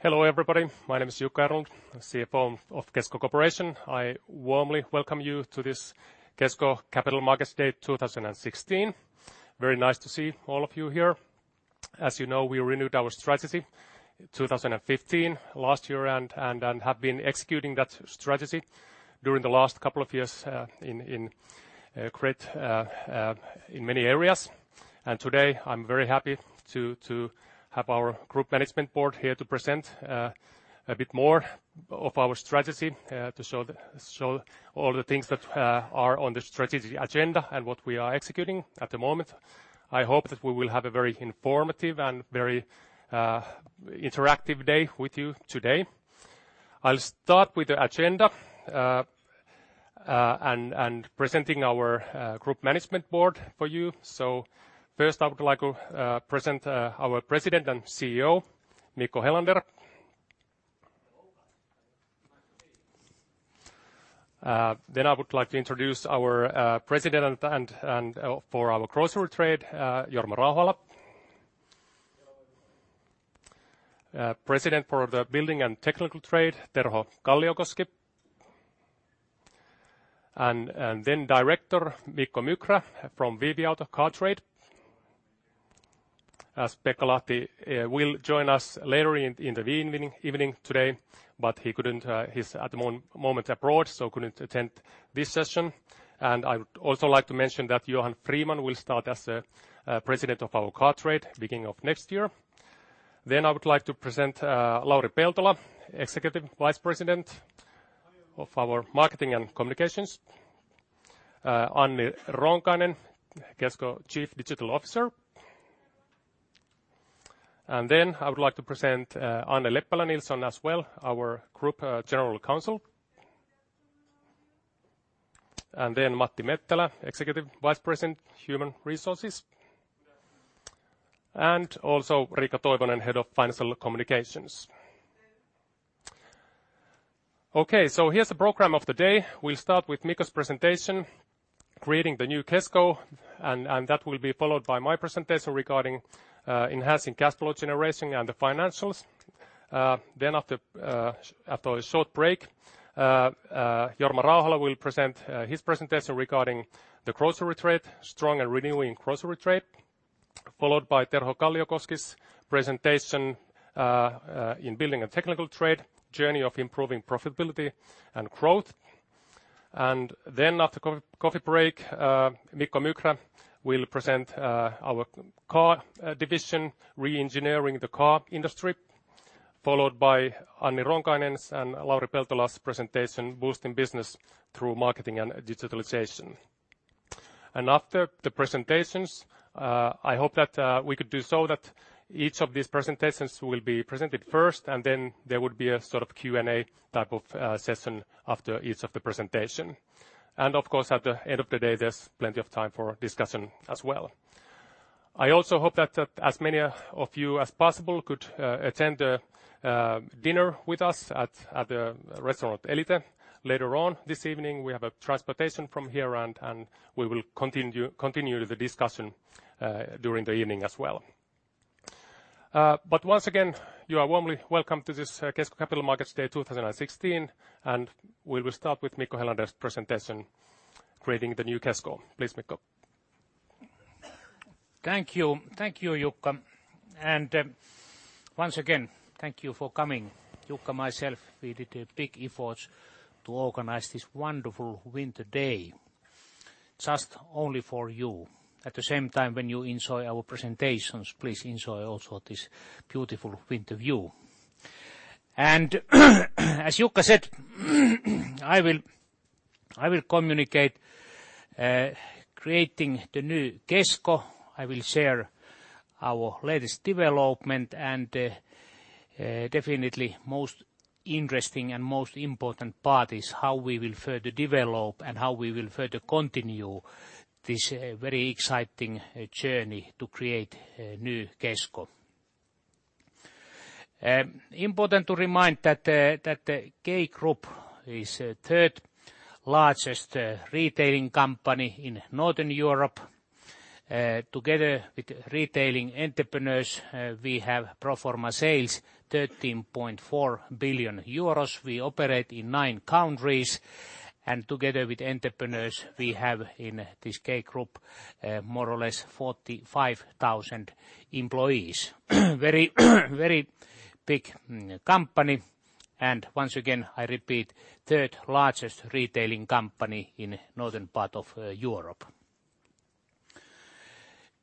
Hello, everybody. My name is Jukka Erlund, CFO of Kesko Corporation. I warmly welcome you to this Kesko Capital Markets Day 2016. Very nice to see all of you here. As you know, we renewed our strategy 2015 last year and have been executing that strategy during the last couple of years in many areas. Today I'm very happy to have our Group Management Board here to present a bit more of our strategy to show all the things that are on the strategy agenda and what we are executing at the moment. I hope that we will have a very informative and very interactive day with you today. I'll start with the agenda and presenting our Group Management Board for you. First I would like to present our President and CEO, Mikko Helander. Hello. I would like to introduce our President for our Grocery Trade, Jorma Rauhala. Hello. President for the Building and Technical Trade, Terho Kalliokoski. Director Mikko Mykrä from VV-Auto car trade. As Pekka Lahti will join us later in the evening today, but he's at the moment abroad, so couldn't attend this session. I would also like to mention that Johan Friman will start as a President of our car trade beginning of next year. I would like to present Lauri Peltola, Executive Vice President of our marketing and communications. Anni Ronkainen, Kesko Chief Digital Officer. I would like to present Anne Leppälä-Nilsson as well, our Group General Counsel. Matti Mettälä, Executive Vice President, Human Resources. Good afternoon. Riikka Toivonen, Head of Financial Communications. Good afternoon. Here's the program of the day. We'll start with Mikko Helander's presentation, Creating the New Kesko. That will be followed by my presentation regarding enhancing cash flow generation and the financials. After a short break, Jorma Rauhala will present his presentation regarding the grocery trade, strong and renewing grocery trade, followed by Terho Kalliokoski's presentation in Building and Technical Trade, journey of improving profitability and growth. After coffee break, Mikko Mykrä will present our car division, re-engineering the car industry. Followed by Anni Ronkainen's and Lauri Peltola's presentation, boosting business through marketing and digitalization. After the presentations, I hope that we could do so that each of these presentations will be presented first, then there would be a Q&A type of session after each of the presentation. Of course, at the end of the day, there's plenty of time for discussion as well. I also hope that as many of you as possible could attend the dinner with us at the restaurant Elite later on this evening. We have a transportation from here. We will continue the discussion during the evening as well. Once again, you are warmly welcome to this Kesko Capital Markets Day 2016. We will start with Mikko Helander's presentation, Creating the New Kesko. Please, Mikko. Thank you. Thank you, Jukka. Once again, thank you for coming. Jukka, myself, we did a big effort to organize this wonderful winter day just only for you. At the same time when you enjoy our presentations, please enjoy also this beautiful winter view. As Jukka said, I will communicate Creating the New Kesko. I will share our latest development and definitely most interesting and most important part is how we will further develop and how we will further continue this very exciting journey to create a new Kesko. Important to remind that K Group is third largest retailing company in Northern Europe. Together with retailing entrepreneurs, we have pro forma sales 13.4 billion euros. We operate in nine countries and together with entrepreneurs we have in this K Group more or less 45,000 employees. Very big company. Once again, I repeat, third largest retailing company in northern part of Europe.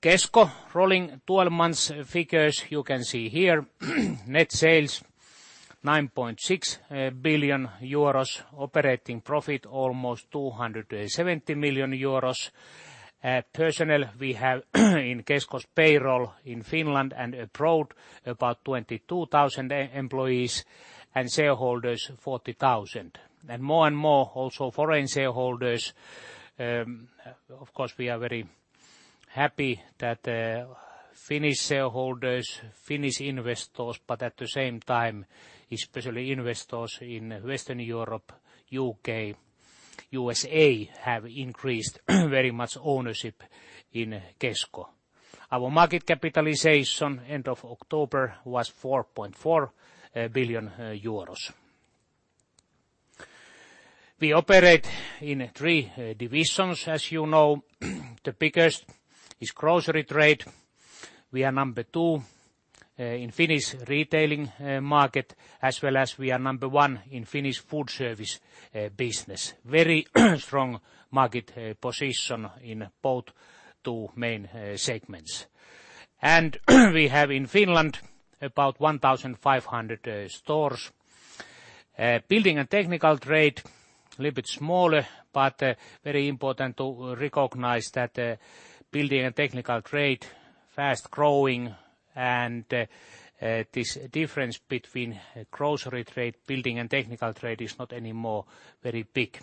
Kesko rolling 12 months figures you can see here. Net sales, 9.6 billion euros, operating profit almost 270 million euros. Personnel we have in Kesko's payroll in Finland and abroad about 22,000 employees and shareholders 40,000. More and more also foreign shareholders. Of course, we are very happy that Finnish shareholders, Finnish investors, but at the same time especially investors in Western Europe, U.K. USA have increased very much ownership in Kesko. Our market capitalization end of October was 4.4 billion euros. We operate in three divisions, as you know. The biggest is grocery trade. We are number two in Finnish retailing market, as well as we are number one in Finnish food service business. Very strong market position in both two main segments. We have in Finland about 1,500 stores. Building and Technical Trade, a little bit smaller, but very important to recognize that Building and Technical Trade fast-growing, and this difference between Grocery Trade, Building and Technical Trade is not anymore very big.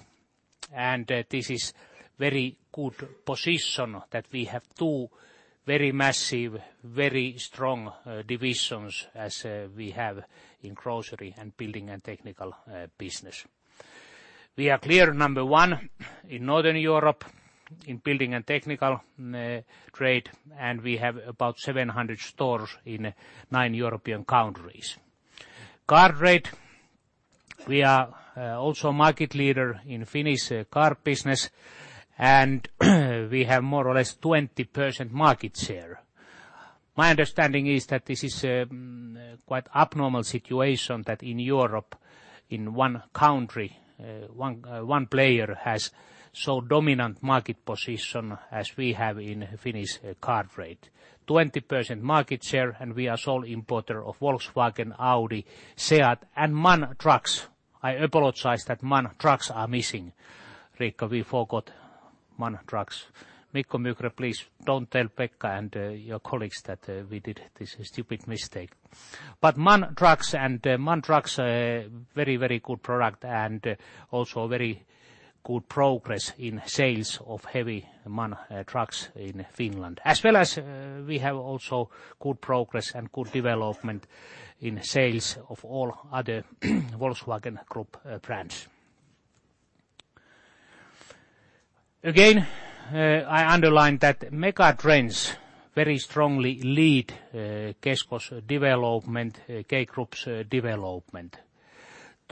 This is very good position that we have two very massive, very strong divisions as we have in Grocery and Building and Technical business. We are clear number one in Northern Europe in Building and Technical Trade, and we have about 700 stores in 9 European countries. Car Trade, we are also a market leader in Finnish Car Trade business, and we have more or less 20% market share. My understanding is that this is quite abnormal situation that in Europe, in one country, one player has so dominant market position as we have in Finnish Car Trade. 20% market share, and we are sole importer of Volkswagen, Audi, SEAT, and MAN trucks. I apologize that MAN trucks are missing, Riko we forgot MAN trucks. Mikko Mykrä, please don't tell Pekka and your colleagues that we did this stupid mistake. MAN trucks are very, very good product and also very good progress in sales of heavy MAN trucks in Finland. As well as we have also good progress and good development in sales of all other Volkswagen Group brands. I underline that mega trends very strongly lead Kesko's development, K Group's development.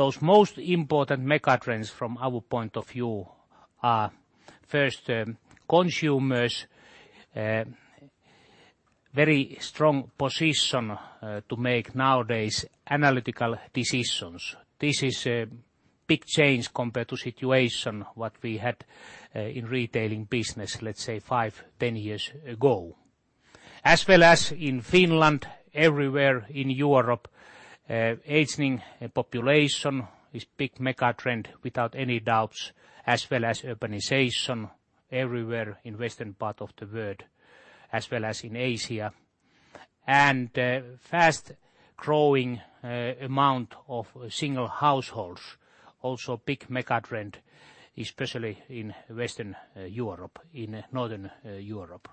Those most important mega trends from our point of view are, First, consumers' very strong position to make nowadays analytical decisions. This is a big change compared to situation what we had in retailing business, let's say five, 10 years ago. In Finland, everywhere in Europe, aging population is big mega trend without any doubts, as well as urbanization everywhere in Western part of the world, as well as in Asia. Fast-growing amount of single households, also big mega trend, especially in Western Europe, in Northern Europe.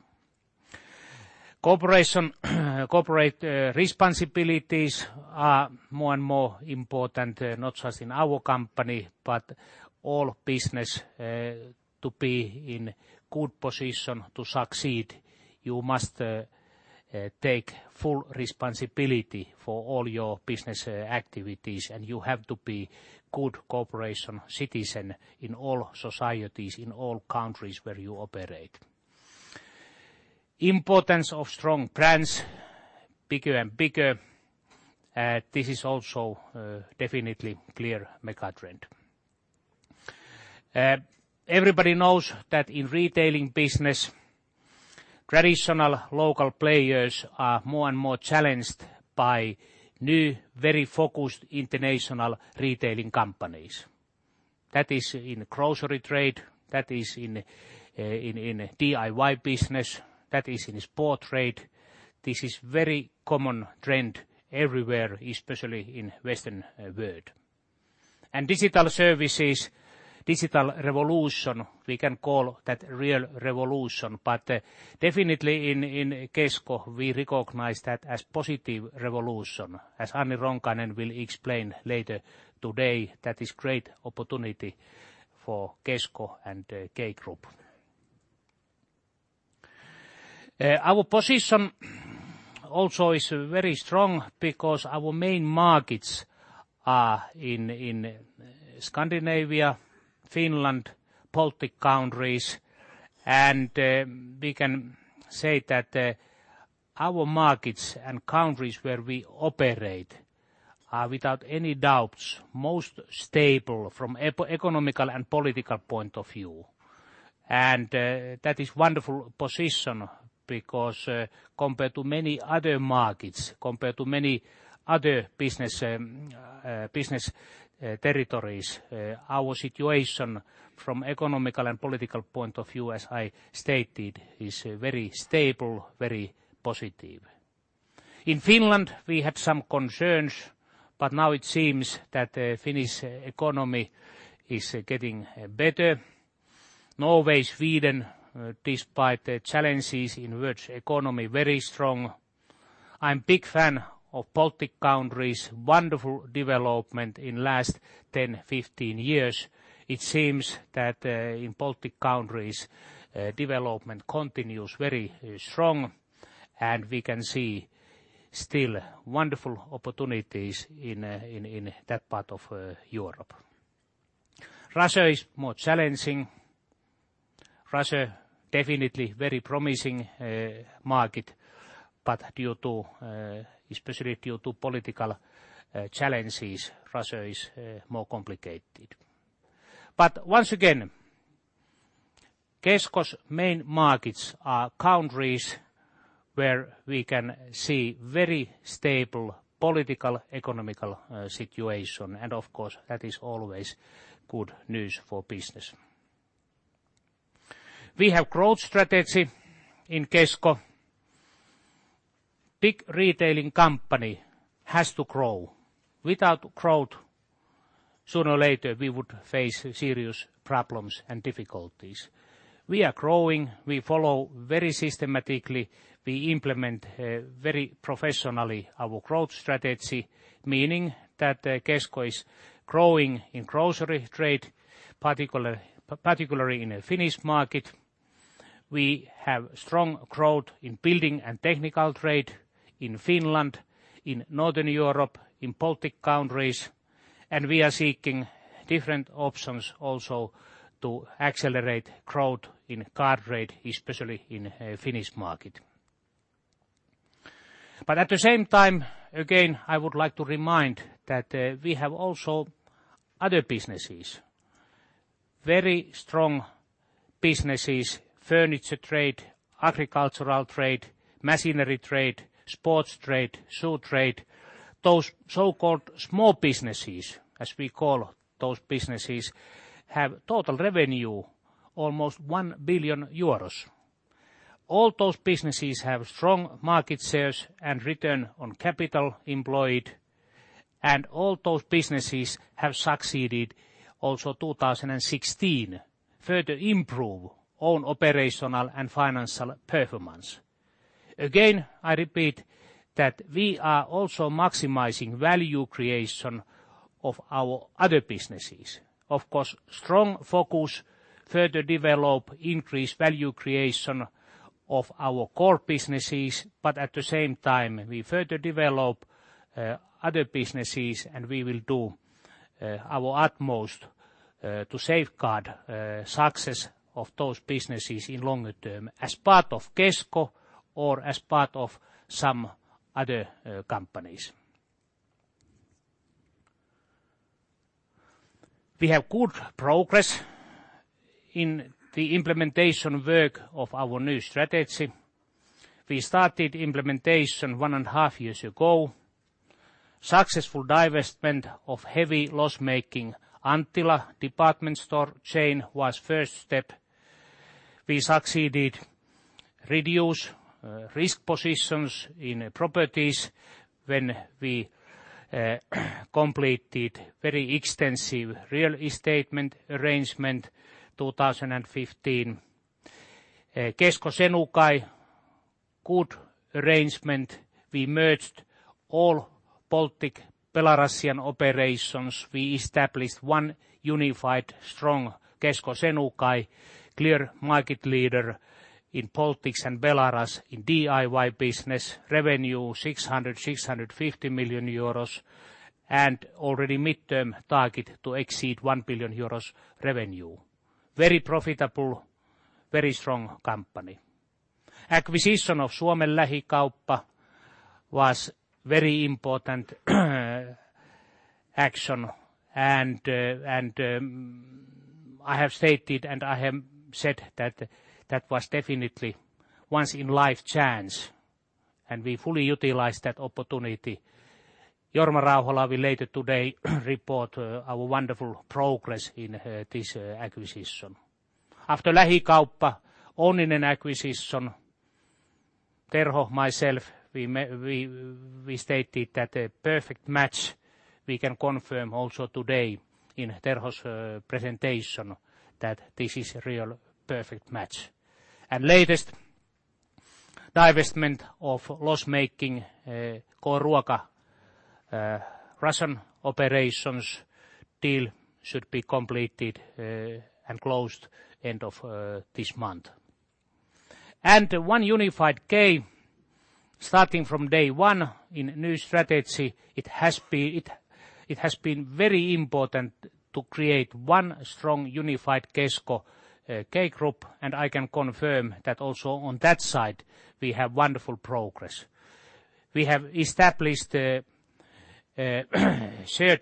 Corporate responsibilities are more and more important, not just in our company, but all business to be in good position to succeed, you must take full responsibility for all your business activities, and you have to be good corporate citizen in all societies, in all countries where you operate. Importance of strong brands, bigger and bigger, this is also definitely clear mega trend. Everybody knows that in retailing business, traditional local players are more and more challenged by new, very focused international retailing companies. That is in Grocery Trade, that is in DIY business, that is in sport trade. This is very common trend everywhere, especially in Western world. Digital services, digital revolution, we can call that real revolution. Definitely in Kesko, we recognize that as positive revolution, as Anni Ronkainen will explain later today, that is great opportunity for Kesko and K Group. Our position also is very strong because our main markets are in Scandinavia, Finland, Baltic countries, we can say that our markets and countries where we operate are, without any doubts, most stable from economical and political point of view. That is wonderful position because compared to many other markets, compared to many other business territories our situation from economical and political point of view, as I stated, is very stable, very positive. In Finland, we had some concerns, but now it seems that the Finnish economy is getting better. Norway, Sweden, despite the challenges in world economy, very strong. I'm big fan of Baltic countries. Wonderful development in last 10-15 years. It seems that in Baltic countries development continues very strong and we can see still wonderful opportunities in that part of Europe. Russia is more challenging. Russia definitely very promising market, but especially due to political challenges, Russia is more complicated. Once again, Kesko's main markets are countries where we can see very stable political, economical situation, and of course that is always good news for business. We have growth strategy in Kesko. Big retailing company has to grow. Without growth, sooner or later we would face serious problems and difficulties. We are growing. We follow very systematically. We implement very professionally our growth strategy, meaning that Kesko is growing in grocery trade particularly in the Finnish market. We have strong growth in building and technical trade in Finland, in Northern Europe, in Baltic countries and we are seeking different options also to accelerate growth in car trade especially in Finnish market. At the same time, again, I would like to remind that we have also other businesses. Very strong businesses, furniture trade, agricultural trade, machinery trade, sports trade, shoe trade. Those so-called small businesses as we call those businesses have total revenue almost 1 billion euros. All those businesses have strong market shares and return on capital employed and all those businesses have succeeded also 2016 further improve own operational and financial performance. Again, I repeat that we are also maximizing value creation of our other businesses. Of course strong focus further develop increased value creation of our core businesses, but at the same time we further develop other businesses and we will do our utmost to safeguard success of those businesses in longer term as part of Kesko or as part of some other companies. We have good progress in the implementation work of our new strategy. We started implementation one and a half years ago. Successful divestment of heavy loss-making Anttila department store chain was first step. We succeeded reduce risk positions in properties when we completed very extensive real estate arrangement 2015. Kesko Senukai good arrangement. We merged all Baltic, Belarusian operations. We established one unified, strong Kesko Senukai, clear market leader in Baltics and Belarus in DIY business, revenue 600 million-650 million euros, and already midterm target to exceed 1 billion euros revenue. Very profitable, very strong company. Acquisition of Suomen Lähikauppa was very important action and I have stated and I have said that was definitely once in life chance and we fully utilized that opportunity. Jorma Rauhala will later today report our wonderful progress in this acquisition. After Lähikauppa, Onninen acquisition, Terho, myself we stated that a perfect match we can confirm also today in Terho's presentation that this is real perfect match. Latest divestment of loss-making K-Ruoka Russian operations deal should be completed and closed end of this month. One unified K starting from day one in new strategy, it has been very important to create one strong, unified Kesko K Group, and I can confirm that also on that side we have wonderful progress. We have established shared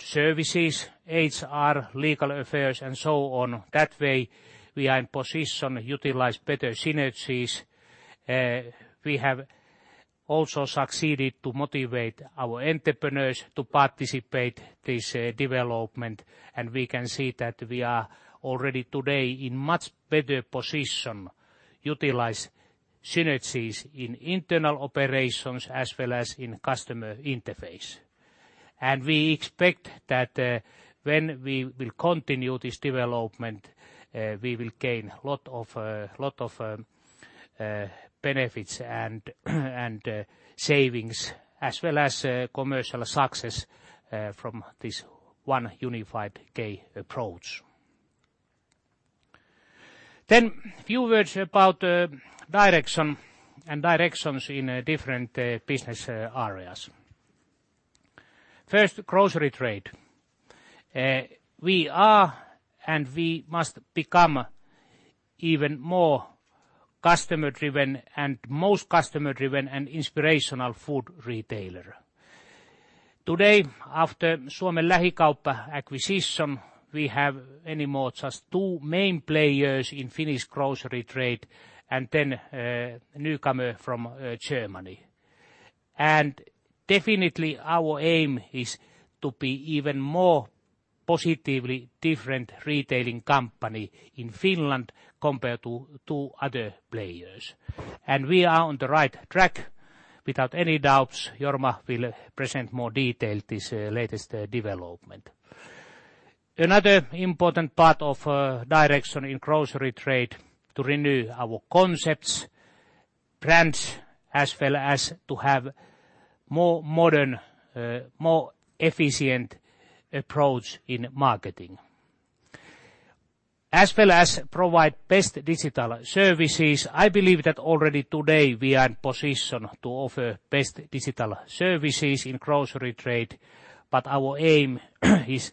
services, HR, legal affairs and so on. That way we are in position utilize better synergies. We have also succeeded to motivate our entrepreneurs to participate this development and we can see that we are already today in much better position. Utilize synergies in internal operations as well as in customer interface. We expect that when we will continue this development, we will gain a lot of benefits and savings as well as commercial success from this one unified K approach. A few words about direction and directions in different business areas. First, grocery trade. We are and we must become even more customer-driven and most customer-driven and inspirational food retailer. Today, after Suomen Lähikauppa acquisition, we have anymore just two main players in Finnish grocery trade and then a newcomer from Germany. Definitely our aim is to be even more positively different retailing company in Finland compared to two other players. We are on the right track without any doubts. Jorma will present more detail this latest development. Another important part of direction in grocery trade to renew our concepts, brands, as well as to have more modern, more efficient approach in marketing. As well as provide best digital services. I believe that already today we are in position to offer best digital services in grocery trade, but our aim is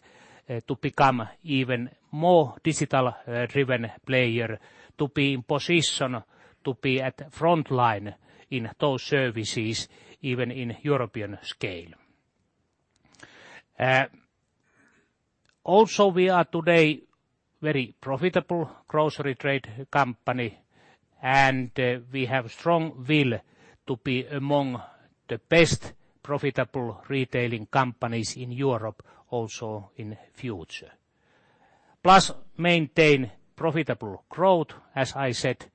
to become even more digital-driven player to be in position to be at frontline in those services even in European scale. We are today very profitable grocery trade company, and we have strong will to be among the best profitable retailing companies in Europe also in future. Plus maintain profitable growth, as I said,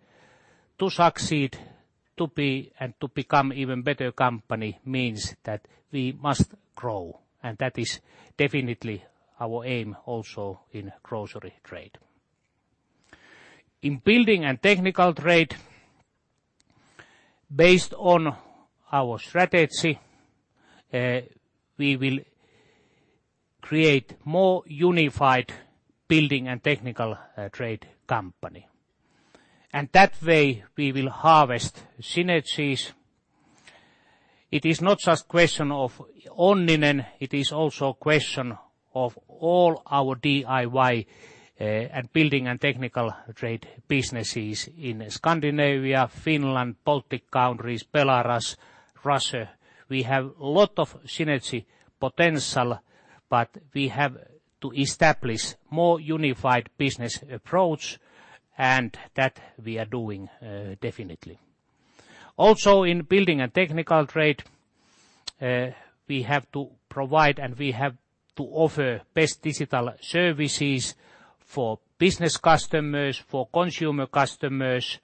to succeed to be and to become even better company means that we must grow, and that is definitely our aim also in grocery trade. In building and technical trade based on our strategy we will create more unified building and technical trade company. That way we will harvest synergies. It is not just question of Onninen, it is also a question of all our DIY and building and technical trade businesses in Scandinavia, Finland, Baltic countries, Belarus, Russia. We have lot of synergy potential, but we have to establish more unified business approach and that we are doing definitely. In building and technical trade we have to provide and we have to offer best digital services for business customers, for consumer customers.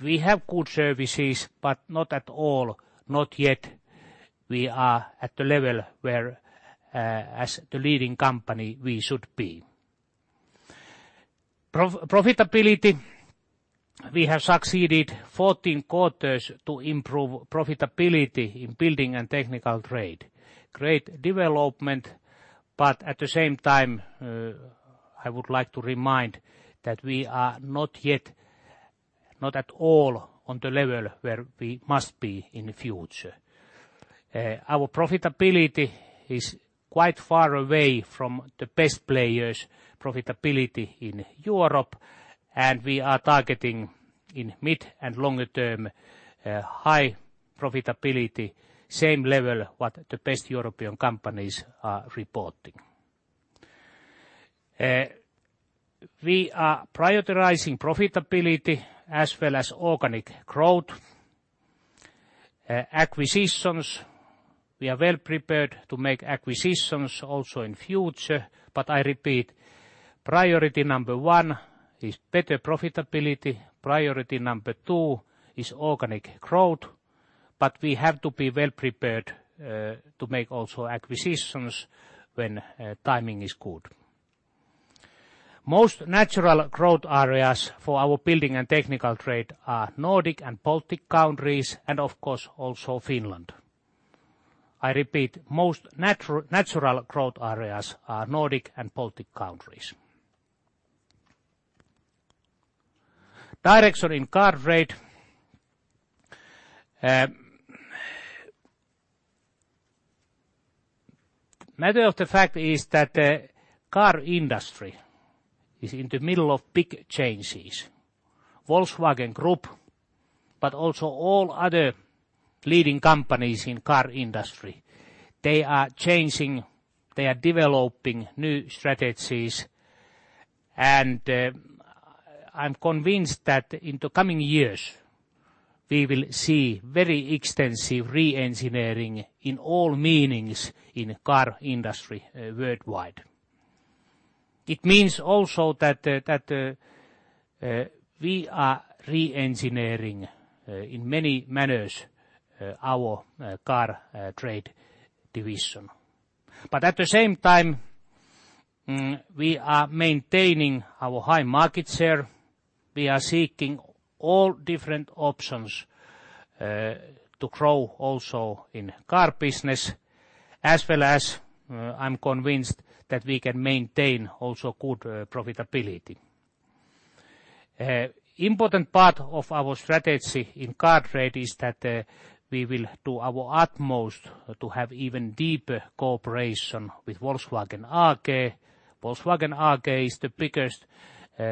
We have good services, but not at all, not yet, we are at the level where as the leading company we should be. Profitability, we have succeeded 14 quarters to improve profitability in building and technical trade. Great development, at the same time I would like to remind that we are not yet, not at all, on the level where we must be in future. Our profitability is quite far away from the best players' profitability in Europe. We are targeting in mid- and longer-term high profitability, same level what the best European companies are reporting. We are prioritizing profitability as well as organic growth. Acquisitions, we are well prepared to make acquisitions also in future. I repeat, priority number 1 is better profitability, priority number 2 is organic growth. We have to be well prepared to make also acquisitions when timing is good. Most natural growth areas for our building and technical trade are Nordic and Baltic countries and of course also Finland. I repeat, most natural growth areas are Nordic and Baltic countries. Direction in car trade. The fact is that car industry is in the middle of big changes. Volkswagen Group, but also all other leading companies in car industry, they are changing, they are developing new strategies. I am convinced that in the coming years we will see very extensive re-engineering in all meanings in car industry worldwide. It means also that we are re-engineering in many manners our car trade division. At the same time, we are maintaining our high market share. We are seeking all different options to grow also in car business as well as I am convinced that we can maintain also good profitability. Important part of our strategy in car trade is that we will do our utmost to have even deeper cooperation with Volkswagen AG. Volkswagen AG is the biggest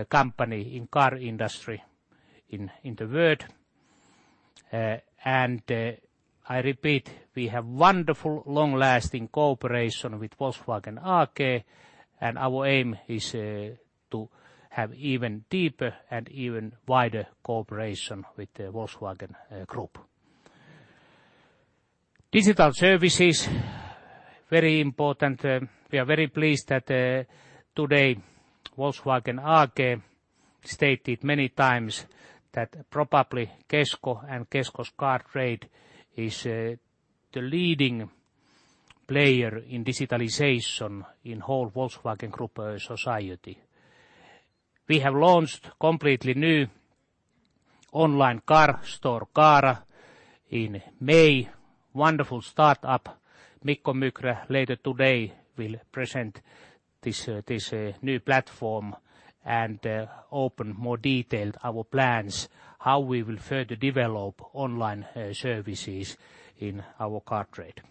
company in car industry in the world. I repeat, we have wonderful long-lasting cooperation with Volkswagen AG, and our aim is to have even deeper and even wider cooperation with the Volkswagen Group. Digital services, very important. We are very pleased that today Volkswagen AG stated many times that probably Kesko and Kesko's car trade is the leading player in digitalization in whole Volkswagen Group society. We have launched completely new online car store, Caara, in May. Wonderful startup. Mikko Mykrä later today will present this new platform and open more detailed our plans how we will further develop online services in our car trade.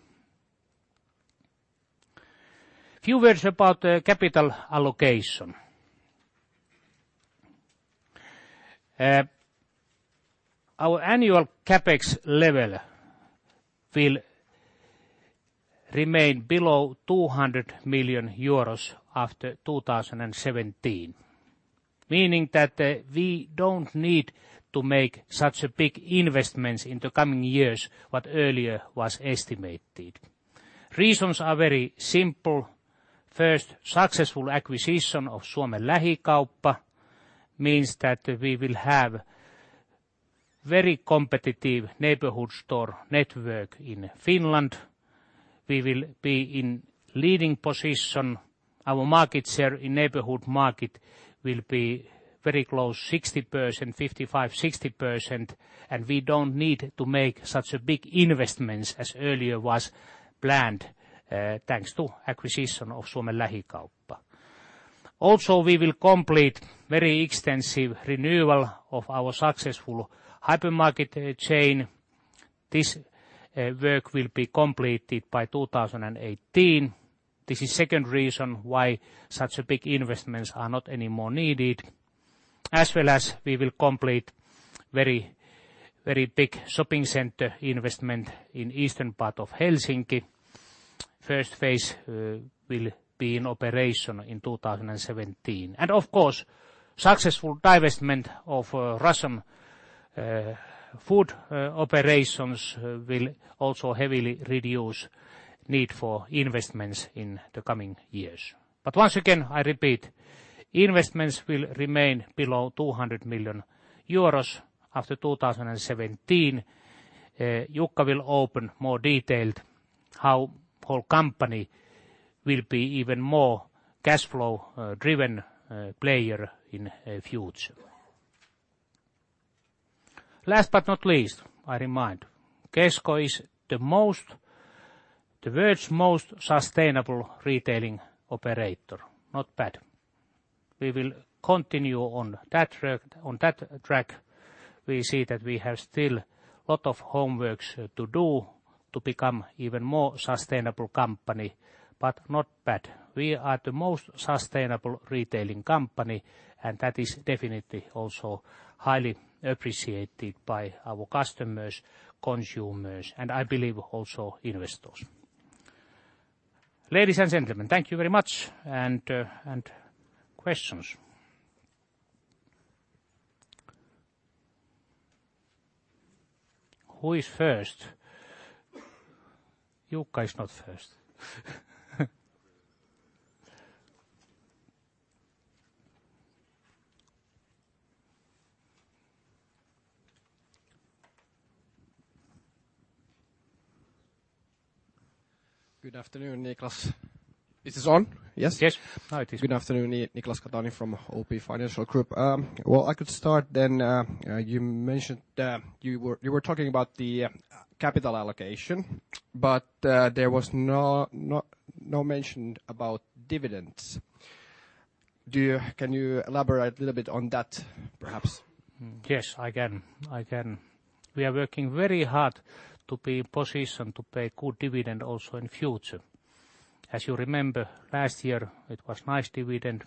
Few words about the capital allocation. Our annual CapEx level will remain below 200 million euros after 2017, meaning that we do not need to make such big investments in the coming years what earlier was estimated. Reasons are very simple. First, successful acquisition of Suomen Lähikauppa means that we will have very competitive neighborhood store network in Finland. We will be in leading position. Our market share in neighborhood market will be very close 55%-60%, and we do not need to make such big investments as earlier was planned thanks to acquisition of Suomen Lähikauppa. Also, we will complete very extensive renewal of our successful hypermarket chain. This work will be completed by 2018. This is second reason why such big investments are not anymore needed. As well as we will complete very big shopping center investment in eastern part of Helsinki. First phase will be in operation in 2017. Of course, successful divestment of Russian food operations will also heavily reduce need for investments in the coming years. Once again, I repeat, investments will remain below 200 million euros after 2017. Jukka will open more detailed how whole company will be even more cash flow driven player in future. Last but not least, I remind, Kesko is the world's most sustainable retailing operator. Not bad. We will continue on that track. We see that we have still lot of homework to do to become even more sustainable company, but not bad. We are the most sustainable retailing company, and that is definitely also highly appreciated by our customers, consumers, and I believe also investors. Ladies and gentlemen, thank you very much, and questions. Who is first? Jukka is not first. Good afternoon, Niklas. Is this on? Yes. Yes. Good afternoon, Niklas [Katani] from OP Financial Group. I could start. There was no mention about dividends. Can you elaborate a little bit on that, perhaps? Yes, I can. We are working very hard to be in position to pay good dividend also in future. As you remember, last year it was nice dividend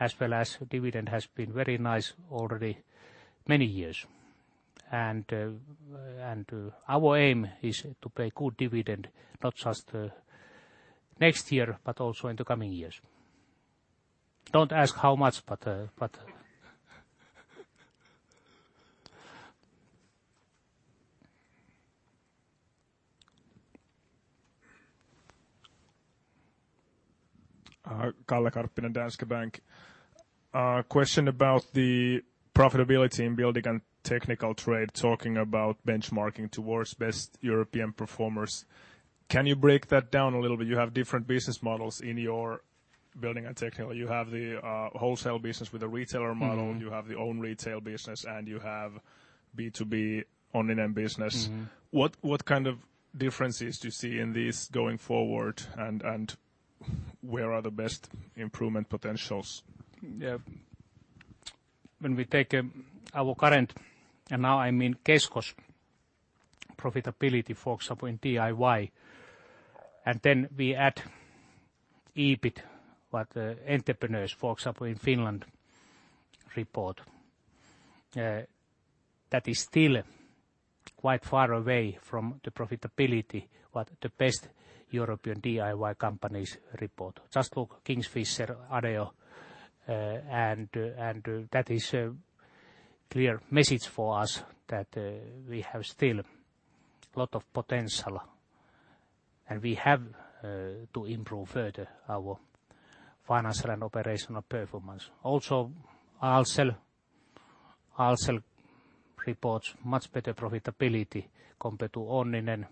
as well as dividend has been very nice already many years. Our aim is to pay good dividend, not just next year, but also in the coming years. Don't ask how much. Kalle Karppinen, Danske Bank. Question about the profitability in building and technical trade, talking about benchmarking towards best European performers. Can you break that down a little bit? You have different business models in your building and technical. You have the wholesale business with the retailer model. You have your own retail business, and you have B2B online business. What kind of differences do you see in these going forward, and where are the best improvement potentials? Yeah. When we take our current, and now I mean Kesko's profitability, for example, in DIY, and then we add EBIT, what the entrepreneurs, for example, in Finland report, that is still quite far away from the profitability what the best European DIY companies report. Just look Kingfisher, ADEO, and that is a clear message for us that we have still lot of potential, and we have to improve further our financial and operational performance. Also Ahlsell reports much better profitability compared to Onninen.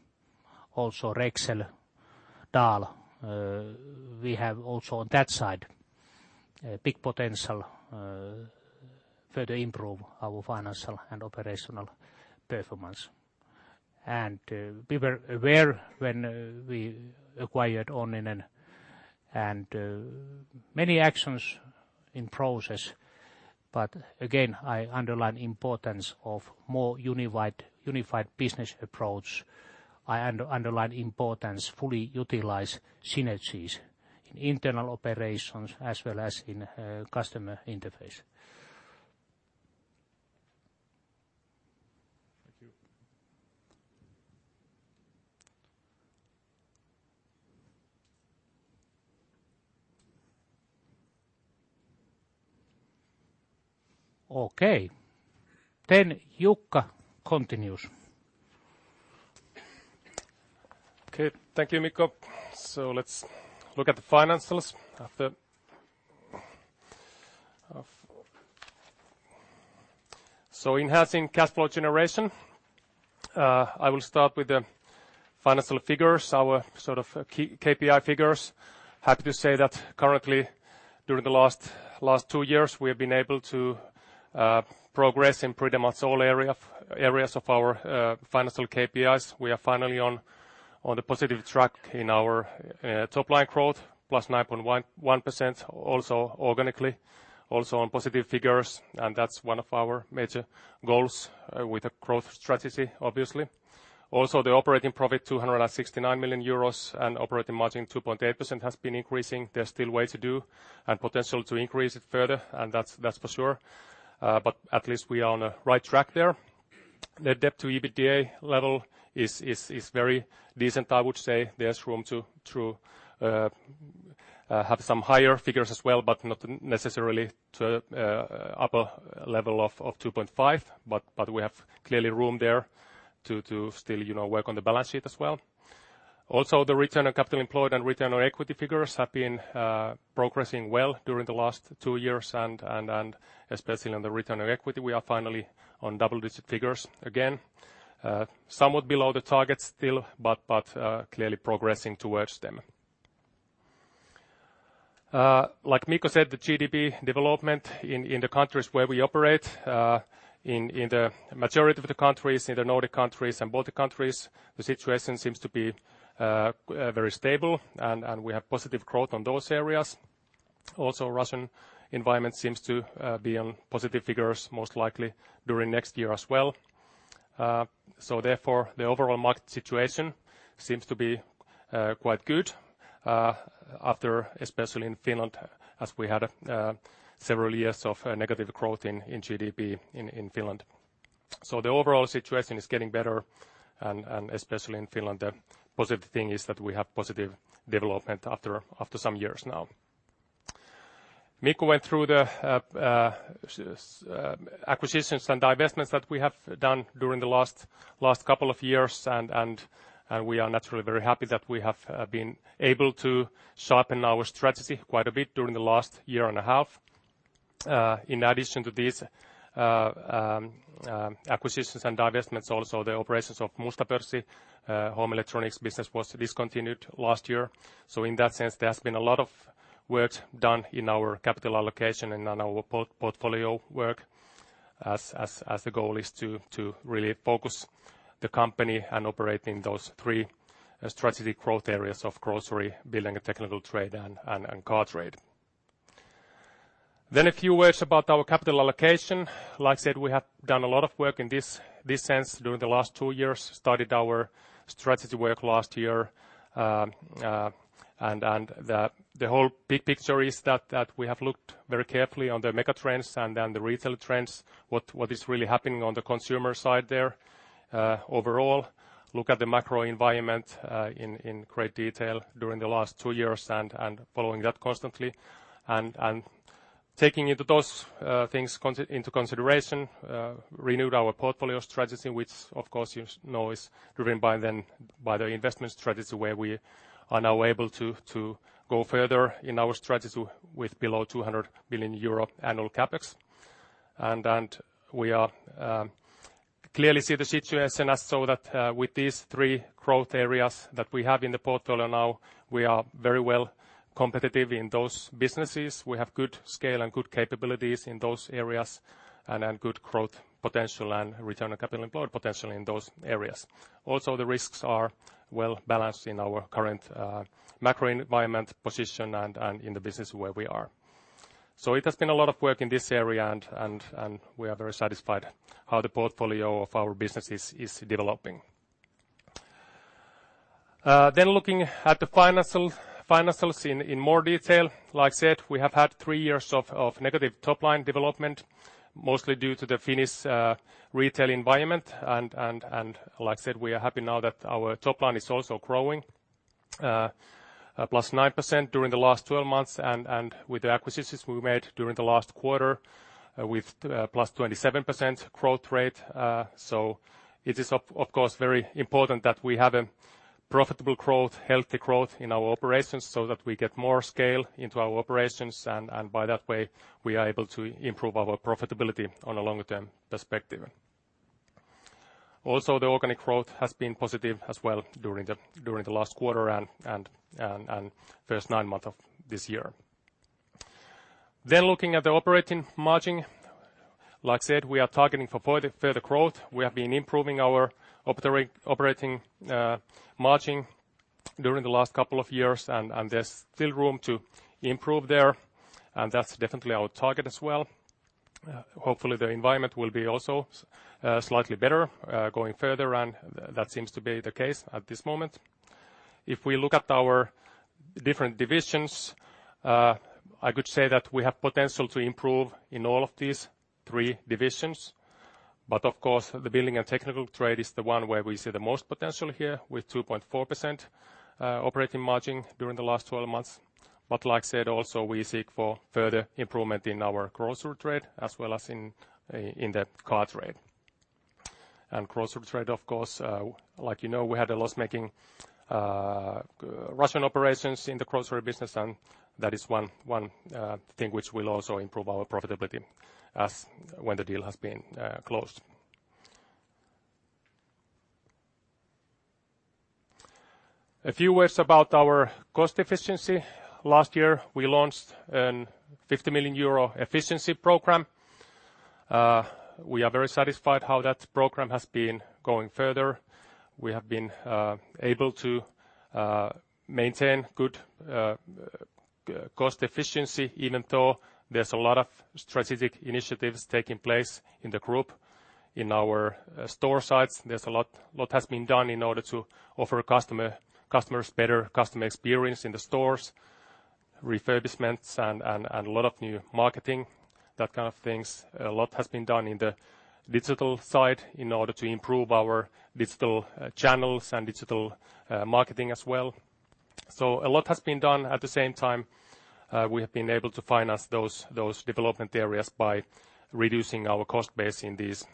Also Rexel, Dahl. We have also on that side a big potential further improve our financial and operational performance. We were aware when we acquired Onninen and many actions in process, but again, I underline importance of more unified business approach. I underline importance fully utilize synergies in internal operations as well as in customer interface. Thank you. Okay. Jukka continues. Okay. Thank you, Mikko. Let's look at the financials after enhancing cash flow generation. I will start with the financial figures, our sort of key KPI figures. Happy to say that currently during the last two years, we have been able to progress in pretty much all areas of our financial KPIs. We are finally on a positive track in our top line growth, plus 9.1%, also organically, also on positive figures, and that's one of our major goals with a growth strategy, obviously. Also, the operating profit 269 million euros and operating margin 2.8% has been increasing. There's still way to do and potential to increase it further, and that's for sure. At least we are on the right track there. The debt to EBITDA level is very decent, I would say. There's room to have some higher figures as well, but not necessarily to upper level of 2.5, but we have clearly room there to still work on the balance sheet as well. Also, the return on capital employed and return on equity figures have been progressing well during the last two years and especially on the return on equity, we are finally on double-digit figures again. Somewhat below the targets still, but clearly progressing towards them. Like Mikko said, the GDP development in the countries where we operate in the majority of the countries, in the Nordic countries and Baltic countries, the situation seems to be very stable, and we have positive growth on those areas. Also, Russian environment seems to be on positive figures, most likely during next year as well. Therefore, the overall market situation seems to be quite good after, especially in Finland, as we had several years of negative growth in GDP in Finland. The overall situation is getting better, and especially in Finland, the positive thing is that we have positive development after some years now. Mikko went through the acquisitions and divestments that we have done during the last couple of years, and we are naturally very happy that we have been able to sharpen our strategy quite a bit during the last year and a half. In addition to these acquisitions and divestments, also the operations of Musta Pörssi home electronics business was discontinued last year. In that sense, there's been a lot of work done in our capital allocation and on our portfolio work as the goal is to really focus the company and operate in those three strategy growth areas of Grocery Trade, Building and Technical Trade, and Car Trade. A few words about our capital allocation. Like I said, we have done a lot of work in this sense during the last two years, started our strategy work last year. The whole big picture is that we have looked very carefully on the mega trends and then the retail trends, what is really happening on the consumer side there overall, look at the macro environment in great detail during the last two years and following that constantly. Taking those things into consideration, renewed our portfolio strategy, which of course you know is driven by the investment strategy where we are now able to go further in our strategy with below 200 million euro annual CapEx. We clearly see the situation as so that with these three growth areas that we have in the portfolio now, we are very well competitive in those businesses. We have good scale and good capabilities in those areas and good growth potential and return on capital employed potential in those areas. Also, the risks are well-balanced in our current macro environment position and in the business way we are. It has been a lot of work in this area and we are very satisfied how the portfolio of our business is developing. Looking at the financials in more detail. Like I said, we have had three years of negative top-line development, mostly due to the Finnish retail environment. Like I said, we are happy now that our top line is also growing, +9% during the last 12 months and with the acquisitions we made during the last quarter with +27% growth rate. It is of course very important that we have a profitable growth, healthy growth in our operations so that we get more scale into our operations and by that way, we are able to improve our profitability on a longer-term perspective. Also, the organic growth has been positive as well during the last quarter and first nine months of this year. Looking at the operating margin, like I said, we are targeting for further growth. We have been improving our operating margin during the last couple of years, and there's still room to improve there. That's definitely our target as well. Hopefully, the environment will be also slightly better going further, and that seems to be the case at this moment. If we look at our different divisions, I could say that we have potential to improve in all of these three divisions. Of course, the Building and Technical Trade is the one where we see the most potential here with 2.4% operating margin during the last 12 months. Like I said, also we seek for further improvement in our grocery trade as well as in the car trade. Grocery trade, of course like you know, we had a loss-making Russian operations in the grocery business, and that is one thing which will also improve our profitability when the deal has been closed. A few words about our cost efficiency. Last year, we launched a 50 million euro efficiency program. We are very satisfied how that program has been going further. We have been able to maintain good cost efficiency even though there's a lot of strategic initiatives taking place in the group. In our store sites, a lot has been done in order to offer customers better customer experience in the stores, refurbishments and a lot of new marketing, that kind of things. A lot has been done in the digital side in order to improve our digital channels and digital marketing as well. A lot has been done. At the same time, we have been able to finance those development areas by reducing our cost base in these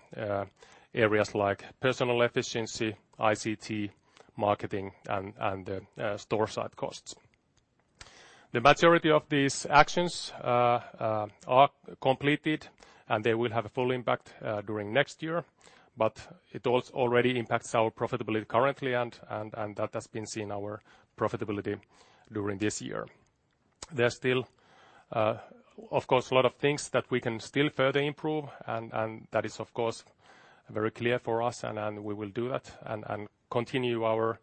areas like personal efficiency, ICT, marketing, and the store-side costs. The majority of these actions are completed, and they will have a full impact during next year, but it already impacts our profitability currently, and that has been seen in our profitability during this year. There are still, of course, a lot of things that we can still further improve, and that is of course very clear for us and we will do that and continue our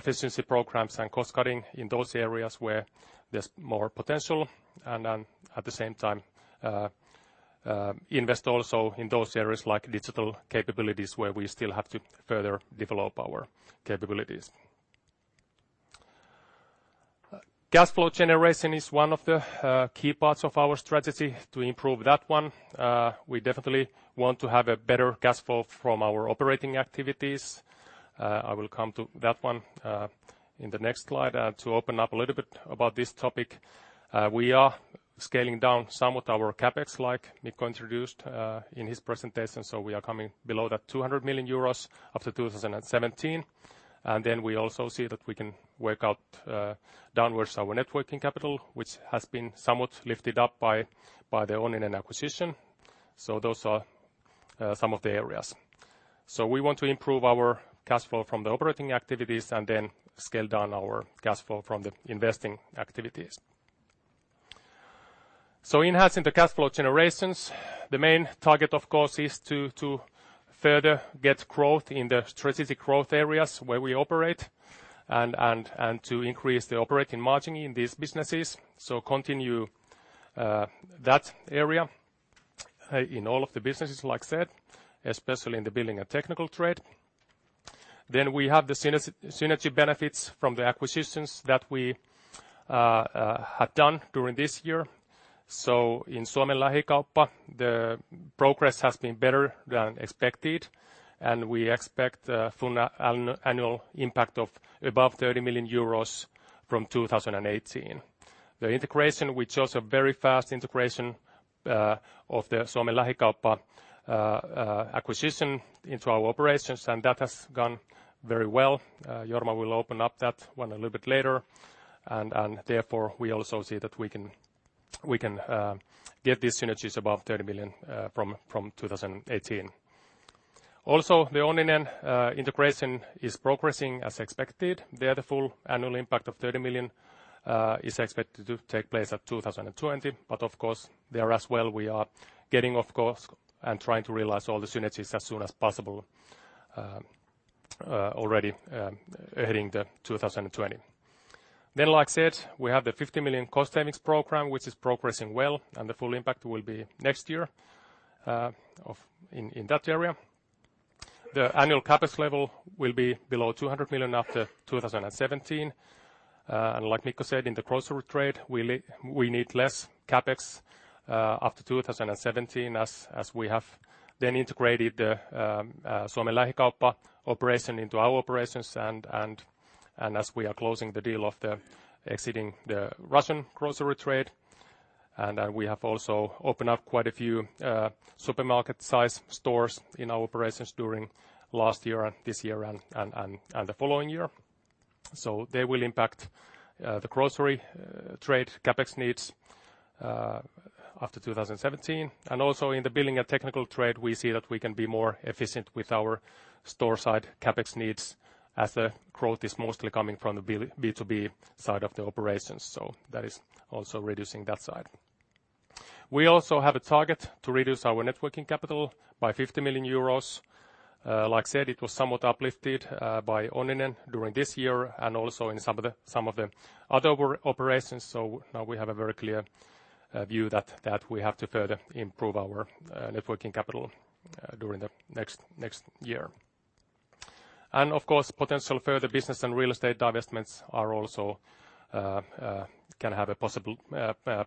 efficiency programs and cost-cutting in those areas where there's more potential and at the same time invest also in those areas like digital capabilities where we still have to further develop our capabilities. Cash flow generation is one of the key parts of our strategy to improve that one. We definitely want to have a better cash flow from our operating activities. I will come to that one in the next slide. To open up a little bit about this topic, we are scaling down somewhat our CapEx, like Mikko introduced in his presentation. We are coming below that 200 million euros after 2017. We also see that we can work out downwards our networking capital, which has been somewhat lifted up by the Onninen acquisition. Those are some of the areas. We want to improve our cash flow from the operating activities and scale down our cash flow from the investing activities. Enhancing the cash flow generations. The main target, of course, is to further get growth in the strategic growth areas where we operate and to increase the operating margin in these businesses. Continue that area in all of the businesses, like I said, especially in the Building and Technical Trade. We have the synergy benefits from the acquisitions that we have done during this year. In Suomen Lähikauppa, the progress has been better than expected, and we expect a full annual impact of above 30 million euros from 2018. The integration, we chose a very fast integration of the Suomen Lähikauppa acquisition into our operations, and that has gone very well. Jorma will open up that one a little bit later, and therefore, we also see that we can get these synergies above 30 million from 2018. Also, the Onninen integration is progressing as expected. There, the full annual impact of 30 million is expected to take place at 2020. Of course, there as well, we are getting, of course, and trying to realize all the synergies as soon as possible already heading to 2020. Like I said, we have the 50 million cost savings program, which is progressing well, and the full impact will be next year in that area. The annual CapEx level will be below 200 million after 2017. Like Mikko said, in the grocery trade, we need less CapEx after 2017 as we have then integrated the Suomen Lähikauppa operation into our operations and as we are closing the deal of exiting the Russian grocery trade. We have also opened up quite a few supermarket-size stores in our operations during last year and this year and the following year. They will impact the grocery trade CapEx needs after 2017. Also in the building and technical trade, we see that we can be more efficient with our store-side CapEx needs as the growth is mostly coming from the B2B side of the operations. That is also reducing that side. We also have a target to reduce our networking capital by 50 million euros. Like I said, it was somewhat uplifted by Onninen during this year and also in some of the other operations. Now we have a very clear view that we have to further improve our networking capital during the next year. Of course, potential further business and real estate divestments also can have a possible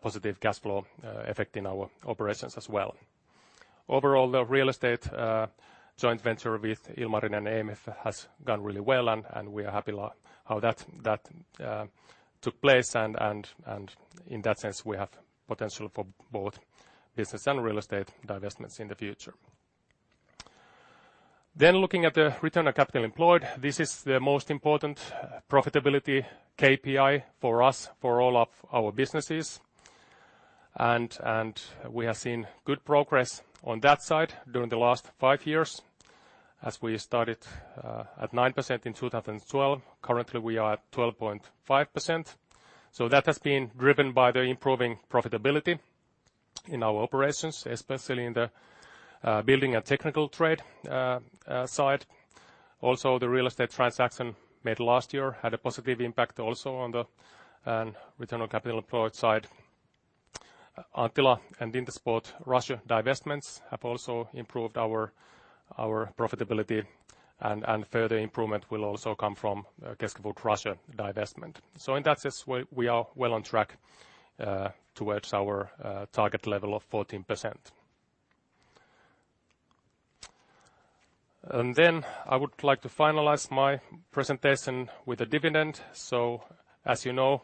positive cash flow effect in our operations as well. Overall, the real estate joint venture with Ilmarinen and AMF has gone really well, and we are happy how that took place, and in that sense, we have potential for both business and real estate divestments in the future. Looking at the return on capital employed, this is the most important profitability KPI for us, for all of our businesses. We have seen good progress on that side during the last five years as we started at 9% in 2012. Currently, we are at 12.5%. That has been driven by the improving profitability in our operations, especially in the building and technical trade side. Also, the real estate transaction made last year had a positive impact also on the return on capital employed side. Anttila and Intersport Russia divestments have also improved our profitability, and further improvement will also come from Kesko Food Russia divestment. In that sense, we are well on track towards our target level of 14%. I would like to finalize my presentation with a dividend. As you know,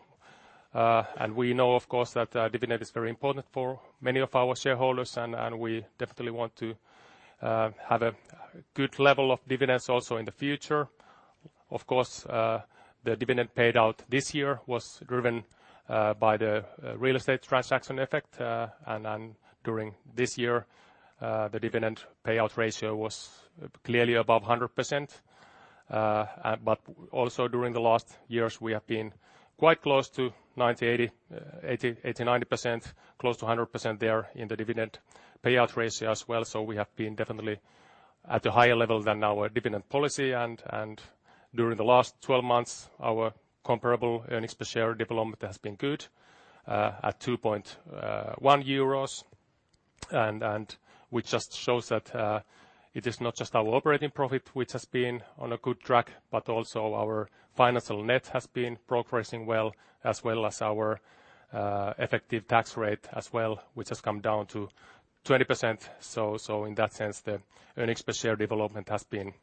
we know, of course, that dividend is very important for many of our shareholders, and we definitely want to have a good level of dividends also in the future. Of course, the dividend paid out this year was driven by the real estate transaction effect. During this year, the dividend payout ratio was clearly above 100%. Also during the last years, we have been quite close to 90/80/90%, close to 100% there in the dividend payout ratio as well. We have been definitely at a higher level than our dividend policy. During the last 12 months, our comparable earnings per share development has been good at 2.1 euros, which just shows that it is not just our operating profit which has been on a good track, but also our financial net has been progressing well, as well as our effective tax rate as well, which has come down to 20%. In that sense, the earnings per share development has been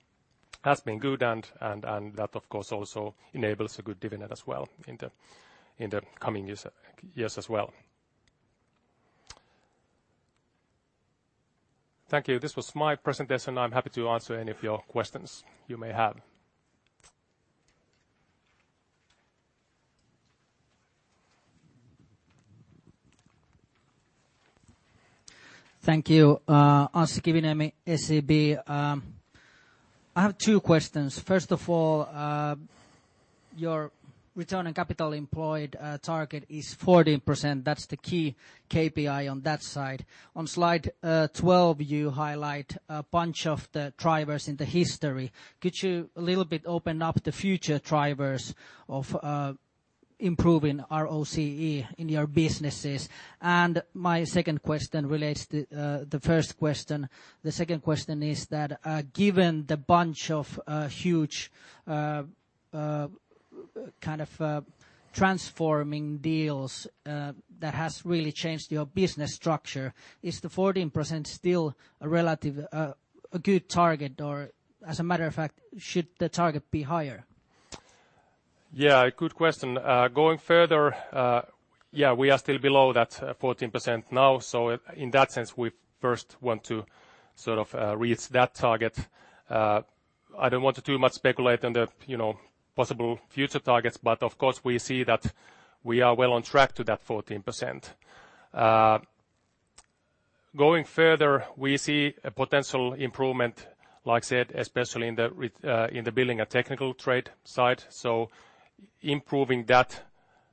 good, and that of course also enables a good dividend as well in the coming years as well. Thank you. This was my presentation. I'm happy to answer any of your questions you may have. Thank you. Anssi Kiviniemi, SEB. I have two questions. First of all, your return on capital employed target is 14%. That's the key KPI on that side. On slide 12, you highlight a bunch of the drivers in the history. Could you a little bit open up the future drivers of improving ROCE in your businesses? My second question relates to the first question. The second question is that given the bunch of huge kind of transforming deals that has really changed your business structure, is the 14% still a good target, or as a matter of fact, should the target be higher Good question. Going further, we are still below that 14% now. In that sense, we first want to reach that target. I don't want to too much speculate on the possible future targets, but of course, we see that we are well on track to that 14%. Going further, we see a potential improvement, like I said, especially in the building and technical trade side. Improving that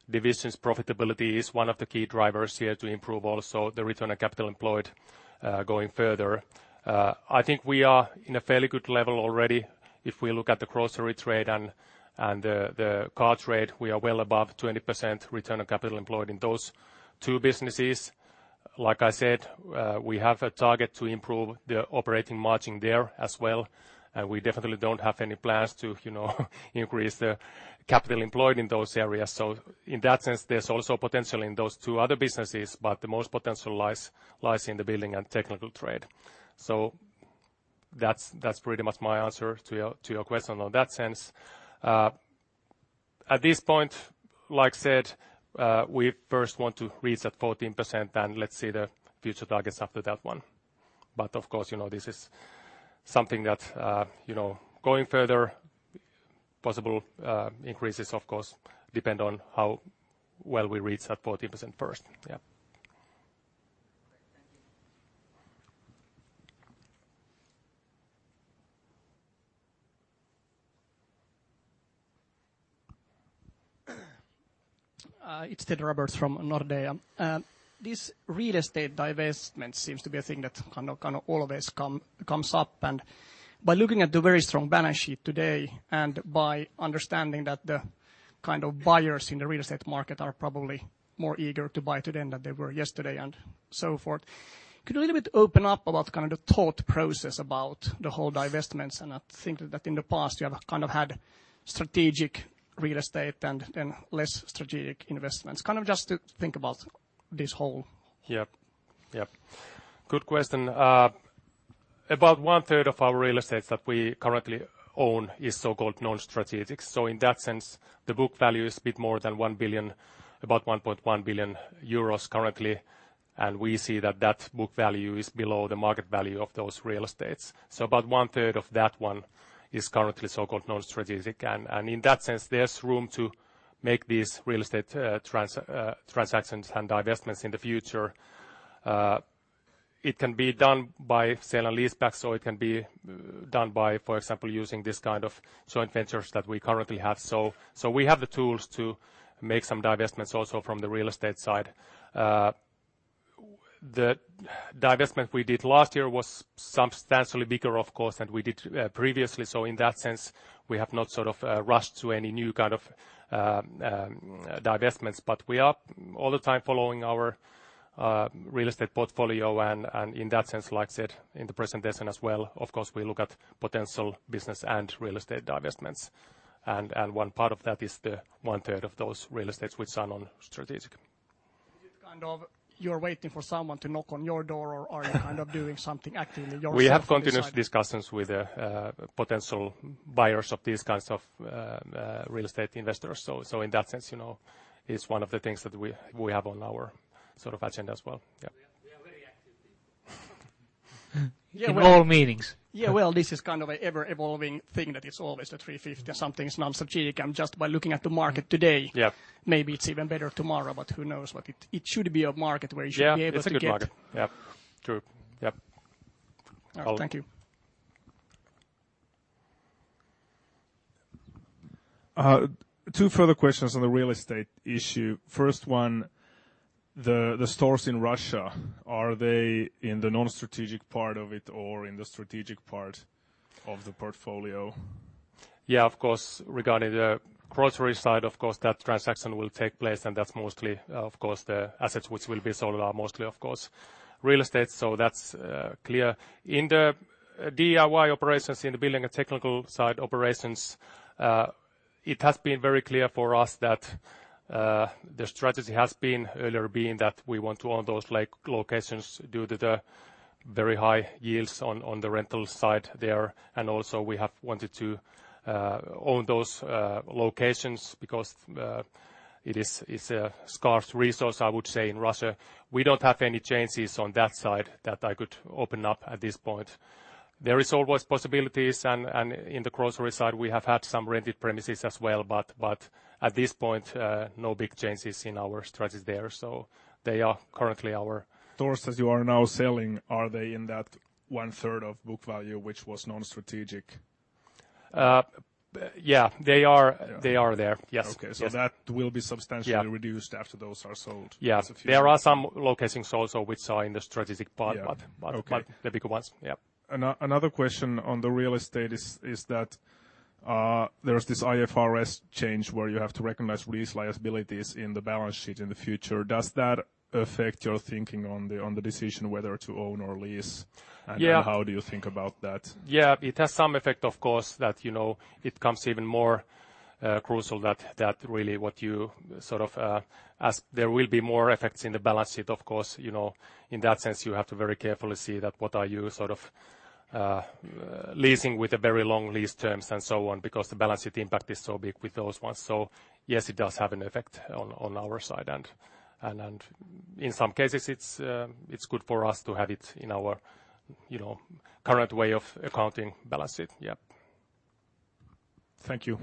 division's profitability is one of the key drivers here to improve also the return on capital employed going further. I think we are in a fairly good level already if we look at the grocery trade and the car trade, we are well above 20% return on capital employed in those two businesses. Like I said, we have a target to improve the operating margin there as well. We definitely don't have any plans to increase the capital employed in those areas. In that sense, there's also potential in those two other businesses, but the most potential lies in the building and technical trade. That's pretty much my answer to your question on that sense. At this point, like I said, we first want to reach that 14%. Let's see the future targets after that one. Of course, this is something that going further, possible increases, of course, depend on how well we reach that 14% first. Yeah. Thank you. It's Ted Roberts from Nordea. This real estate divestment seems to be a thing that kind of always comes up. By looking at the very strong balance sheet today, by understanding that the kind of buyers in the real estate market are probably more eager to buy today than they were yesterday and so forth, could you a little bit open up about the kind of thought process about the whole divestments? I think that in the past you have kind of had strategic real estate and then less strategic investments. Yeah. Good question. About one-third of our real estates that we currently own is so-called non-strategic. In that sense, the book value is a bit more than 1 billion, about 1.1 billion euros currently. We see that that book value is below the market value of those real estates. About one-third of that one is currently so-called non-strategic. In that sense, there's room to make these real estate transactions and divestments in the future. It can be done by sale and lease back, it can be done by, for example, using this kind of joint ventures that we currently have. We have the tools to make some divestments also from the real estate side. The divestment we did last year was substantially bigger, of course, than we did previously. In that sense, we have not sort of rushed to any new kind of divestments. We are all the time following our real estate portfolio, in that sense, like I said, in the presentation as well, of course, we look at potential business and real estate divestments. One part of that is the one-third of those real estates which are non-strategic. Is it kind of you're waiting for someone to knock on your door or are you kind of doing something actively yourself this side? We have continuous discussions with potential buyers of these kinds of real estate investors. In that sense, it's one of the things that we have on our agenda as well. Yeah. We are very active people. In all meetings. Yeah, well, this is kind of an ever-evolving thing that it's always the 350 or something is non-strategic, and just by looking at the market today. Yeah Maybe it's even better tomorrow, who knows what it should be a market where you should be able to get. Yeah, it's a good market. Yeah. True. Yeah. All right. Thank you. Two further questions on the real estate issue. First one, the stores in Russia, are they in the non-strategic part of it or in the strategic part of the portfolio? Yeah, of course, regarding the grocery side, of course, that transaction will take place. That's mostly, of course, the assets which will be sold are mostly, of course, real estate. That's clear. In the DIY operations, in the building and technical side operations, it has been very clear for us that the strategy has been earlier being that we want to own those like locations due to the very high yields on the rental side there. Also we have wanted to own those locations because it's a scarce resource, I would say, in Russia. We don't have any chances on that side that I could open up at this point. There is always possibilities. In the grocery side, we have had some rented premises as well, but at this point, no big changes in our strategy there. They are currently our. Stores that you are now selling, are they in that one-third of book value, which was non-strategic? Yeah, they are there. Yes. Okay. That will be substantially reduced after those are sold. Yeah. There are some locations also which are in the strategic part. Yeah. Okay. The bigger ones. Yeah. Another question on the real estate is that there's this IFRS change where you have to recognize lease liabilities in the balance sheet in the future. Does that affect your thinking on the decision whether to own or lease? Yeah. How do you think about that? It has some effect, of course, that it comes even more crucial that really what you as there will be more effects in the balance sheet, of course, in that sense, you have to very carefully see that what are you sort of leasing with a very long lease terms and so on, because the balance sheet impact is so big with those ones. Yes, it does have an effect on our side. And in some cases, it's good for us to have it in our current way of accounting balance sheet. Thank you.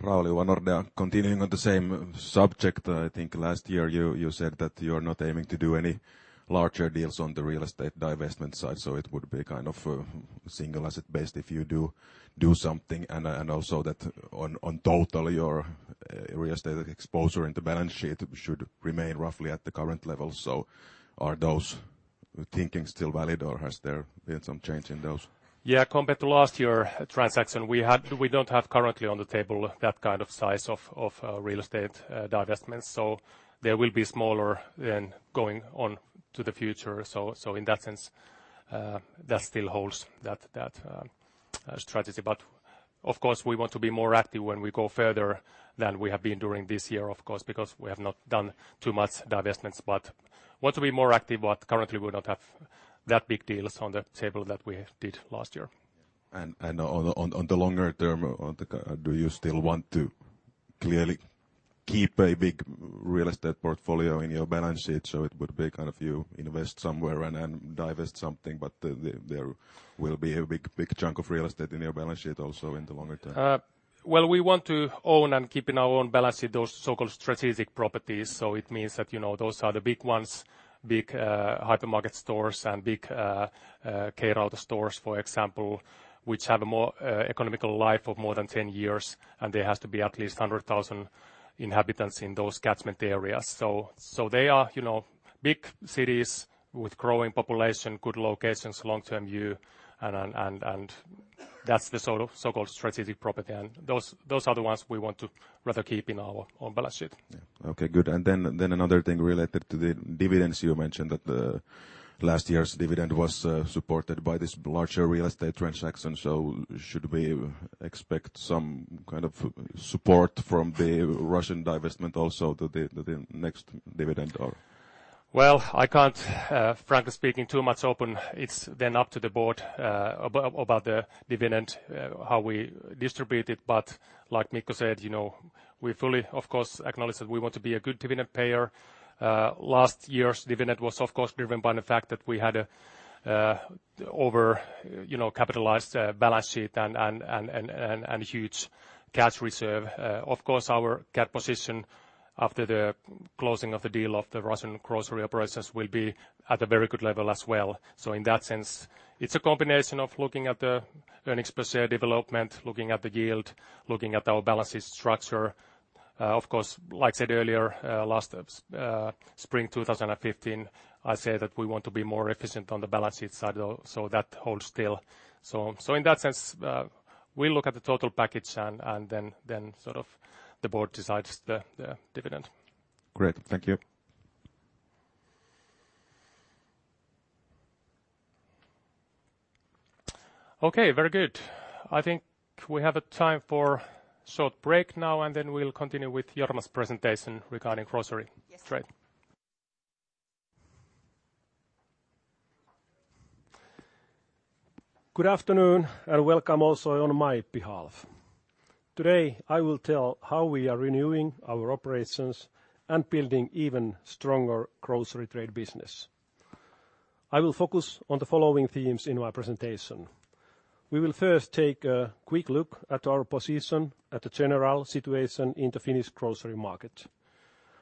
Rauhala, continuing on the same subject, I think last year you said that you're not aiming to do any larger deals on the real estate divestment side, so it would be single asset based if you do something. And also that on total, your real estate exposure in the balance sheet should remain roughly at the current level. Are those thinkings still valid, or has there been some change in those? Compared to last year transaction, we don't have currently on the table that kind of size of real estate divestments. They will be smaller then going on to the future. In that sense, that still holds that strategy. Of course, we want to be more active when we go further than we have been during this year, of course, because we have not done too much divestments. Want to be more active, but currently we not have that big deals on the table that we did last year. On the longer term, do you still want to clearly keep a big real estate portfolio in your balance sheet? It would be you invest somewhere and divest something, but there will be a big chunk of real estate in your balance sheet also in the longer term. We want to own and keep in our own balance sheet those so-called strategic properties. It means that those are the big ones, big hypermarket stores and big K-Rauta stores, for example, which have a more economical life of more than 10 years, and there has to be at least 100,000 inhabitants in those catchment areas. They are big cities with growing population, good locations, long-term view, and that's the so-called strategic property, and those are the ones we want to rather keep in our own balance sheet. Okay, good. Another thing related to the dividends. You mentioned that the last year's dividend was supported by this larger real estate transaction. Should we expect some kind of support from the Russian divestment also to the next dividend or? I can't, frankly speaking, too much open. It's up to the board about the dividend, how we distribute it. Like Mikko said, we fully, of course, acknowledge that we want to be a good dividend payer. Last year's dividend was, of course, driven by the fact that we had over capitalized balance sheet and huge cash reserve. Of course, our cash position after the closing of the deal of the Russian grocery operations will be at a very good level as well. In that sense, it's a combination of looking at the earnings per share development, looking at the yield, looking at our balance sheet structure. Of course, like I said earlier, last spring 2015, I say that we want to be more efficient on the balance sheet side, so that holds still. In that sense, we look at the total package and then sort of the board decides the dividend. Great. Thank you. Okay, very good. I think we have a time for short break now, then we'll continue with Jorma's presentation regarding grocery trade. Yes. Great. Good afternoon, welcome also on my behalf. Today, I will tell how we are renewing our operations and building even stronger grocery trade business. I will focus on the following themes in my presentation. We will first take a quick look at our position at the general situation in the Finnish grocery market.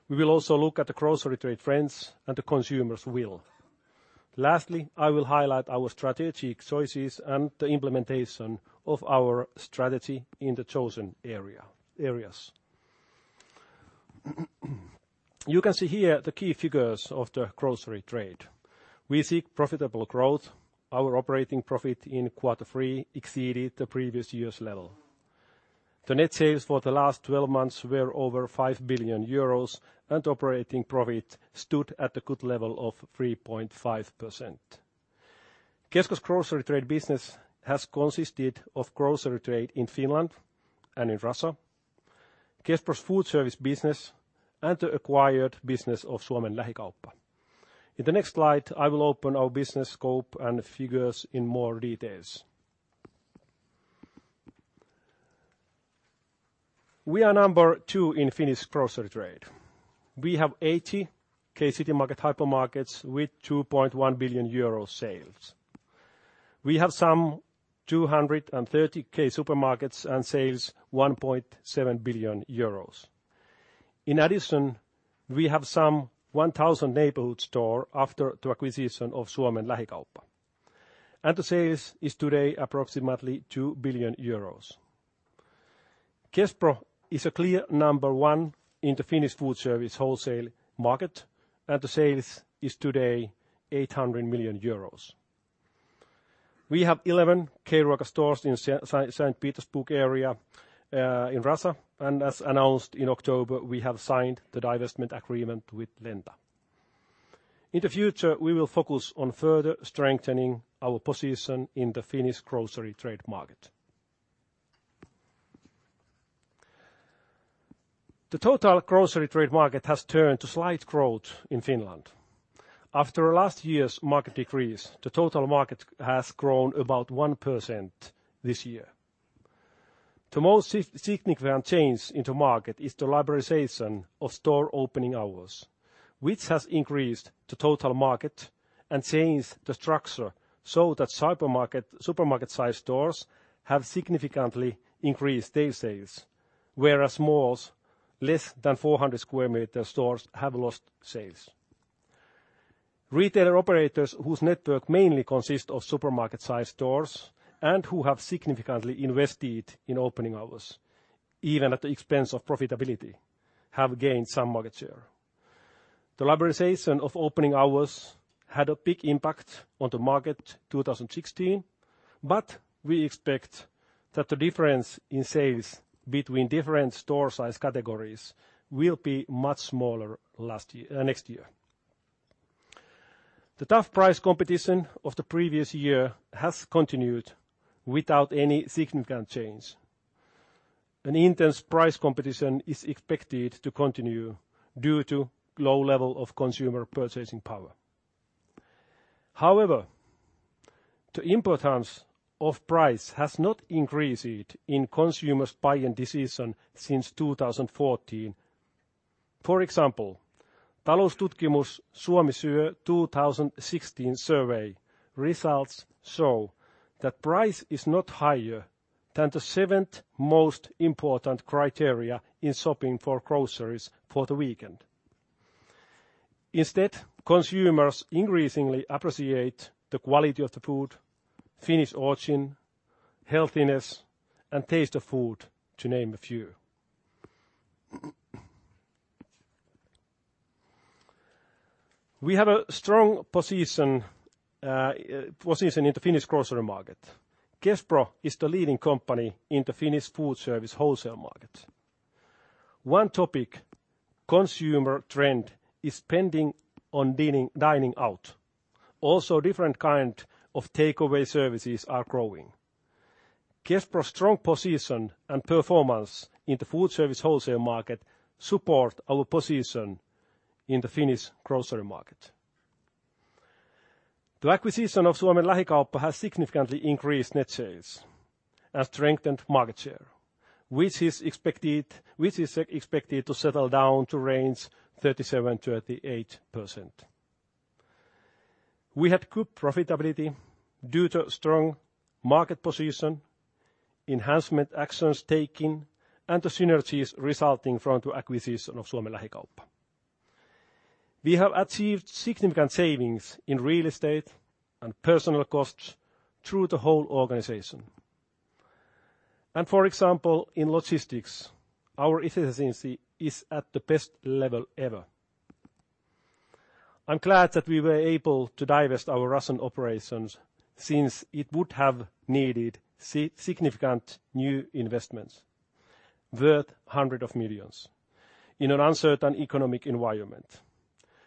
We will also look at the grocery trade trends and the consumer's will. Lastly, I will highlight our strategic choices and the implementation of our strategy in the chosen areas. You can see here the key figures of the grocery trade. We seek profitable growth. Our operating profit in quarter three exceeded the previous year's level. The net sales for the last 12 months were over 5 billion euros, operating profit stood at a good level of 3.5%. Kesko's grocery trade business has consisted of grocery trade in Finland and in Russia, Kespro's food service business, and the acquired business of Suomen Lähikauppa. In the next slide, I will open our business scope and figures in more details. We are number two in Finnish grocery trade. We have 80 K-Citymarket hypermarkets with 2.1 billion euro sales. We have some 230 K-Supermarkets and sales 1.7 billion euros. In addition, we have some 1,000 neighborhood store after the acquisition of Suomen Lähikauppa. The sales is today approximately 2 billion euros. Kespro is a clear number one in the Finnish food service wholesale market, the sales is today 800 million euros. We have 11 K-Rauta stores in St. Petersburg area, in Russia. As announced in October, we have signed the divestment agreement with Lenta. In the future, we will focus on further strengthening our position in the Finnish grocery trade market. The total grocery trade market has turned to slight growth in Finland. After last year's market decrease, the total market has grown about 1% this year. The most significant change in the market is the liberalization of store opening hours, which has increased the total market and changed the structure so that supermarket-sized stores have significantly increased their sales, whereas malls less than 400 sq m stores have lost sales. Retail operators whose network mainly consists of supermarket-sized stores and who have significantly invested in opening hours, even at the expense of profitability, have gained some market share. The liberalization of opening hours had a big impact on the market 2016. We expect that the difference in sales between different store size categories will be much smaller next year. The tough price competition of the previous year has continued without any significant change. An intense price competition is expected to continue due to low level of consumer purchasing power. However, the importance of price has not increased in consumers' buying decision since 2014. For example, Taloustutkimus Suomi Syö 2016 survey results show that price is not higher than the seventh most important criteria in shopping for groceries for the weekend. Instead, consumers increasingly appreciate the quality of the food, Finnish origin, healthiness, and taste of food, to name a few. We have a strong position in the Finnish grocery market. Kespro is the leading company in the Finnish food service wholesale market. One topical consumer trend is spending on dining out. Also, different kind of takeaway services are growing. Kespro strong position and performance in the food service wholesale market support our position in the Finnish grocery market. The acquisition of Suomen Lähikauppa has significantly increased net sales and strengthened market share, which is expected to settle down to range 37%-38%. We had good profitability due to strong market position, enhancement actions taken, and the synergies resulting from the acquisition of Suomen Lähikauppa. We have achieved significant savings in real estate and personnel costs through the whole organization. For example, in logistics, our efficiency is at the best level ever. I'm glad that we were able to divest our Russian operations since it would have needed significant new investments worth hundred of millions in an uncertain economic environment.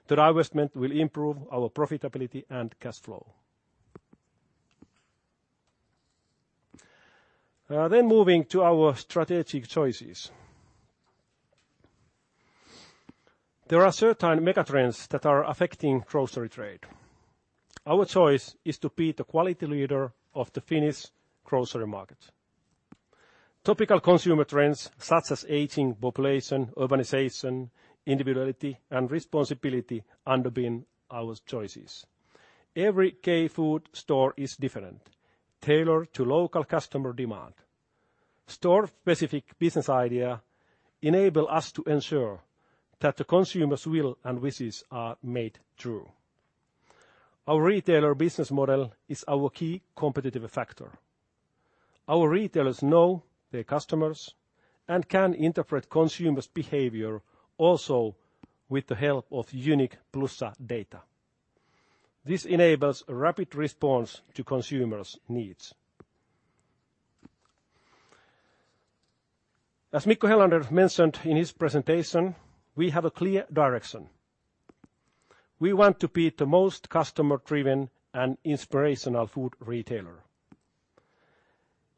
The divestment will improve our profitability and cash flow. Moving to our strategic choices. There are certain mega trends that are affecting grocery trade. Our choice is to be the quality leader of the Finnish grocery market. Topical consumer trends such as aging population, urbanization, individuality, and responsibility underpin our choices. Every K-food store is different, tailored to local customer demand. Store specific business idea enable us to ensure that the consumer's will and wishes are made true. Our retailer business model is our key competitive factor. Our retailers know their customers and can interpret consumers' behavior also with the help of unique Plussa data. This enables a rapid response to consumers' needs. As Mikko Helander mentioned in his presentation, we have a clear direction. We want to be the most customer-driven and inspirational food retailer.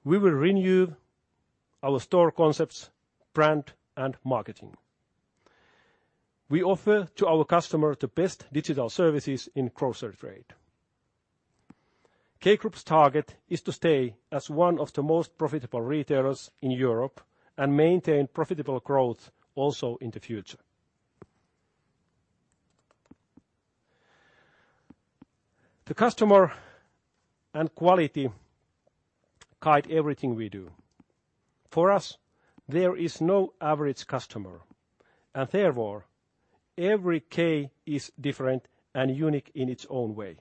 We will renew our store concepts, brand, and marketing. We offer to our customer the best digital services in grocery trade. K Group's target is to stay as one of the most profitable retailers in Europe and maintain profitable growth also in the future. The customer and quality guide everything we do. For us, there is no average customer, therefore, every K is different and unique in its own way.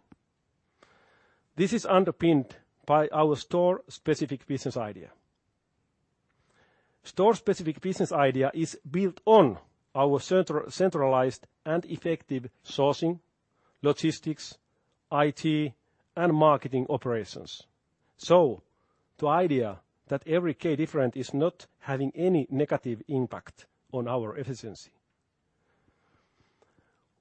This is underpinned by our store specific business idea. Store specific business idea is built on our centralized and effective sourcing, logistics, IT, and marketing operations. The idea that every K different is not having any negative impact on our efficiency.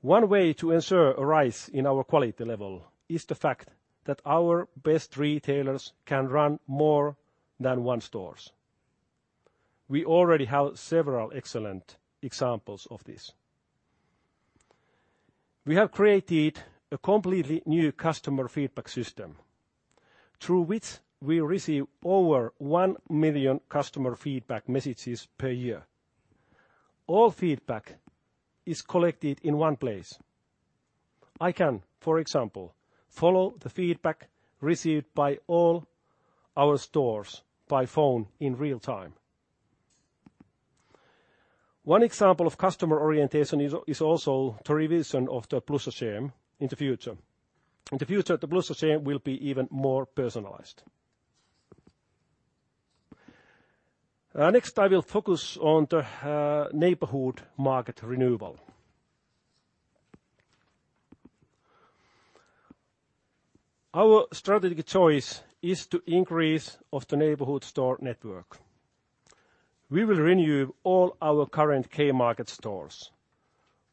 One way to ensure a rise in our quality level is the fact that our best retailers can run more than one stores. We already have several excellent examples of this. We have created a completely new customer feedback system through which we receive over 1 million customer feedback messages per year. All feedback is collected in one place. I can, for example, follow the feedback received by all our stores by phone in real time. One example of customer orientation is also the revision of the Plussa CRM in the future. In the future, the Plussa CRM will be even more personalized. Next, I will focus on the neighborhood market renewal. Our strategic choice is to increase the neighborhood store network. We will renew all our current K-Market stores.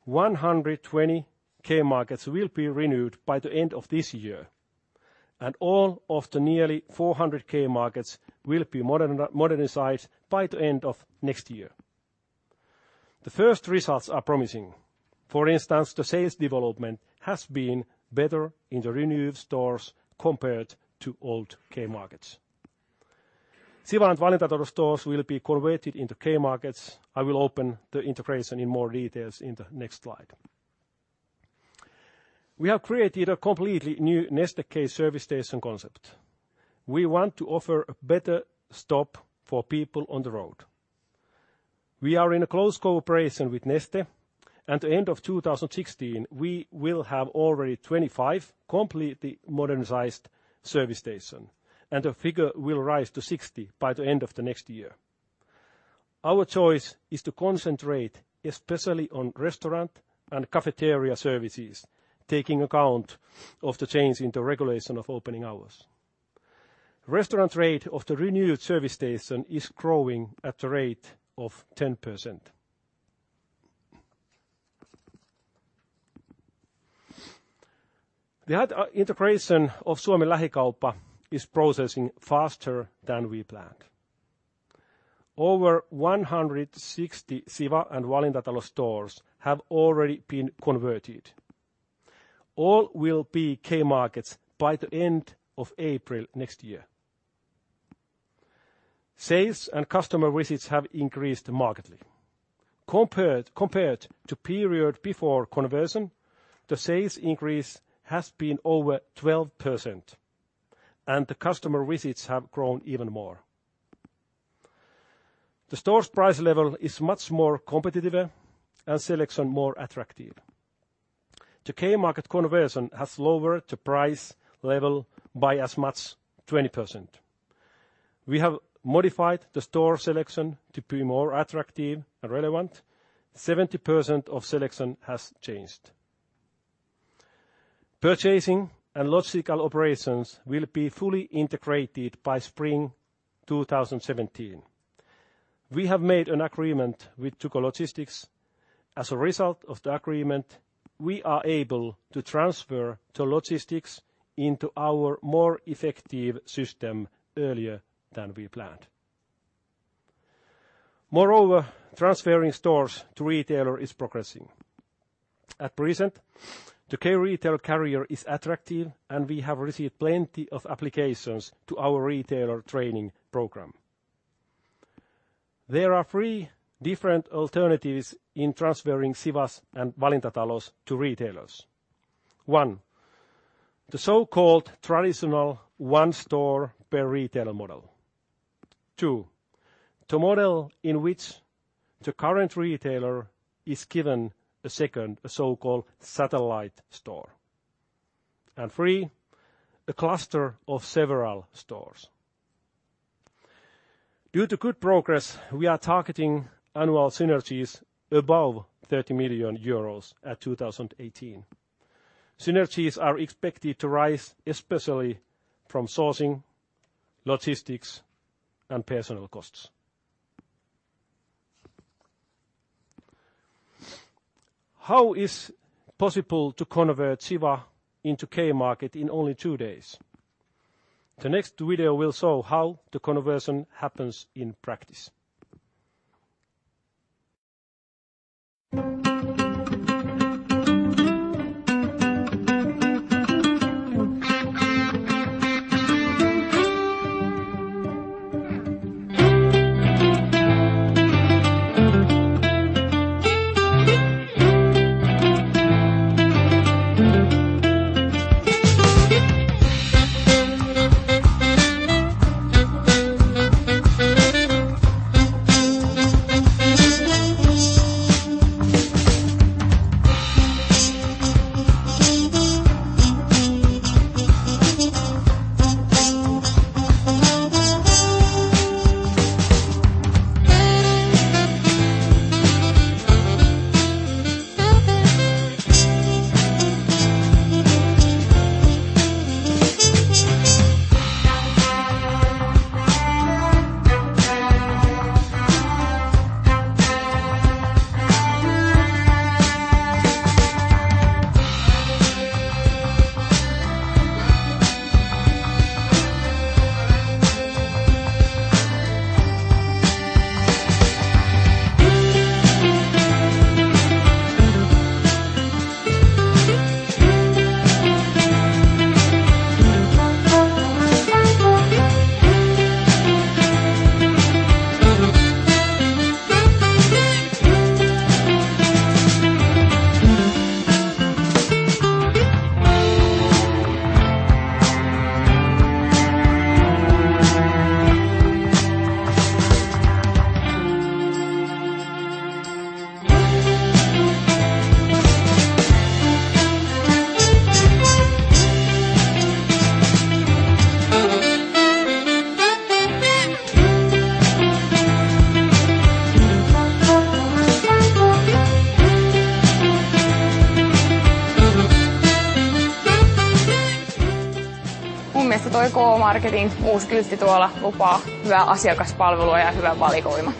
120 K-Markets will be renewed by the end of this year, and all of the nearly 400 K-Markets will be modernized by the end of next year. The first results are promising. For instance, the sales development has been better in the renewed stores compared to old K-Markets. Siwa and Valintatalo stores will be converted into K-Markets. I will open the integration in more details in the next slide. We have created a completely new Neste K service station concept. We want to offer a better stop for people on the road. We are in a close cooperation with Neste. At the end of 2016, we will have already 25 completely modernized service stations, and the figure will rise to 60 by the end of next year. Our choice is to concentrate especially on restaurant and cafeteria services, taking account of the change in the regulation of opening hours. Restaurant rate of the renewed service station is growing at a rate of 10%. The integration of Suomen Lähikauppa is processing faster than we planned. Over 160 Siwa and Valintatalo stores have already been converted. All will be K-Markets by the end of April next year. Sales and customer visits have increased markedly. Compared to period before conversion, the sales increase has been over 12%, and the customer visits have grown even more. The store's price level is much more competitive and selection more attractive. The K-Market conversion has lowered the price level by as much 20%. We have modified the store selection to be more attractive and relevant. 70% of selection has changed. Purchasing and logistical operations will be fully integrated by Spring 2017. We have made an agreement with Tuko Logistics. As a result of the agreement, we are able to transfer the logistics into our more effective system earlier than we planned. Moreover, transferring stores to retailer is progressing. At present, the K-retailer career is attractive, and we have received plenty of applications to our retailer training program. There are three different alternatives in transferring Siwas and Valintatalos to retailers. One, the so-called traditional one store per retailer model. Two, the model in which the current retailer is given a second, a so-called satellite store. Three, a cluster of several stores. Due to good progress, we are targeting annual synergies above 30 million euros at 2018. Synergies are expected to rise especially from sourcing, logistics, and personnel costs. How is possible to convert Siwa into K-Market in only two days? The next video will show how the conversion happens in practice. Mun mielestä toi K-Marketin uus kyltti tuolla lupaa hyvää asiakaspalvelua ja hyvän valikoiman.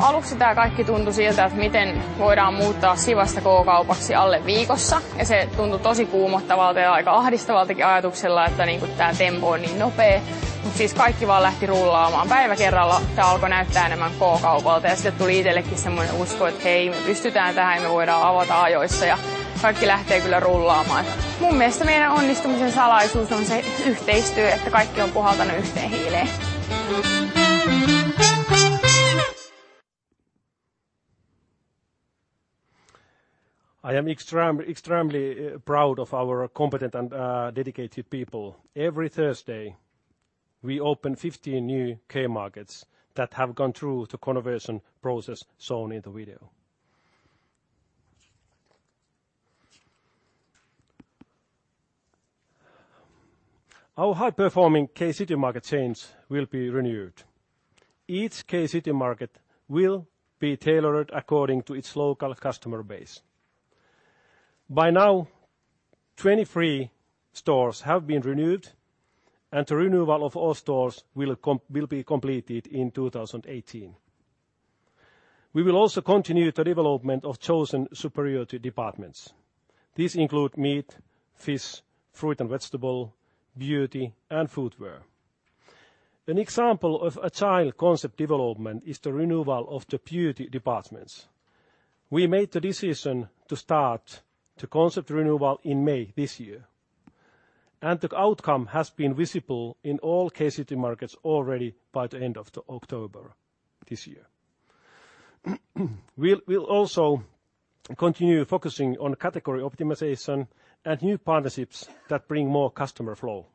Aluksi tää kaikki tuntui siltä, että miten voidaan muuttaa Siwasta K-kaupaksi alle viikossa ja se tuntui tosi kuumottavalta ja aika ahdistavaltakin ajatukselta, että tää tempo on niin nopea. Mutta kaikki vaan lähti rullaamaan päivä kerrallaan tää alkoi näyttää enemmän K-kaupalta ja sitten tuli itsellekin semmoinen usko, että hei, me pystytään tähän, me voidaan avata ajoissa ja kaikki lähtee kyllä rullaamaan. Mun mielestä meidän onnistumisen salaisuus on se yhteistyö, että kaikki on puhaltanut yhteen hiileen. I am extremely proud of our competent and dedicated people. Every Thursday we open 15 new K-Markets that have gone through the conversion process shown in the video. Our high-performing K-Citymarket chains will be renewed. Each K-Citymarket will be tailored according to its local customer base. By now, 23 stores have been renewed and the renewal of all stores will be completed in 2018. We will also continue the development of chosen superiority departments. These include meat, fish, fruit and vegetable, beauty and footwear. An example of a child concept development is the renewal of the beauty departments. We made the decision to start the concept renewal in May this year, and the outcome has been visible in all K-Citymarkets already by the end of October this year. We'll also continue focusing on category optimization and new partnerships that bring more customer flow.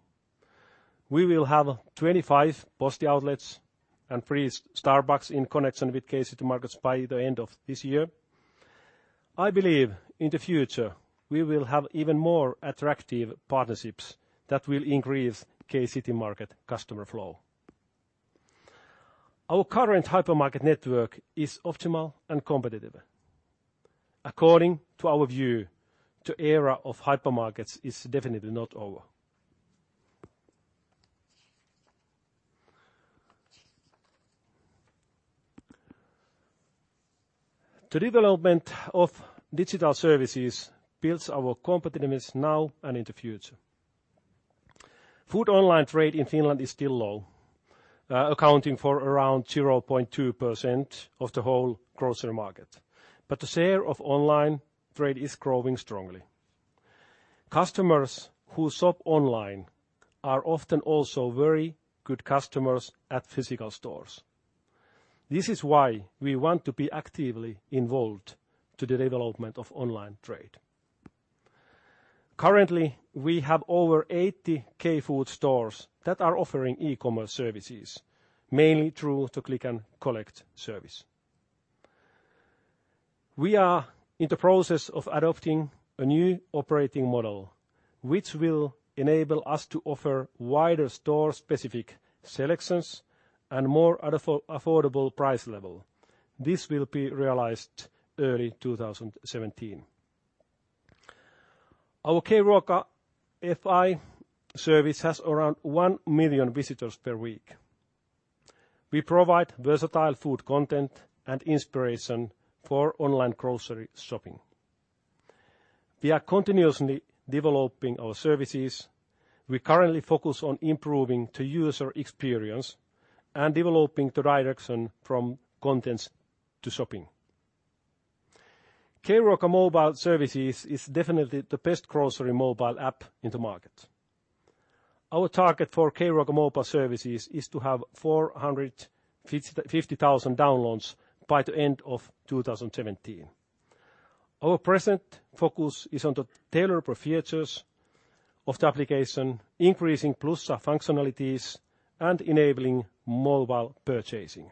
We will have 25 Posti outlets and three Starbucks in connection with K-Citymarkets by the end of this year. I believe in the future, we will have even more attractive partnerships that will increase K-Citymarket customer flow. Our current hypermarket network is optimal and competitive. According to our view, the era of hypermarkets is definitely not over. The development of digital services builds our competitiveness now and in the future. Food online trade in Finland is still low, accounting for around 0.2% of the whole grocery market, but the share of online trade is growing strongly. Customers who shop online are often also very good customers at physical stores. This is why we want to be actively involved to the development of online trade. Currently, we have over 80 K-Food stores that are offering e-commerce services, mainly through the click and collect service. We are in the process of adopting a new operating model, which will enable us to offer wider store specific selections and more affordable price level. This will be realized early 2017. Our K-Ruoka.fi service has around 1 million visitors per week. We provide versatile food content and inspiration for online grocery shopping. We are continuously developing our services. We currently focus on improving the user experience and developing the direction from contents to shopping. K-Ruoka mobile services is definitely the best grocery mobile app in the market. Our target for K-Ruoka mobile services is to have 450,000 downloads by the end of 2017. Our present focus is on the tailor features of the application, increasing Plussa functionalities and enabling mobile purchasing.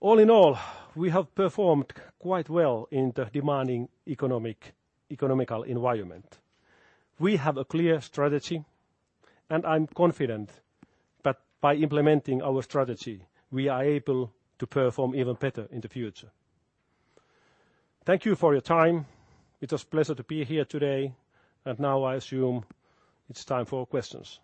All in all, we have performed quite well in the demanding economical environment. I'm confident that by implementing our strategy, we are able to perform even better in the future. Thank you for your time. It was a pleasure to be here today. Now I assume it's time for questions.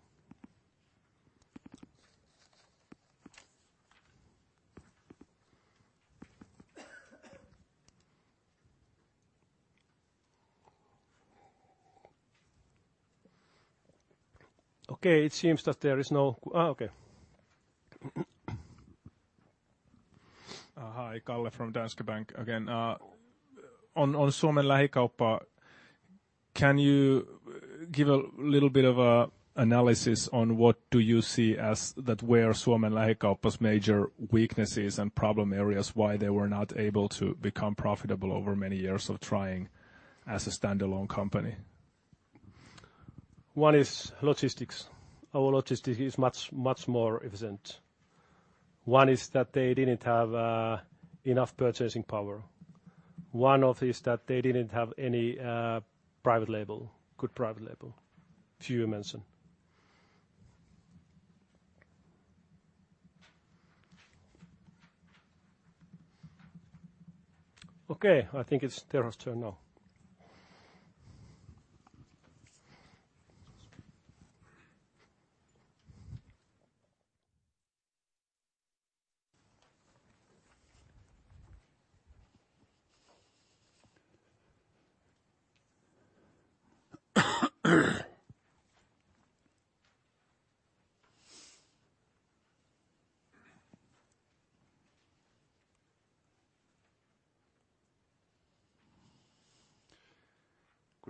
Okay, it seems that there is no Okay. Hi. Kalle from Danske Bank again. On Suomen Lähikauppa, can you give a little bit of analysis on what do you see as where Suomen Lähikauppa's major weaknesses and problem areas, why they were not able to become profitable over many years of trying as a standalone company? One is logistics. Our logistics is much more efficient. One is that they didn't have enough purchasing power. One of is that they didn't have any good private label. Few I mention. Okay, I think it's Tero's turn now.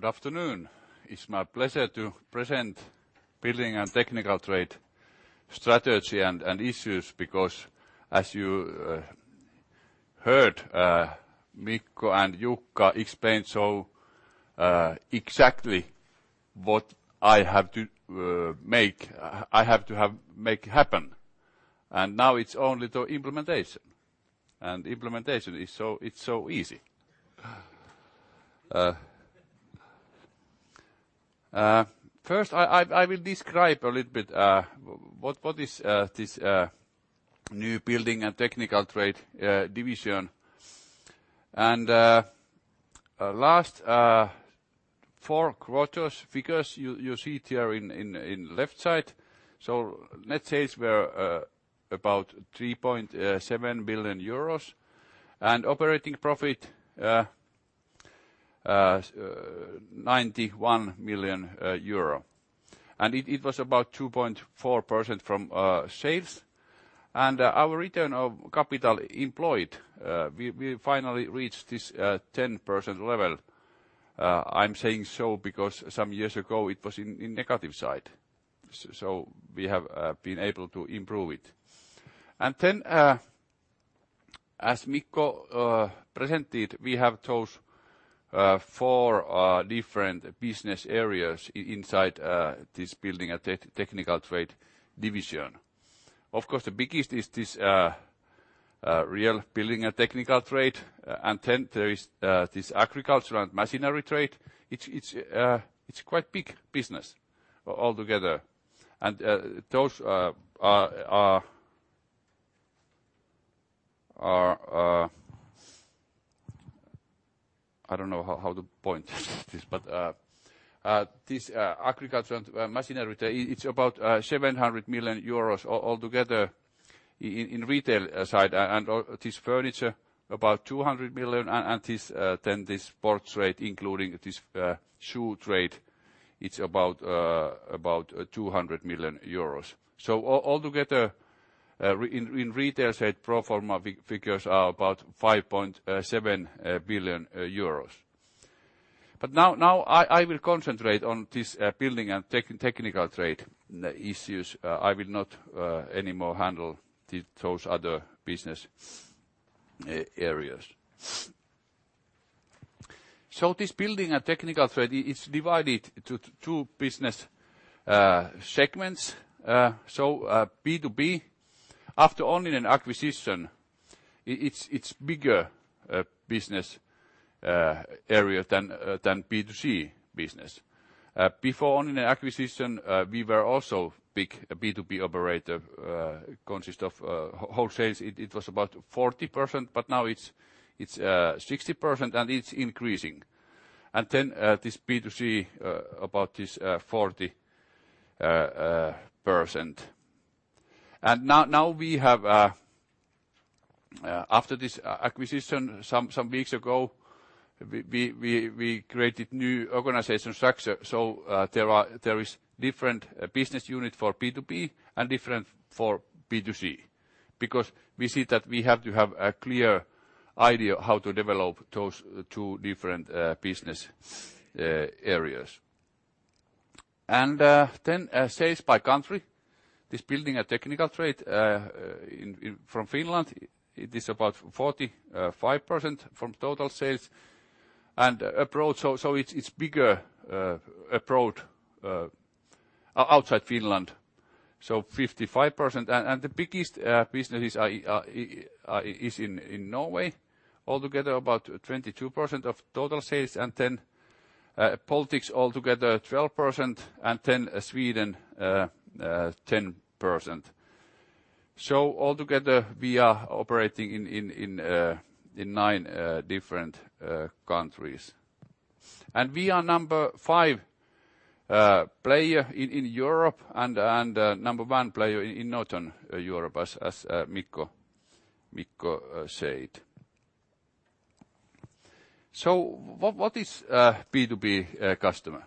Good afternoon. It is my pleasure to present building and technical trade strategy and issues because as you heard, Mikko and Jukka explained so exactly what I have to make happen. Now it is only the implementation. Implementation, it is so easy. First, I will describe a little bit what is this new building and technical trade division. Last 4 quarters figures, you see it here in left side. Net sales were about 3.7 billion euros and operating profit, 91 million euro. It was about 2.4% from sales. Our return of capital employed we finally reached this 10% level. I am saying so because some years ago it was in negative side. We have been able to improve it. As Mikko presented, we have those 4 different business areas inside this building and technical trade division. Of course, the biggest is this real building and technical trade. There is this agricultural and machinery trade. It is quite big business altogether. I don't know how to point this, but this agriculture and machinery, it is about 700 million euros altogether in retail side. This furniture about 200 million and this sports trade, including this shoe trade, it is about EUR 200 million. Altogether, in retail side, pro forma figures are about 5.7 billion euros. Now I will concentrate on this building and technical trade issues. I will not anymore handle those other business areas. This building and technical trade, it is divided to 2 business segments. B2B, after Onninen acquisition it is bigger business area than B2C business. Before Onninen acquisition we were also big B2B operator consist of wholesales. It was about 40%, but now it is 60% and it is increasing. This B2C about this 40%. After this acquisition some weeks ago, we created new organization structure. There is different business unit for B2B and different for B2C because we see that we have to have a clear idea how to develop those 2 different business areas. Sales by country. This building and technical trade from Finland it is about 45% from total sales and abroad, it is bigger abroad outside Finland. 55%. The biggest business is in Norway, altogether about 22% of total sales and Baltics altogether 12% and Sweden 10%. Altogether, we are operating in 9 different countries. We are number 5 player in Europe and number 1 player in Northern Europe as Mikko said. What is B2B customer?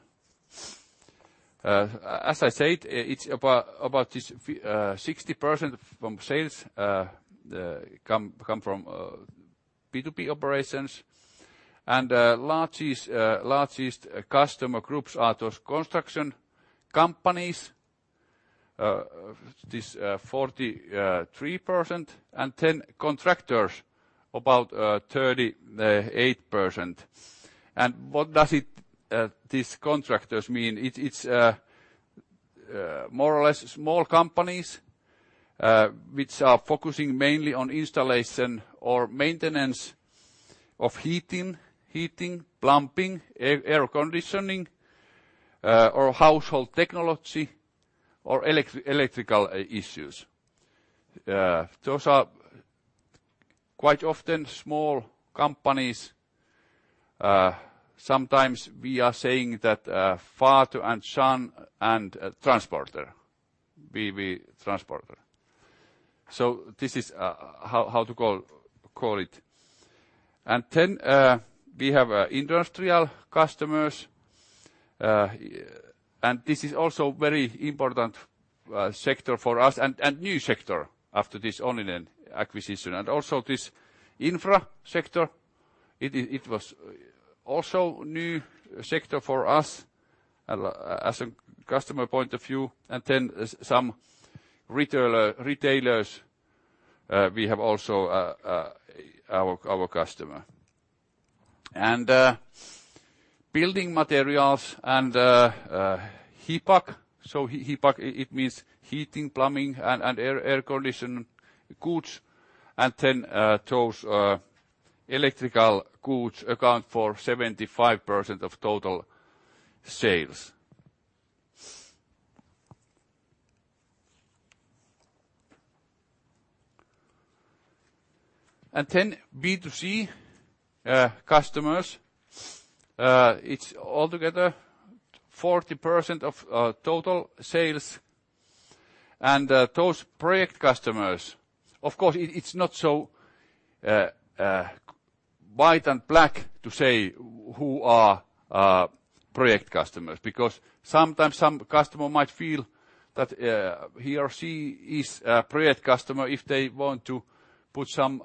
As I said, it is about 60% from sales come from B2B operations and largest customer groups are those construction companies, this 43%, and contractors, about 38%. What do these contractors mean? It is more or less small companies, which are focusing mainly on installation or maintenance of heating, plumbing, air conditioning, or household technology, or electrical issues. Those are quite often small companies. Sometimes we are saying that father and son and transporter. We transport. This is how to call it. We have industrial customers, and this is also very important sector for us and new sector after this Onninen acquisition. Also this infra sector, it was also new sector for us as a customer point of view, and some retailers we have also our customer. Building materials and HVAC. HVAC, it means heating, plumbing, and air conditioning goods. Those electrical goods account for 75% of total sales. B2C customers, it is altogether 40% of total sales. Those project customers, of course, it is not so white and black to say who are project customers, because sometimes some customer might feel that he or she is a project customer if they want to put some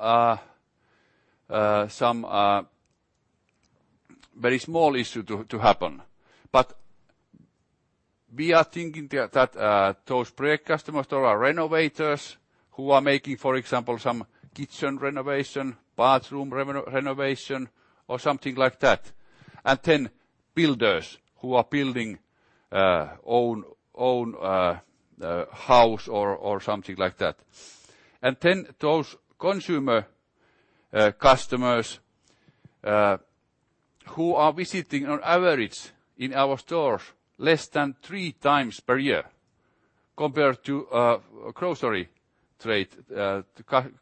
very small issue to happen. We are thinking that those project customers, they are renovators who are making, for example, some kitchen renovation, bathroom renovation or something like that. Builders who are building own house or something like that. Those consumer customers, who are visiting on average in our stores less than three times per year compared to grocery trade.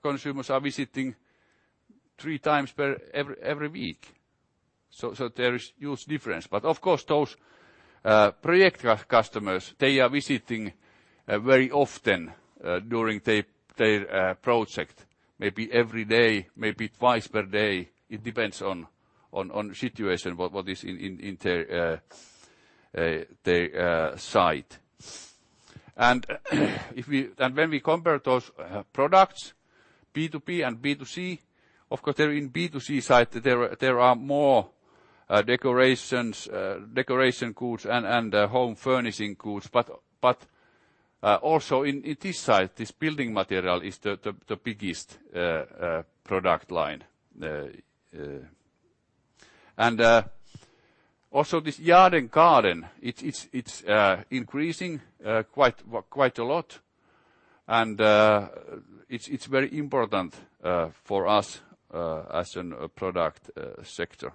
Consumers are visiting three times every week. There is huge difference. Of course, those project customers, they are visiting very often during their project. Maybe every day, maybe twice per day. It depends on situation, what is in their site. When we compare those products, B2B and B2C, of course, there in B2C side, there are more decoration goods and home furnishing goods. Also in this side, this building material is the biggest product line. This yard and garden, it is increasing quite a lot and it is very important for us as a product sector.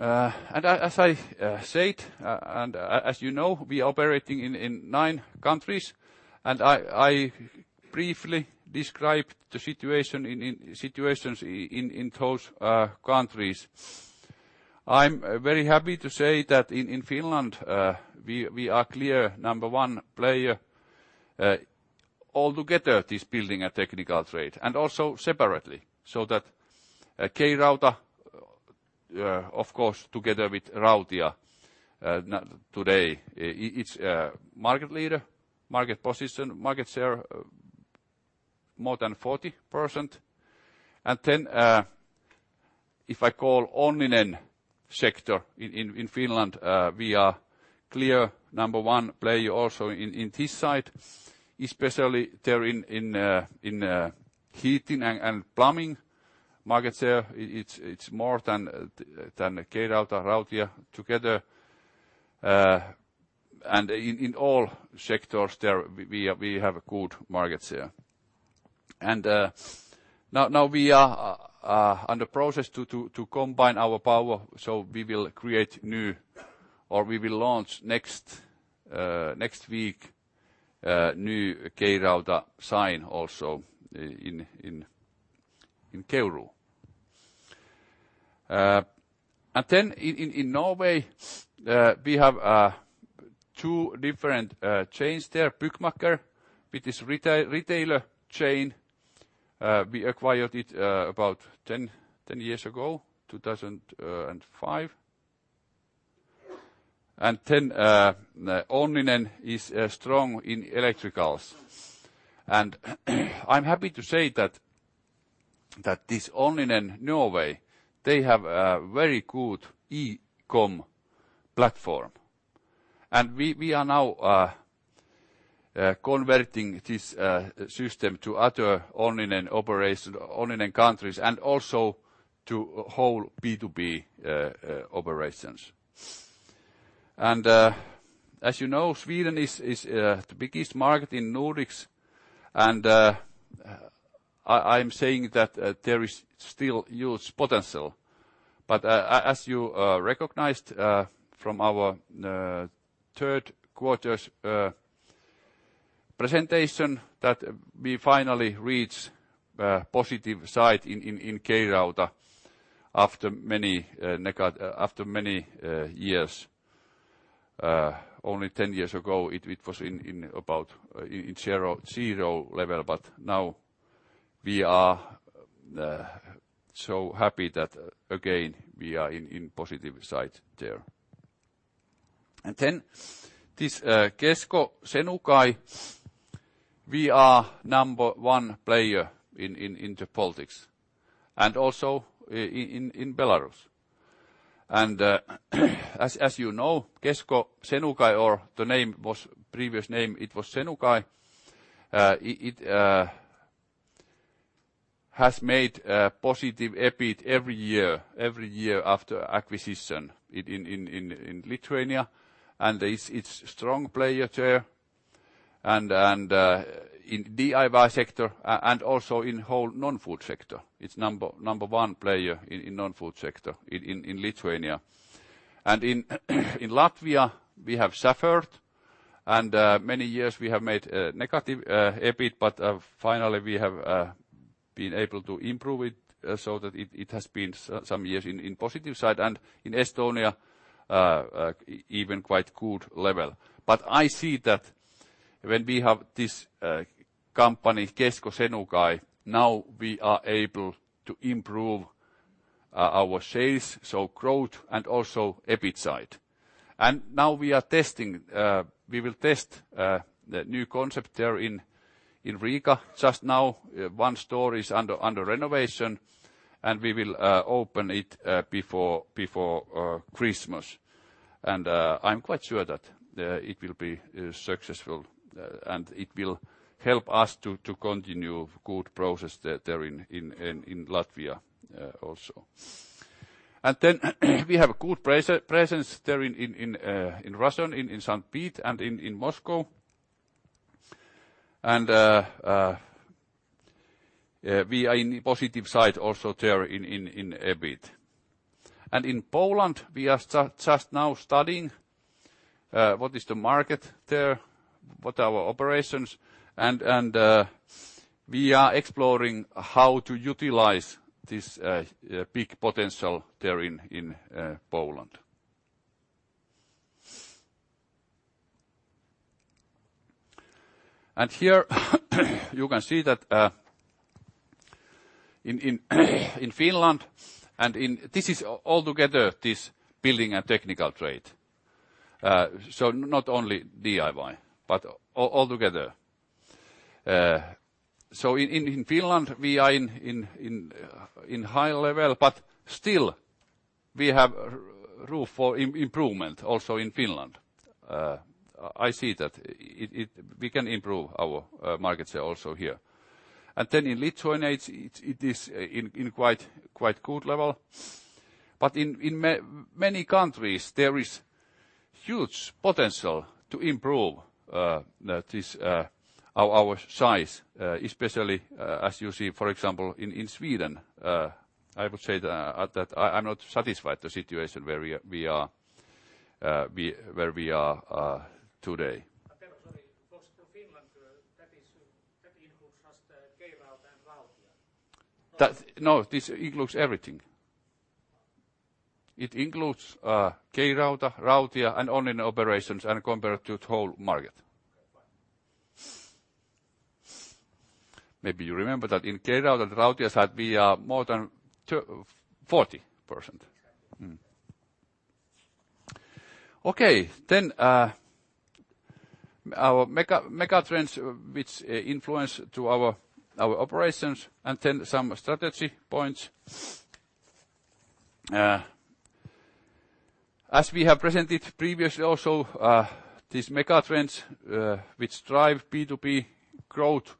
As I said, and as you know, we are operating in nine countries and I briefly described the situations in those countries. I am very happy to say that in Finland, we are clear number one player altogether this building and technical trade and also separately, so that K-Rauta, of course, together with Rautia today, it is market leader, market position, market share, more than 40%. If I call Onninen sector in Finland, we are clear number one player also in this side, especially there in heating and plumbing market share, it is more than K-Rauta, Rautia together. In all sectors there, we have a good market share. Now we are under process to combine our power, we will create new or we will launch next week new K-Rauta sign also in Keuruu. In Norway we have two different chains there. Byggmakker, which is retailer chain. We acquired it about 10 years ago, 2005. Onninen is strong in electricals. I am happy to say that this Onninen Norway, they have a very good e-com platform. We are now converting this system to other Onninen countries and also to whole B2B operations. As you know, Sweden is the biggest market in Nordics, and I am saying that there is still huge potential. As you recognized from our third quarter's presentation that we finally reach positive side in K-Rauta after many years. Only 10 years ago, it was in zero level, now we are happy that again, we are in positive side there. This Kesko Senukai, we are number one player in the Baltics and also in Belarus. As you know, Kesko Senukai or the previous name, it was Senukai, it has made a positive EBIT every year after acquisition in Lithuania and is strong player there in DIY sector and also in whole non-food sector. It is number one player in non-food sector in Lithuania. In Latvia we have suffered and many years we have made negative EBIT, but finally we have been able to improve it so that it has been some years in positive side and in Estonia even quite good level. I see that when we have this company, Kesko Senukai, now we are able to improve our sales, so growth and also EBIT side. Now we will test the new concept there in Riga. Just now one store is under renovation and we will open it before Christmas. I am quite sure that it will be successful and it will help us to continue good process there in Latvia also. We have a good presence there in Russia, in St. Pete and in Moscow. We are in positive side also there in EBIT. In Poland we are just now studying what is the market there, what our operations and we are exploring how to utilize this big potential there in Poland. Here you can see that in Finland and this is all together this building and technical trade. Not only DIY, but all together. In Finland we are in high level but still we have room for improvement also in Finland. I see that we can improve our market share also here. In Lithuania it is in quite good level. In many countries there is huge potential to improve our size especially as you see for example in Sweden, I would say that I am not satisfied the situation where we are today. Sorry, for Finland that includes just K-Rauta and Rautia. No, this includes everything. It includes K-Rauta, Rautia and Onninen operations and compared to whole market. Okay, fine. Maybe you remember that in K-Rauta and Rautia side we are more than 40%. Okay. Our megatrends which influence to our operations and some strategy points. As we have presented previously, these megatrends which drive B2B growth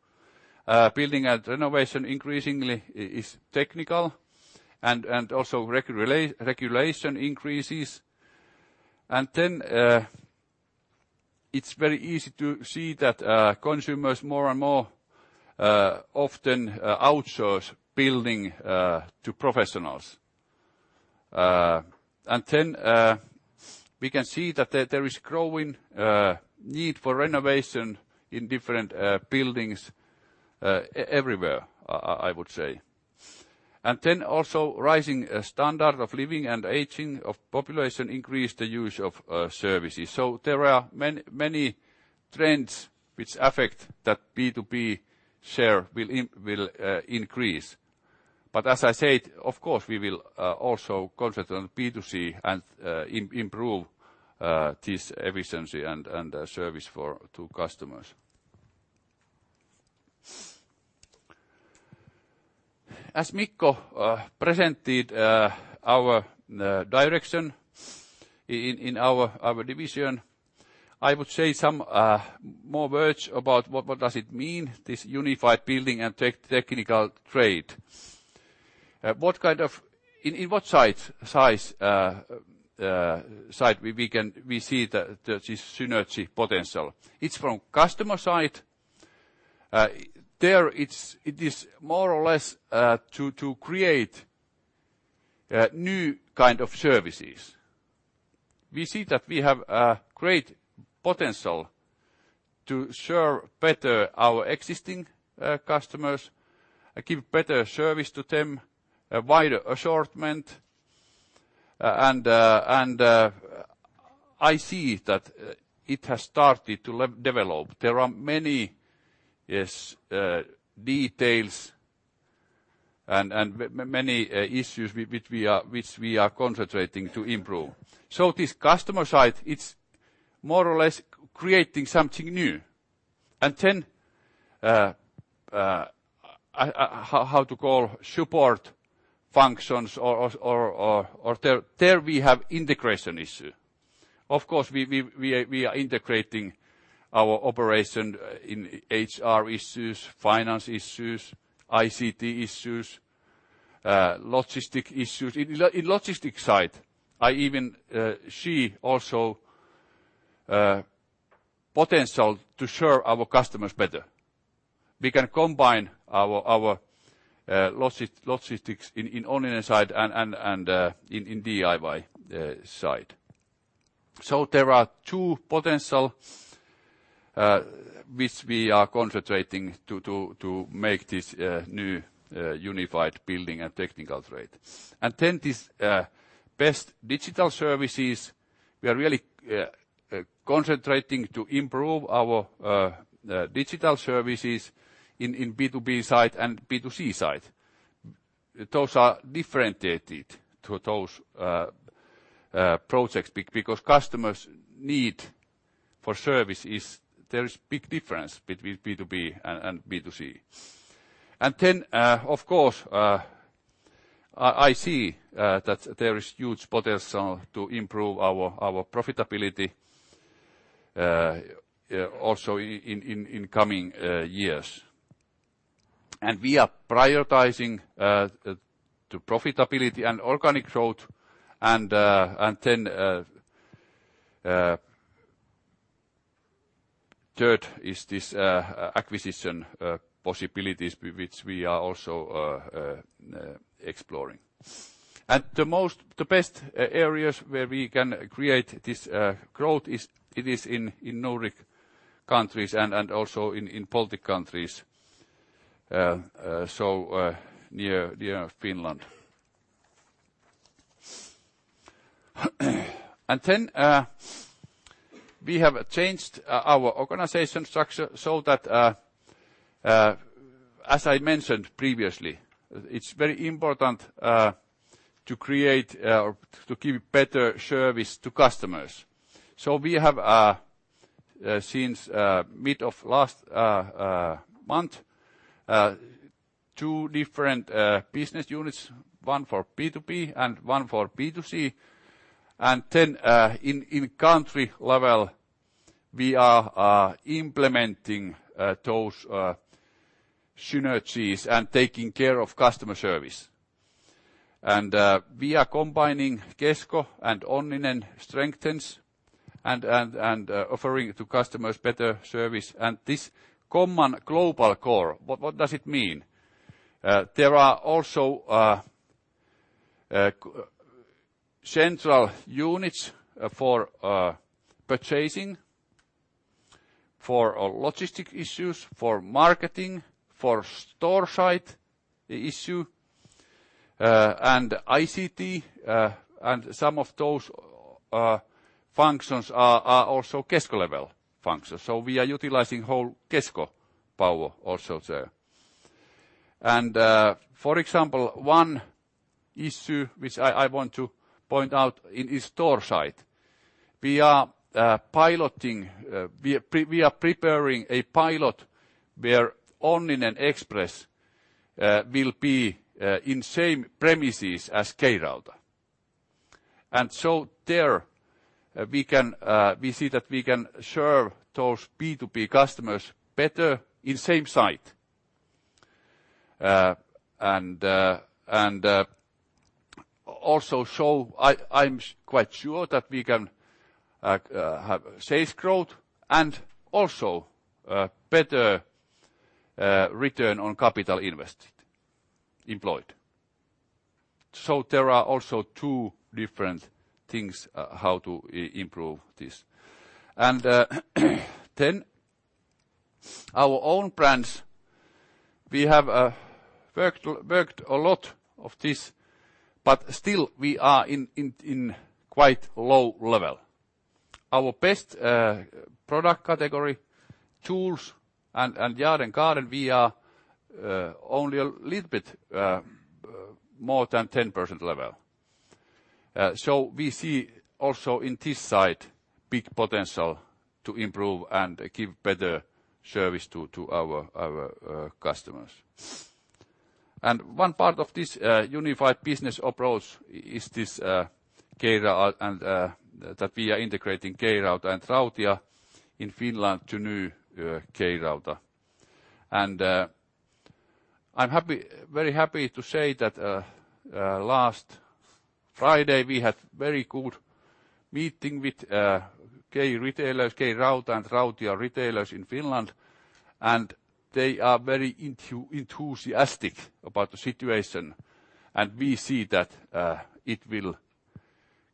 building and renovation increasingly is technical, and also regulation increases. It's very easy to see that consumers more and more often outsource building to professionals. We can see that there is growing need for renovation in different buildings everywhere, I would say. Also rising standard of living and aging of population increase the use of services. There are many trends which affect that B2B share will increase. As I said, of course, we will also concentrate on B2C and improve this efficiency and service to customers. As Mikko presented our direction in our division, I would say some more words about what does it mean, this unified building and technical trade. In what side we see this synergy potential? It's from customer side. There, it is more or less to create new kind of services. We see that we have a great potential to serve better our existing customers, give better service to them, a wider assortment, and I see that it has started to develop. There are many, yes, details and many issues which we are concentrating to improve. This customer side, it's more or less creating something new. How to call, support functions or there we have integration issue. Of course, we are integrating our operation in HR issues, finance issues, ICT issues, logistic issues. In logistic side, I even see also potential to serve our customers better. We can combine our logistics in online side and in DIY side. There are two potential which we are concentrating to make this new unified Building and Technical Trade. This Best Digital Services, we are really concentrating to improve our digital services in B2B side and B2C side. Those are differentiated to those projects because customers need for service is there is big difference between B2B and B2C. Of course, I see that there is huge potential to improve our profitability, also in coming years. We are prioritizing to profitability and organic growth, third is this acquisition possibilities which we are also exploring. The best areas where we can create this growth it is in Nordic countries and also in Baltic countries, so near Finland. We have changed our organization structure so that, as I mentioned previously, it is very important to create or to give better service to customers. We have, since mid of last month, 2 different business units, one for B2B and one for B2C. In country level, we are implementing those synergies and taking care of customer service. We are combining Kesko and Onninen strengths and offering to customers better service. This common global core, what does it mean? There are also central units for purchasing, for logistics issues, for marketing, for store side issues, and ICT, some of those functions are also Kesko level functions. We are utilizing whole Kesko power also there. For example, 1 issue which I want to point out in store side. We are preparing a pilot where Onninen Express will be in same premises as K-Rauta. There, we see that we can serve those B2B customers better in same site. Also, I am quite sure that we can have sales growth and also better return on capital invested employed. There are also 2 different things how to improve this. Our own brands, we have worked a lot of this, but still we are in quite low level. Our best product category, tools and yard and garden, we are only a little bit more than 10% level. We see also in this side, big potential to improve and give better service to our customers. One part of this unified business approach is this that we are integrating K-Rauta and Rautia in Finland to new K-Rauta. I am very happy to say that last Friday we had very good meeting with K-retailers, K-Rauta and Rautia retailers in Finland, and they are very enthusiastic about the situation. We see that it will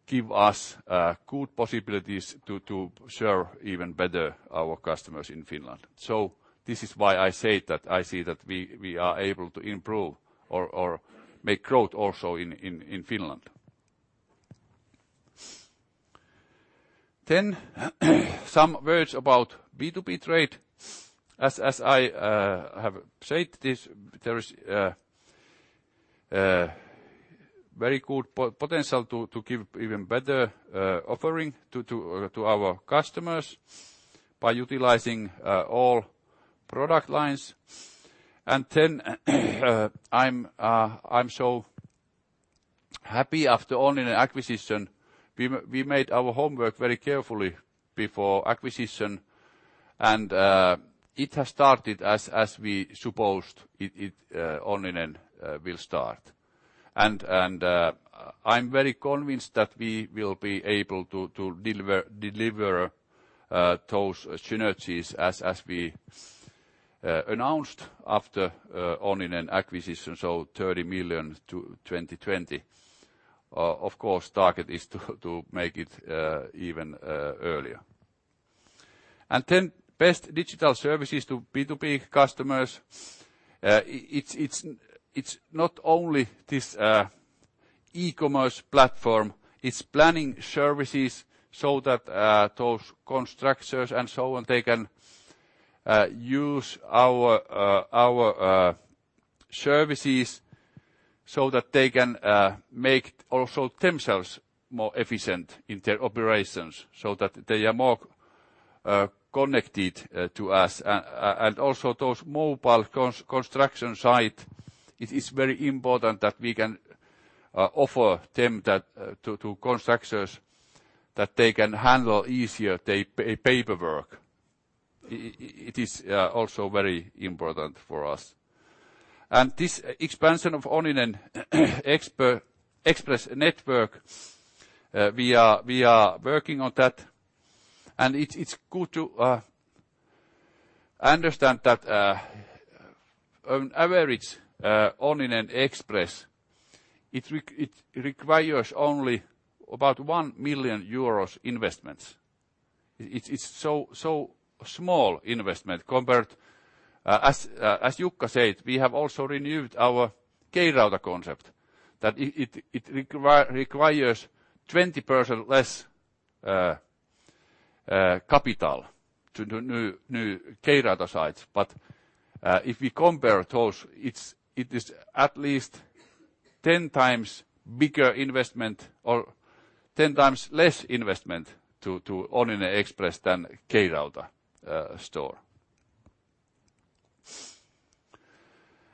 give us good possibilities to serve even better our customers in Finland. This is why I say that I see that we are able to improve or make growth also in Finland. Some words about B2B trade. As I have said this, there is very good potential to give even better offering to our customers by utilizing all product lines. I am so happy after Onninen acquisition, we made our homework very carefully before acquisition, and it has started as we supposed Onninen will start. I am very convinced that we will be able to deliver those synergies as we announced after Onninen acquisition, so 30 million to 2020. Of course, target is to make it even earlier. Best Digital Services to B2B customers. It's not only this e-commerce platform, it's planning services so that those constructors and so on, they can use our services so that they can make also themselves more efficient in their operations so that they are more connected to us. Also those mobile construction site, it is very important that we can offer to constructors that they can handle easier their paperwork. It is also very important for us. This expansion of Onninen Express network we are working on that, it's good to understand that on average Onninen Express, it requires only about 1 million euros investments. It's so small investment compared, as Jukka said, we have also renewed our K-Rauta concept that it requires 20% less capital to the new K-Rauta sites. If we compare those, it is at least 10 times bigger investment or 10 times less investment to Onninen Express than K-Rauta store.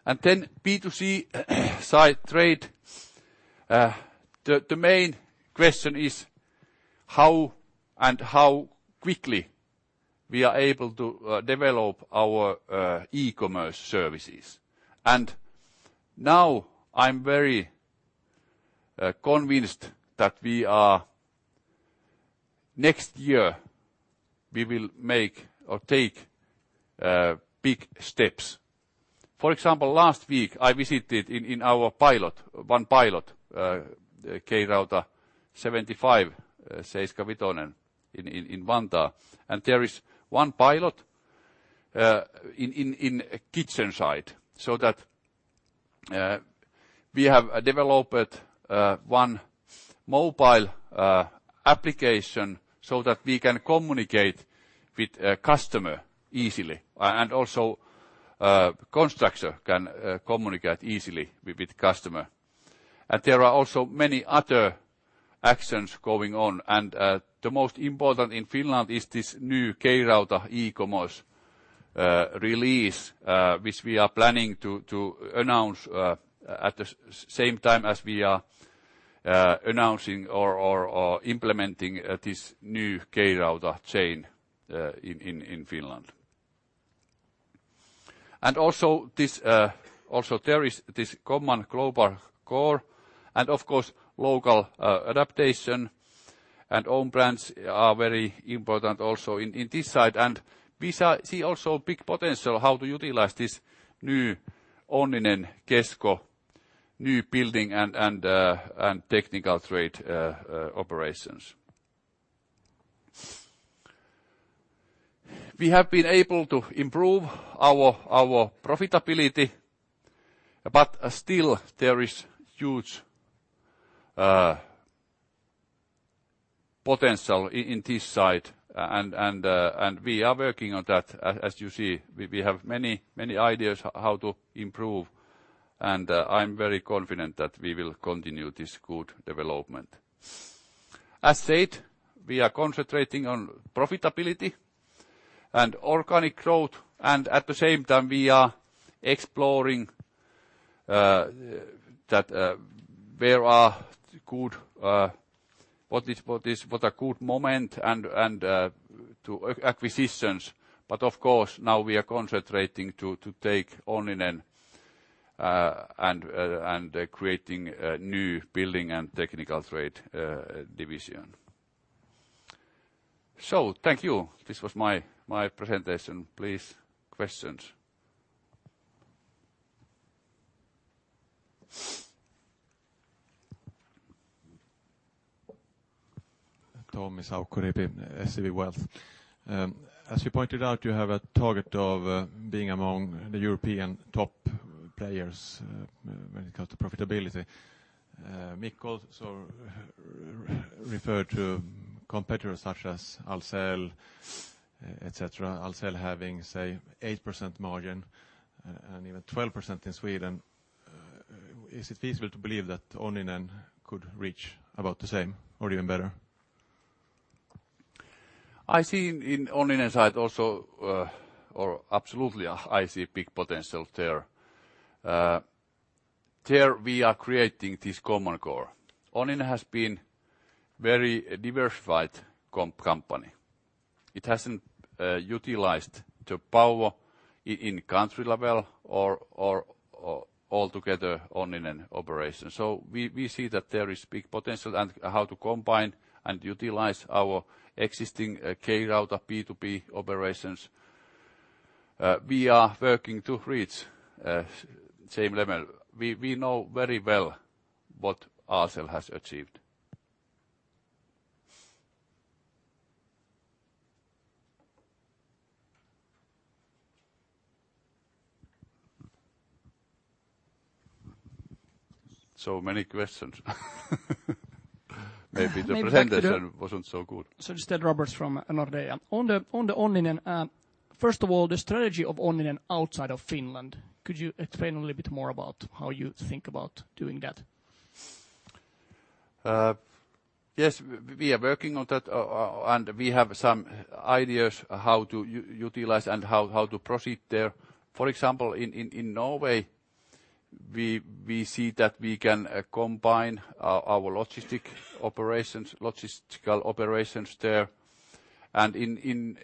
Then B2C side trade. The main question is how and how quickly we are able to develop our e-commerce services. Now I'm very convinced that next year we will make or take big steps. For example, last week I visited one pilot K-Rauta 75, seiskanvitonen in Vantaa, and there is one pilot in kitchen side, so that we have developed one mobile application so that we can communicate with customer easily, and also constructor can communicate easily with customer. There are also many other actions going on, and the most important in Finland is this new K-Rauta e-commerce release which we are planning to announce at the same time as we are announcing or implementing this new K-Rauta chain in Finland. Also there is this common global core and of course local adaptation. Own brands are very important also in this side. We see also big potential how to utilize this new Onninen, Kesko, new Building and Technical Trade operations. We have been able to improve our profitability, but still there is huge potential in this side, and we are working on that. As you see, we have many ideas how to improve, and I'm very confident that we will continue this good development. As said, we are concentrating on profitability and organic growth, and at the same time we are exploring what a good moment and to acquisitions. Of course, now we are concentrating to take Onninen and creating a new Building and Technical Trade Division. Thank you. This was my presentation. Please, questions. Tom Saukkoriipi, SEB Wealth. As you pointed out, you have a target of being among the European top players when it comes to profitability. Mikko also referred to competitors such as Ahlsell, et cetera, Ahlsell having, say, 8% margin and even 12% in Sweden. Is it feasible to believe that Onninen could reach about the same or even better? I see in Onninen side also or absolutely, I see big potential there. There we are creating this common core. Onninen has been very diversified company. It hasn't utilized the power in country level or altogether Onninen operation. We see that there is big potential and how to combine and utilize our existing K-Rauta B2B operations. We are working to reach same level. We know very well what Ahlsell has achieved. Many questions. Maybe the presentation wasn't so good. Just Ted Roberts from Nordea. On the Onninen, first of all, the strategy of Onninen outside of Finland, could you explain a little bit more about how you think about doing that? Yes, we are working on that and we have some ideas how to utilize and how to proceed there. For example, in Norway, we see that we can combine our logistical operations there. In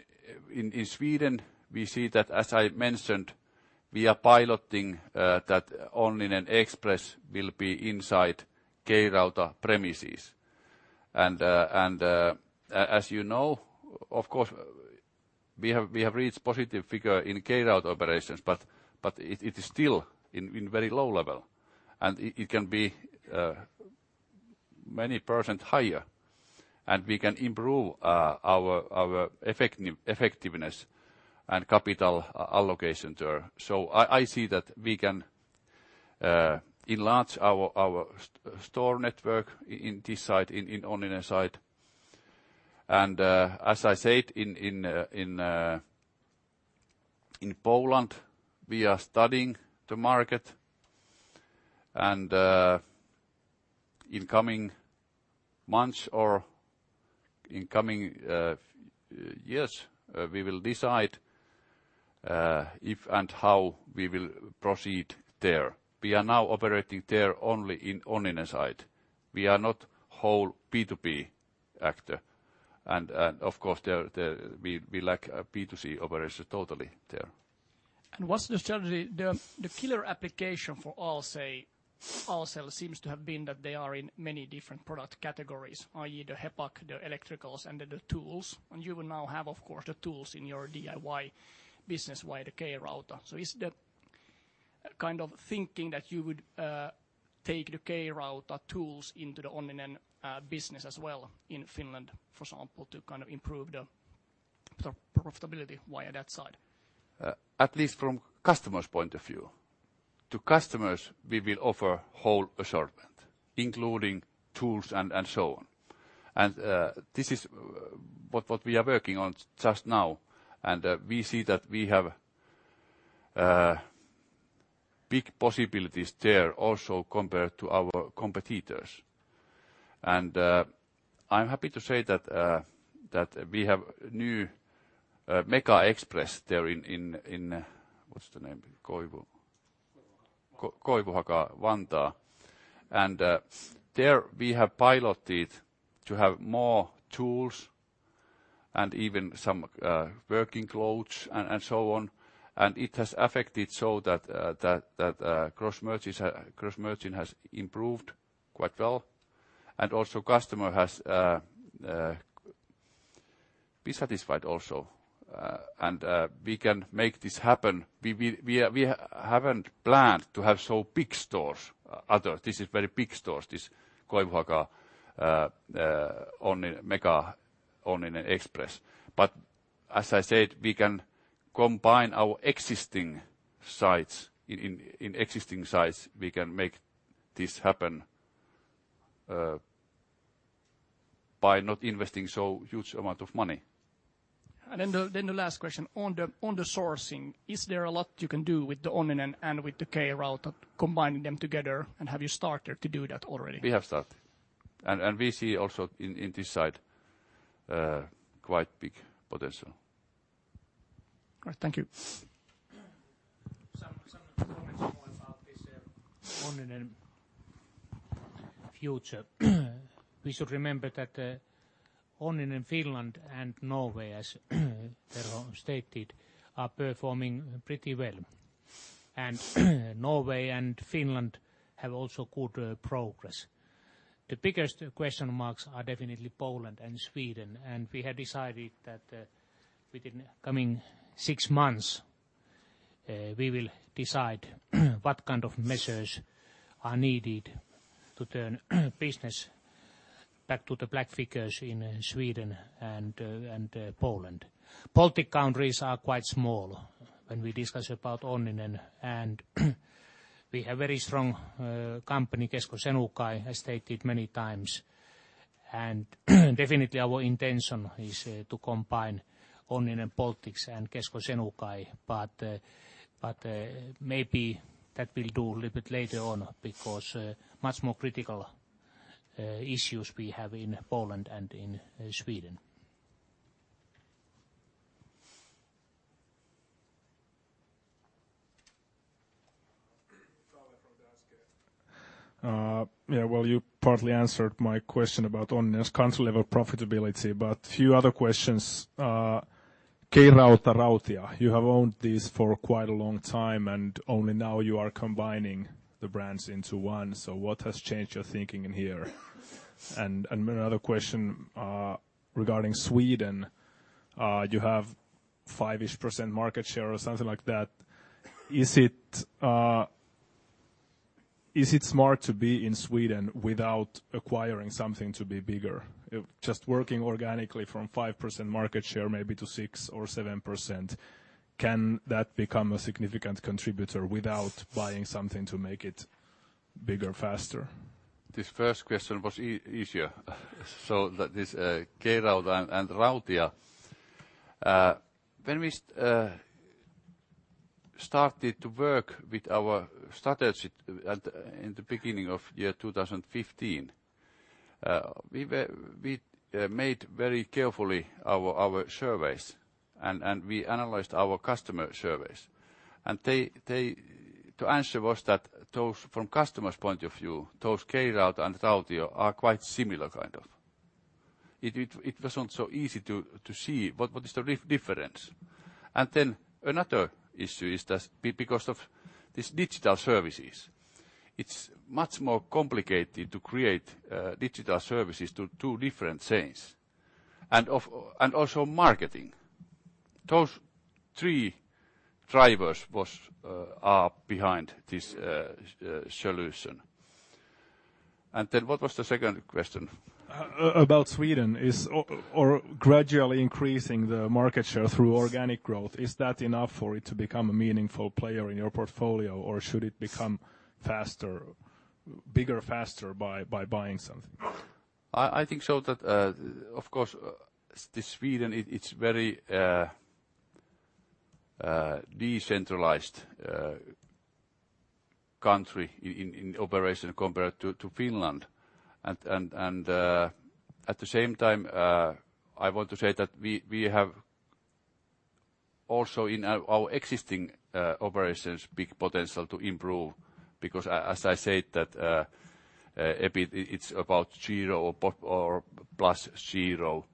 Sweden, we see that, as I mentioned, we are piloting that Onninen Express will be inside K-Rauta premises. As you know, of course, we have reached positive figure in K-Rauta operations, but it is still in very low level, and it can be many percent higher, and we can improve our effectiveness and capital allocation there. I see that we can enlarge our store network in this side, in Onninen side. As I said, in Poland, we are studying the market, and in coming months or in coming years, we will decide if and how we will proceed there. We are now operating there only in Onninen side. We are not whole B2B actor. Of course, we lack a B2C operation totally there. What's the strategy? The killer application for Ahlsell seems to have been that they are in many different product categories, i.e., the HVAC, the electricals, and the tools. You will now have, of course, the tools in your DIY business via the K-Rauta. Is the kind of thinking that you would take the K-Rauta tools into the Onninen business as well in Finland, for example, to improve the profitability via that side? At least from customer's point of view. To customers, we will offer whole assortment, including tools and so on. This is what we are working on just now, and we see that we have big possibilities there also compared to our competitors. I'm happy to say that we have new Mega Express there in, what's the name? Koivuhaka Koivuhaka, Vantaa. There we have piloted to have more tools and even some working clothes and so on. It has affected so that gross margin has improved quite well and also customer has be satisfied also. We can make this happen. We haven't planned to have so big stores. This is very big stores, this Koivuhaka, Onninen Mega, Onninen Express. As I said, we can combine our existing sites. In existing sites we can make this happen by not investing so huge amount of money. Then the last question. On the sourcing, is there a lot you can do with the Onninen and with the K-Rauta combining them together? Have you started to do that already? We have started. We see also in this side quite big potential. All right. Thank you. Some comments more about this Onninen future. We should remember that Onninen Finland and Norway, as Terho stated, are performing pretty well. Norway and Finland have also good progress. The biggest question marks are definitely Poland and Sweden. We have decided that within coming 6 months we will decide what kind of measures are needed to turn business back to the black figures in Sweden and Poland. Baltic countries are quite small when we discuss about Onninen, we have very strong company, Kesko Senukai, as stated many times. Definitely our intention is to combine Onninen Baltics and Kesko Senukai, but maybe that will do a little bit later on because much more critical issues we have in Poland and in Sweden. Kalle from the Danske. Yeah. Well, you partly answered my question about Onninen's country level profitability, but few other questions. K-Rauta, Rautia, you have owned this for quite a long time, only now you are combining the brands into one. What has changed your thinking in here? Another question regarding Sweden. You have five-ish % market share or something like that. Is it smart to be in Sweden without acquiring something to be bigger? Just working organically from 5% market share maybe to 6% or 7%, can that become a significant contributor without buying something to make it bigger faster? This first question was easier. This K-Rauta and Rautia. When we started to work with our strategy in the beginning of year 2015 we made very carefully our surveys and we analyzed our customer surveys. The answer was that from customers' point of view, those K-Rauta and Rautia are quite similar, kind of. It was not so easy to see what is the difference. Another issue is that because of this digital services, it's much more complicated to create digital services to two different chains and also marketing. Those three drivers are behind this solution. What was the second question? About Sweden. Gradually increasing the market share through organic growth, is that enough for it to become a meaningful player in your portfolio or should it become bigger faster by buying something? I think that, of course, this Sweden is very decentralized country in operation compared to Finland. At the same time I want to say that we have also in our existing operations big potential to improve because as I said that EBIT is about 0 or plus 0.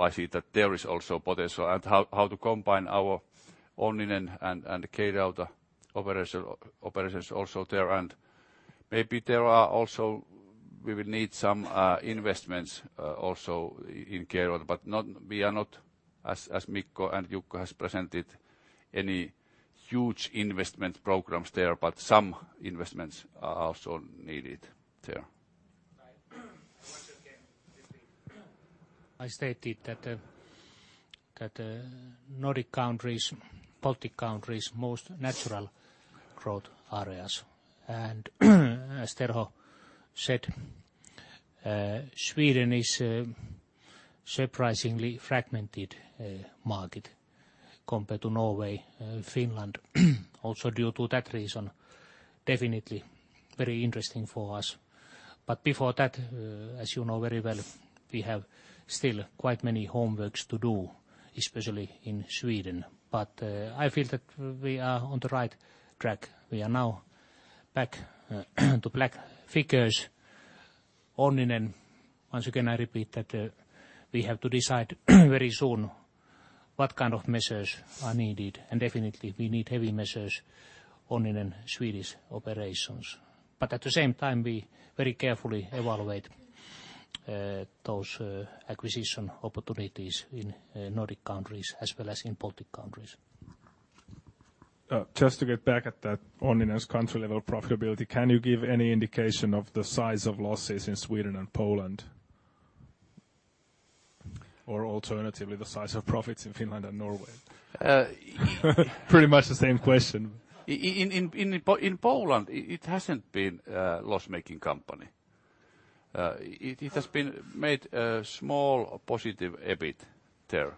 I see that there is also potential and how to combine our Onninen and the K-Rauta operations also there and maybe there are also we will need some investments also in K-Rauta but we are not as Mikko and Jukka Erlund has presented any huge investment programs there but some investments are also needed there. Right. Once again, repeat. I stated that Nordic countries, Baltic countries most natural growth areas and as Terho said Sweden is surprisingly fragmented market compared to Norway, Finland also due to that reason, definitely very interesting for us. Before that, as you know very well, we have still quite many homeworks to do I feel that we are on the right track. We are now back to black figures. Onninen, once again, I repeat that we have to decide very soon what kind of measures are needed, and definitely we need heavy measures on the Swedish operations. At the same time, we very carefully evaluate those acquisition opportunities in Nordic countries as well as in Baltic countries. Just to get back at that Onninen's country-level profitability, can you give any indication of the size of losses in Sweden and Poland? Alternatively, the size of profits in Finland and Norway? Pretty much the same question. In Poland, it hasn't been a loss-making company. It has made a small positive EBIT there.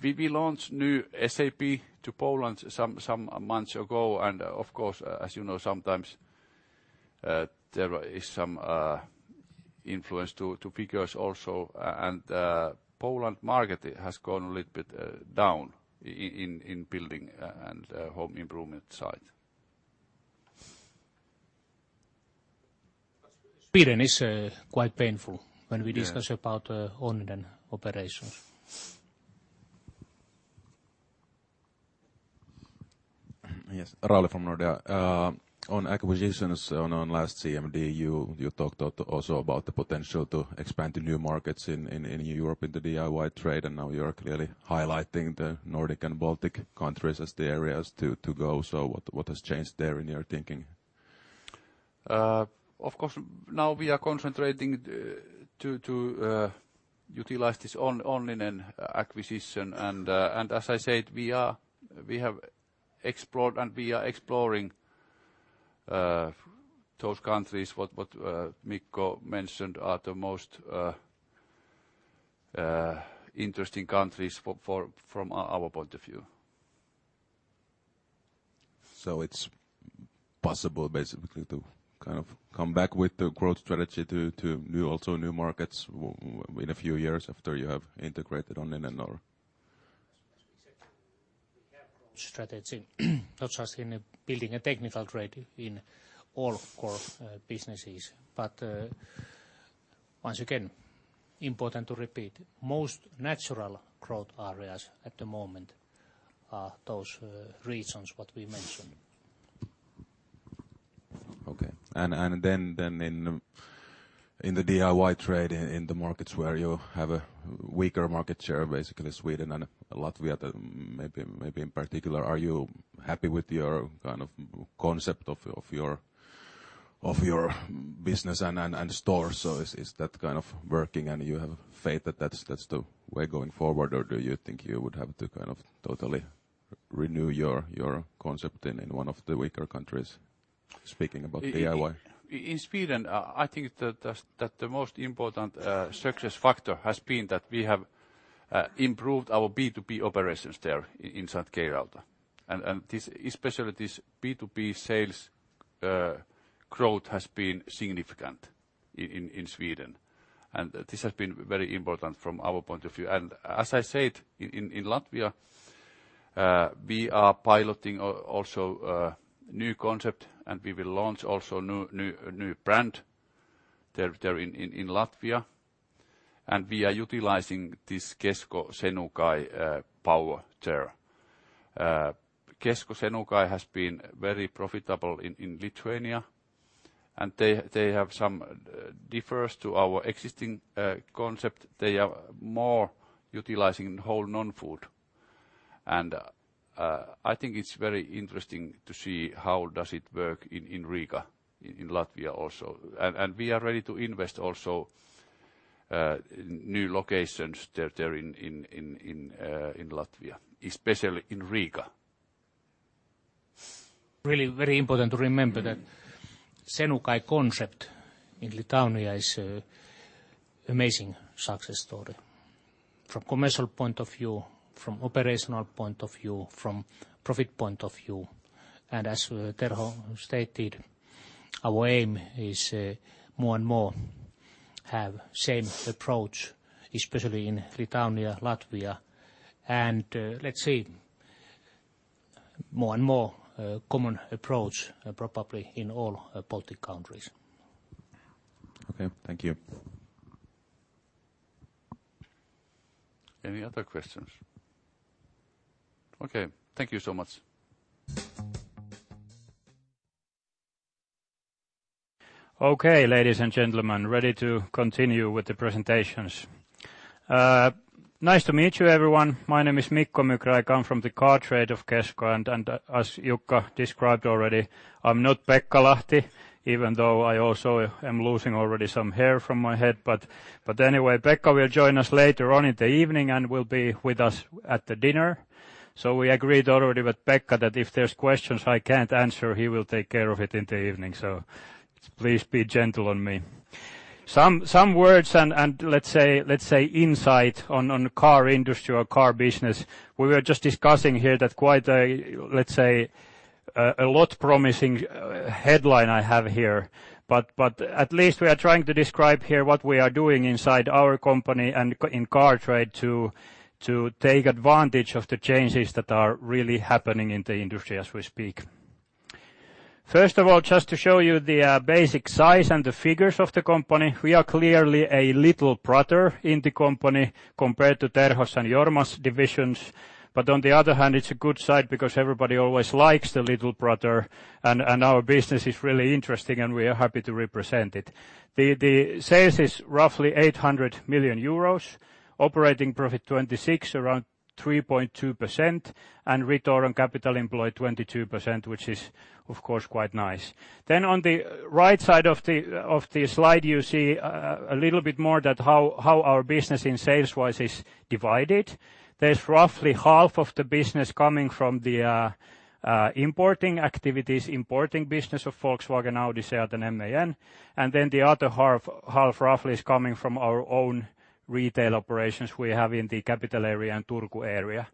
We launched new SAP to Poland some months ago. Of course, as you know, sometimes there is some influence to figures also. Poland market has gone a little bit down in building and home improvement side. Sweden is quite painful when we discuss about Onninen operations. Yes. [Rale] from Nordea. On acquisitions on last CMD, you talked out also about the potential to expand to new markets in Europe in the DIY trade, and now you're clearly highlighting the Nordic and Baltic countries as the areas to go. What has changed there in your thinking? Of course, now we are concentrating to utilize this Onninen acquisition, and as I said, we have explored and we are exploring those countries what Mikko mentioned are the most interesting countries from our point of view. It's possible basically to come back with the growth strategy to also new markets in a few years after you have integrated Onninen or Exactly. We have growth strategy, not just in Building and Technical Trade in all core businesses. Once again, important to repeat, most natural growth areas at the moment are those regions what we mentioned. Okay. In the DIY trade in the markets where you have a weaker market share, basically Sweden and Latvia maybe in particular, are you happy with your concept of your business and stores? Is that working and you have faith that's the way going forward or do you think you would have to totally renew your concept in one of the weaker countries? Speaking about DIY. In Sweden, I think that the most important success factor has been that we have improved our B2B operations there in K-Rauta. Especially this B2B sales growth has been significant in Sweden, and this has been very important from our point of view. As I said, in Latvia we are piloting also a new concept and we will launch also a new brand there in Latvia and we are utilizing this Kesko Senukai power there. Kesko Senukai has been very profitable in Lithuania and they have some differs to our existing concept. They are more utilizing whole non-food. I think it's very interesting to see how does it work in Riga, in Latvia also. We are ready to invest also new locations there in Latvia, especially in Riga. Really very important to remember that Senukai concept in Lithuania is amazing success story from commercial point of view, from operational point of view, from profit point of view. As Terho stated, our aim is more and more have same approach especially in Lithuania, Latvia and let's see more and more common approach probably in all Baltic countries. Okay. Thank you. Any other questions? Thank you so much. Ladies and gentlemen, ready to continue with the presentations. Nice to meet you everyone. My name is Mikko Mykrä. I come from the car trade of Kesko and as Jukka described already, I'm not Pekka Lahti even though I also am losing already some hair from my head but anyway, Pekka will join us later on in the evening and will be with us at the dinner. We agreed already with Pekka that if there's questions I can't answer he will take care of it in the evening. Please be gentle on me. Some words and let's say insight on car industry or car business. We were just discussing here that quite a, let's say A lot promising headline I have here, but at least we are trying to describe here what we are doing inside our company and in car trade to take advantage of the changes that are really happening in the industry as we speak. First of all, just to show you the basic size and the figures of the company, we are clearly a little brother in the company compared to Terho's and Jorma's divisions. On the other hand, it's a good side because everybody always likes the little brother, and our business is really interesting, and we are happy to represent it. The sales is roughly 800 million euros, operating profit 26, around 3.2%, and return on capital employed 22%, which is, of course, quite nice. On the right side of the slide, you see a little bit more that how our business in sales wise is divided. There's roughly half of the business coming from the importing activities, importing business of Volkswagen, Audi, SEAT, and MAN, and then the other half roughly is coming from our own retail operations we have in the capital area and Turku area.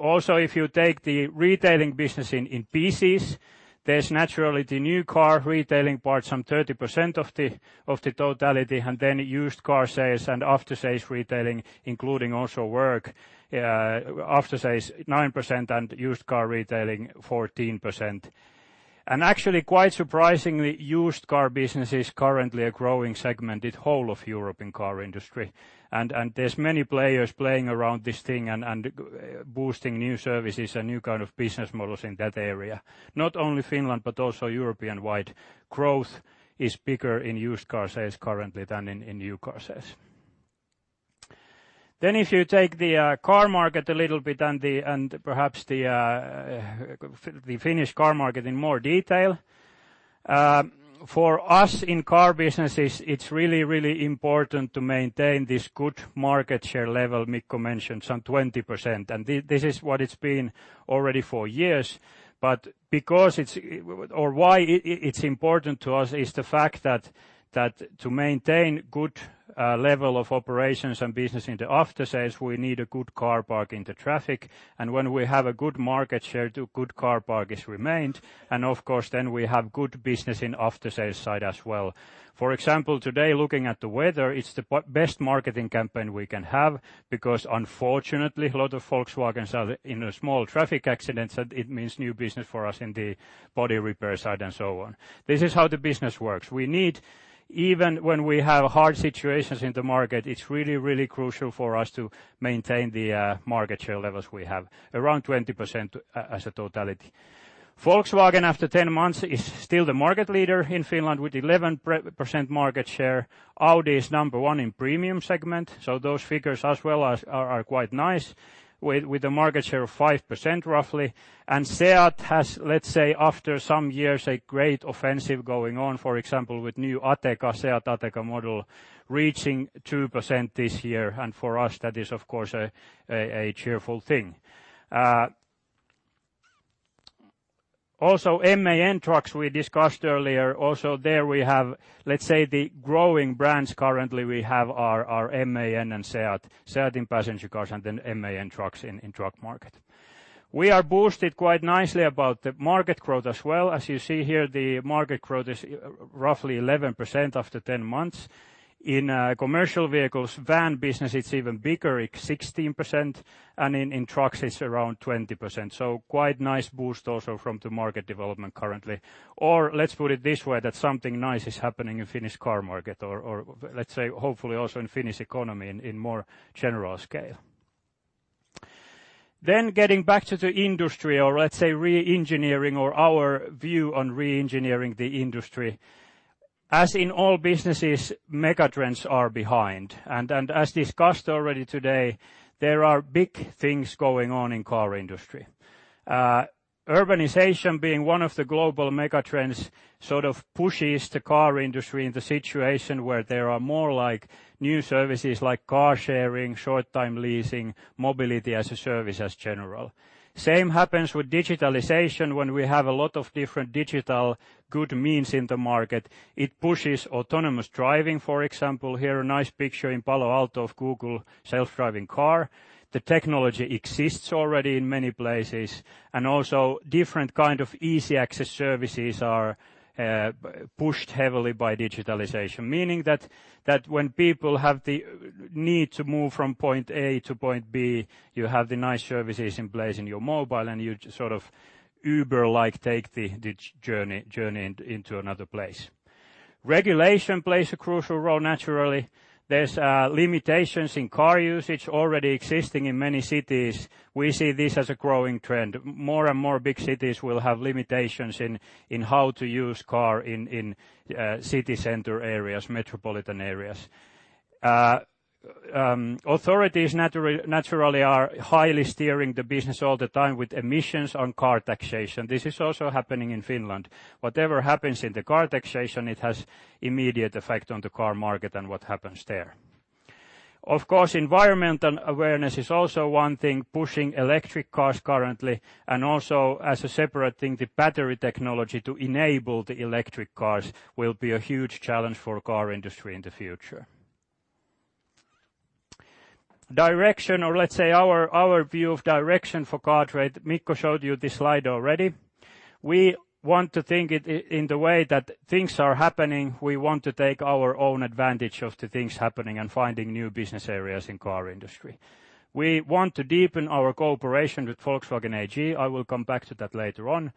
Also if you take the retailing business in pieces, there's naturally the new car retailing part, some 30% of the totality, and then used car sales and after-sales retailing, including also work, after sales 9% and used car retailing 14%. Actually quite surprisingly, used car business is currently a growing segment in whole of European car industry. There's many players playing around this thing and boosting new services and new kind of business models in that area. Not only Finland, but also European-wide growth is bigger in used car sales currently than in new car sales. If you take the car market a little bit and perhaps the Finnish car market in more detail, for us in car businesses, it's really important to maintain this good market share level Mikko mentioned, some 20%, and this is what it's been already for years, but because why it's important to us is the fact that to maintain good level of operations and business in the after-sales, we need a good car park in the traffic, and when we have a good market share, the good car park is remained, and of course, we have good business in after-sales side as well. For example, today looking at the weather, it's the best marketing campaign we can have because unfortunately, a lot of Volkswagens are in a small traffic accidents, and it means new business for us in the body repair side and so on. This is how the business works. We need, even when we have hard situations in the market, it's really crucial for us to maintain the market share levels we have, around 20% as a totality. Volkswagen, after 10 months, is still the market leader in Finland with 11% market share. Audi is number 1 in premium segment, so those figures as well are quite nice with a market share of 5% roughly. SEAT has, let's say, after some years, a great offensive going on, for example, with new Ateca, SEAT Ateca model reaching 2% this year. For us that is, of course, a cheerful thing. Also MAN trucks we discussed earlier. Also there we have, let's say, the growing brands currently we have are MAN and SEAT in passenger cars and then MAN trucks in truck market. We are boosted quite nicely about the market growth as well. As you see here, the market growth is roughly 11% after 10 months. In commercial vehicles, van business, it's even bigger. It's 16%, and in trucks, it's around 20%. Quite nice boost also from the market development currently. Let's put it this way, that something nice is happening in Finnish car market or let's say hopefully also in Finnish economy in more general scale. Getting back to the industry or let's say re-engineering or our view on re-engineering the industry. As in all businesses, mega trends are behind and as discussed already today, there are big things going on in car industry. Urbanization being one of the global mega trends sort of pushes the car industry in the situation where there are more new services like car sharing, short-time leasing, mobility as a service as general. Same happens with digitalization when we have a lot of different digital good means in the market. It pushes autonomous driving, for example. Here a nice picture in Palo Alto of Google self-driving car. The technology exists already in many places, and also different kind of easy access services are pushed heavily by digitalization, meaning that when people have the need to move from point A to point B, you have the nice services in place in your mobile, and you sort of Uber-like take the journey into another place. Regulation plays a crucial role, naturally. There's limitations in car usage already existing in many cities. We see this as a growing trend. More and more big cities will have limitations in how to use car in city center areas, metropolitan areas. Authorities naturally are highly steering the business all the time with emissions on car taxation. This is also happening in Finland. Whatever happens in the car taxation, it has immediate effect on the car market and what happens there. Of course, environmental awareness is also one thing pushing electric cars currently, and also as a separate thing, the battery technology to enable the electric cars will be a huge challenge for car industry in the future. Direction, or let's say our view of direction for Car Trade, Mikko showed you this slide already. We want to think it in the way that things are happening, we want to take our own advantage of the things happening and finding new business areas in car industry. We want to deepen our cooperation with Volkswagen AG. I will come back to that later on.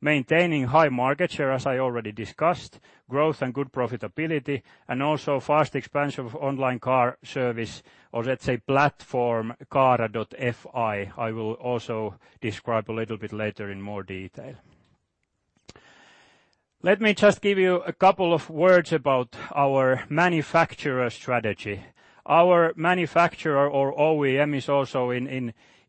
Maintaining high market share, as I already discussed, growth and good profitability, also fast expansion of online car service or let's say platform Caara.fi. I will also describe a little bit later in more detail. Let me just give you a couple of words about our manufacturer strategy. Our manufacturer or OEM is also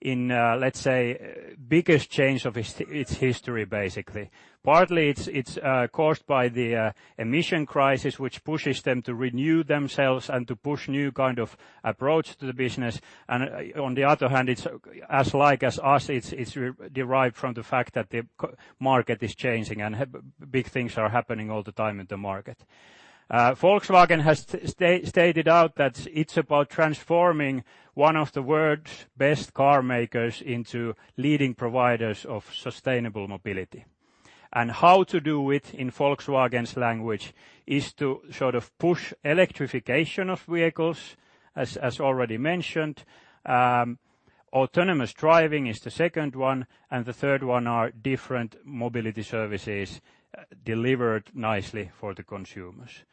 in, let's say, biggest change of its history, basically. Partly it's caused by the emission crisis, which pushes them to renew themselves and to push new kind of approach to the business. On the other hand, as like as us, it's derived from the fact that the market is changing and big things are happening all the time in the market. Volkswagen has stated out that it's about transforming one of the world's best car makers into leading providers of sustainable mobility. How to do it in Volkswagen's language is to sort of push electrification of vehicles, as already mentioned. Autonomous driving is the second one, the third one are different mobility services delivered nicely for the consumers.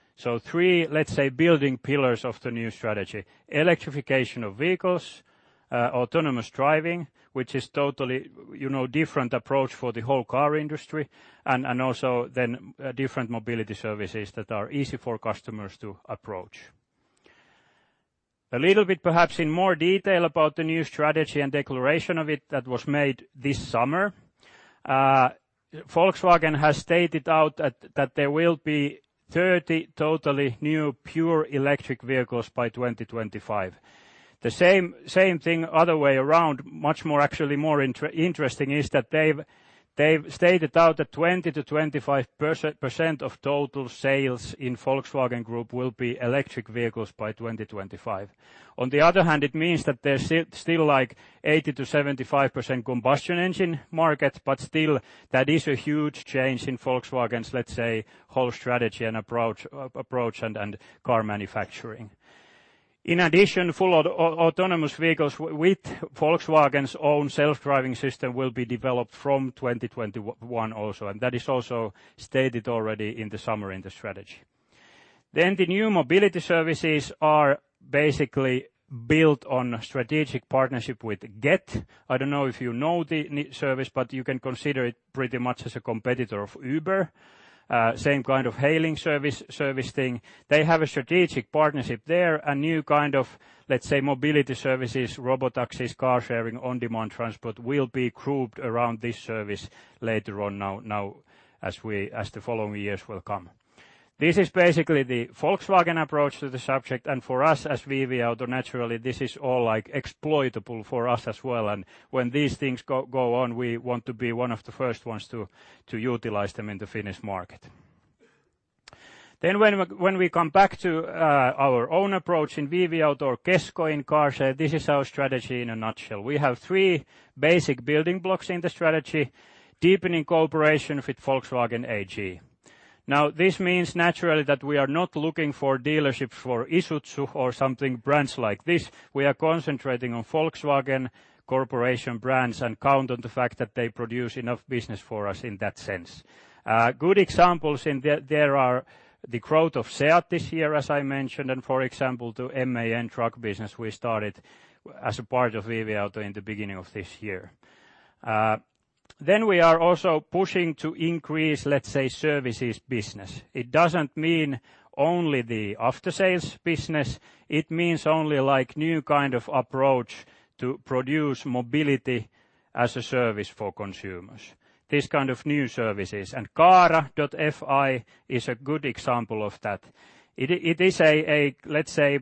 Three, let's say, building pillars of the new strategy, electrification of vehicles, autonomous driving, which is totally different approach for the whole car industry, also then different mobility services that are easy for customers to approach. A little bit perhaps in more detail about the new strategy and declaration of it that was made this summer. Volkswagen has stated out that there will be 30 totally new pure electric vehicles by 2025. The same thing other way around, much more actually more interesting is that they've stated out that 20%-25% of total sales in Volkswagen Group will be electric vehicles by 2025. On the other hand, it means that there's still like 80%-75% combustion engine market, but still, that is a huge change in Volkswagen's, let's say, whole strategy and approach and car manufacturing. In addition, full autonomous vehicles with Volkswagen's own self-driving system will be developed from 2021 also, that is also stated already in the summer in the strategy. The new mobility services are basically built on a strategic partnership with Gett. I don't know if you know the service, but you can consider it pretty much as a competitor of Uber. Same kind of hailing service thing. They have a strategic partnership there, a new kind of, let's say, mobility services, robotaxis, car sharing, on-demand transport will be grouped around this service later on as the following years will come. This is basically the Volkswagen approach to the subject. For us as VV-Auto, naturally, this is all exploitable for us as well. When these things go on, we want to be one of the first ones to utilize them in the Finnish market. When we come back to our own approach in VV-Auto or Kesko in cars, this is our strategy in a nutshell. We have three basic building blocks in the strategy, deepening cooperation with Volkswagen AG. This means naturally that we are not looking for dealerships for Isuzu or something, brands like this. We are concentrating on Volkswagen Group brands and count on the fact that they produce enough business for us in that sense. Good examples in there are the growth of SEAT this year, as I mentioned, for example, to MAN business we started as a part of VV-Auto in the beginning of this year. We are also pushing to increase, let's say, services business. It doesn't mean only the aftersales business. It means only new kind of approach to produce mobility as a service for consumers. This kind of new services. Caara.fi is a good example of that. It is a, let's say,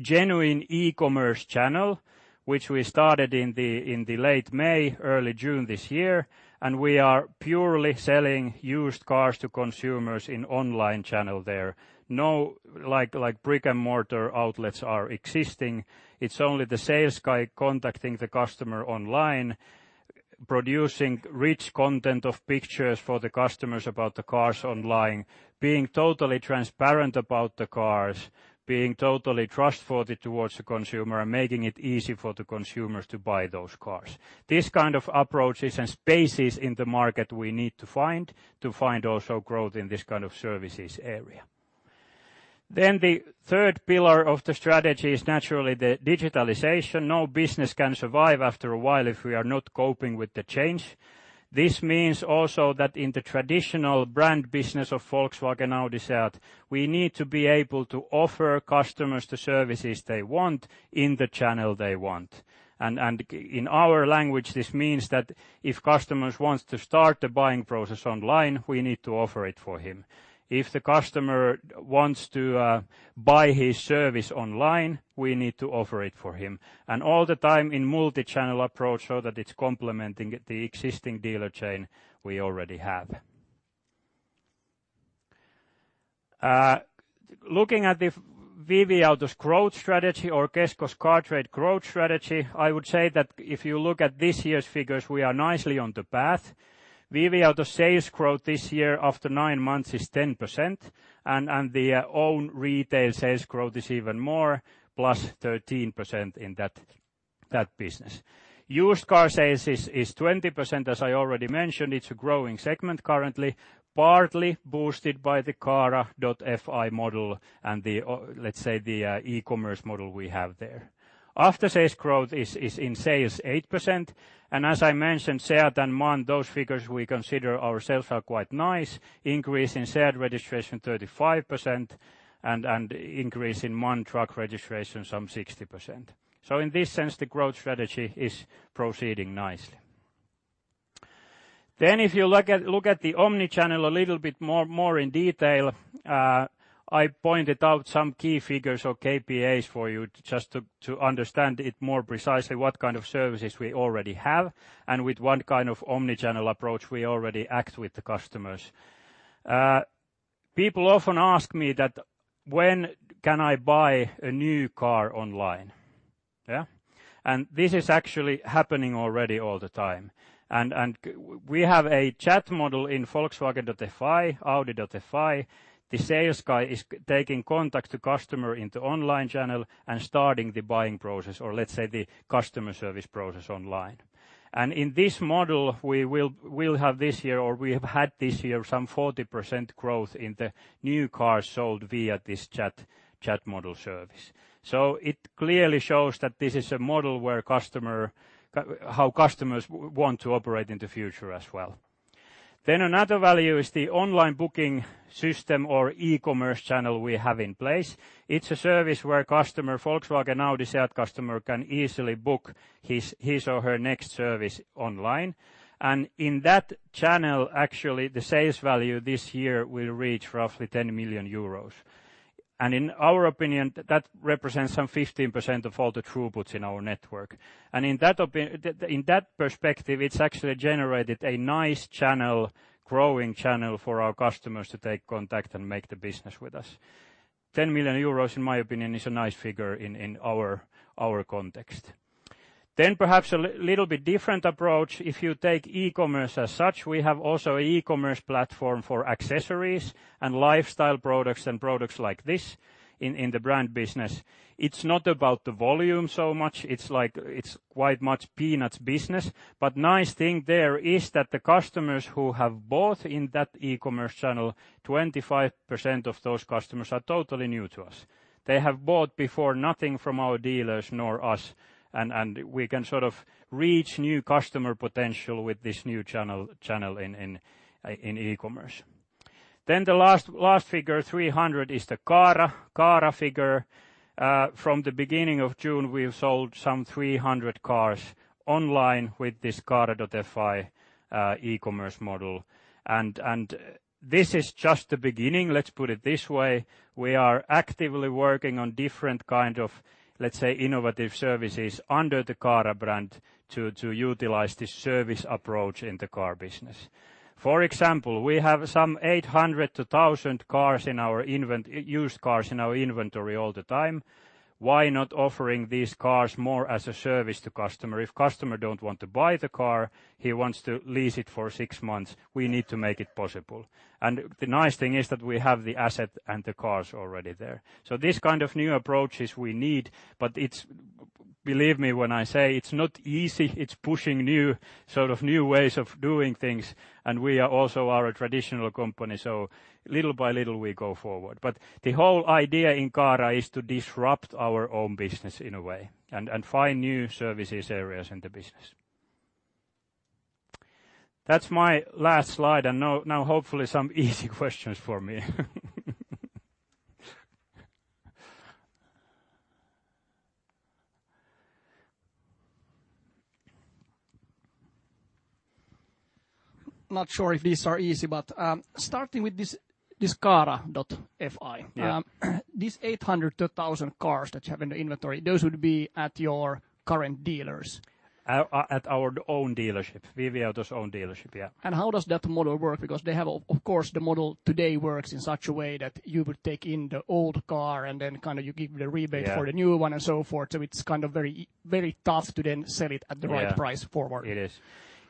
genuine e-commerce channel, which we started in the late May, early June this year. We are purely selling used cars to consumers in online channel there. No brick and mortar outlets are existing. It's only the sales guy contacting the customer online, producing rich content of pictures for the customers about the cars online, being totally transparent about the cars, being totally trustworthy towards the consumer, making it easy for the consumers to buy those cars. This kind of approaches and spaces in the market we need to find to find also growth in this kind of services area. The third pillar of the strategy is naturally the digitalization. No business can survive after a while if we are not coping with the change. This means also that in the traditional brand business of Volkswagen, Audi, SEAT, we need to be able to offer customers the services they want in the channel they want. In our language, this means that if customers wants to start the buying process online, we need to offer it for him. If the customer wants to buy his service online, we need to offer it for him. All the time in multi-channel approach so that it's complementing the existing dealer chain we already have. Looking at the VV-Auto's growth strategy or Kesko's car trade growth strategy, I would say that if you look at this year's figures, we are nicely on the path. VV-Auto's sales growth this year after nine months is 10%, and their own retail sales growth is even more, plus 13% in that business. Used car sales is 20%, as I already mentioned. It's a growing segment currently, partly boosted by the Caara.fi model and let's say the e-commerce model we have there. After-sales growth is in sales 8%, as I mentioned, SEAT and MAN, those figures we consider ourselves are quite nice, increase in SEAT registration 35% and increase in MAN truck registration some 60%. In this sense, the growth strategy is proceeding nicely. If you look at the omni-channel a little bit more in detail, I pointed out some key figures or KPIs for you just to understand it more precisely what kind of services we already have and with what kind of omni-channel approach we already act with the customers. People often ask me, "When can I buy a new car online?" This is actually happening already all the time. We have a chat model in volkswagen.fi, audi.fi. The sales guy is taking contact to customer into online channel and starting the buying process, or let's say the customer service process online. In this model, we'll have this year or we have had this year some 40% growth in the new cars sold via this chat model service. It clearly shows that this is a model how customers want to operate in the future as well. Another value is the online booking system or e-commerce channel we have in place. It's a service where customer, Volkswagen, Audi, SEAT customer can easily book his or her next service online. In that channel, actually, the sales value this year will reach roughly 10 million euros. In our opinion, that represents some 15% of all the throughputs in our network. In that perspective, it's actually generated a nice channel, growing channel for our customers to take contact and make the business with us. 10 million euros, in my opinion, is a nice figure in our context. Perhaps a little bit different approach, if you take e-commerce as such, we have also an e-commerce platform for accessories and lifestyle products and products like this in the brand business. It's not about the volume so much. It's quite much peanuts business, but nice thing there is that the customers who have bought in that e-commerce channel, 25% of those customers are totally new to us. They have bought before nothing from our dealers nor us, and we can sort of reach new customer potential with this new channel in e-commerce. The last figure, 300, is the Caara figure. From the beginning of June, we've sold some 300 cars online with this Caara.fi e-commerce model. This is just the beginning, let's put it this way. We are actively working on different kind of, let's say, innovative services under the Caara brand to utilize this service approach in the car business. For example, we have some 800 to 1,000 used cars in our inventory all the time. Why not offering these cars more as a service to customer? If customer don't want to buy the car, he wants to lease it for six months, we need to make it possible. The nice thing is that we have the asset and the cars already there. This kind of new approaches we need, but believe me when I say it's not easy. It's pushing sort of new ways of doing things, and we are also a traditional company, little by little we go forward. The whole idea in Caara is to disrupt our own business in a way and find new service areas in the business. That is my last slide, hopefully some easy questions for me. Not sure if these are easy, but starting with this Caara.fi. Yeah. These 800 to 1,000 cars that you have in the inventory, those would be at your current dealers? At our own dealership, VV-Auto's own dealership, yeah. How does that model work? Of course, the model today works in such a way that you would take in the old car and then kind of you give the rebate- Yeah for the new one and so forth. It's kind of very tough to then sell it at the right price forward. Yeah, it is.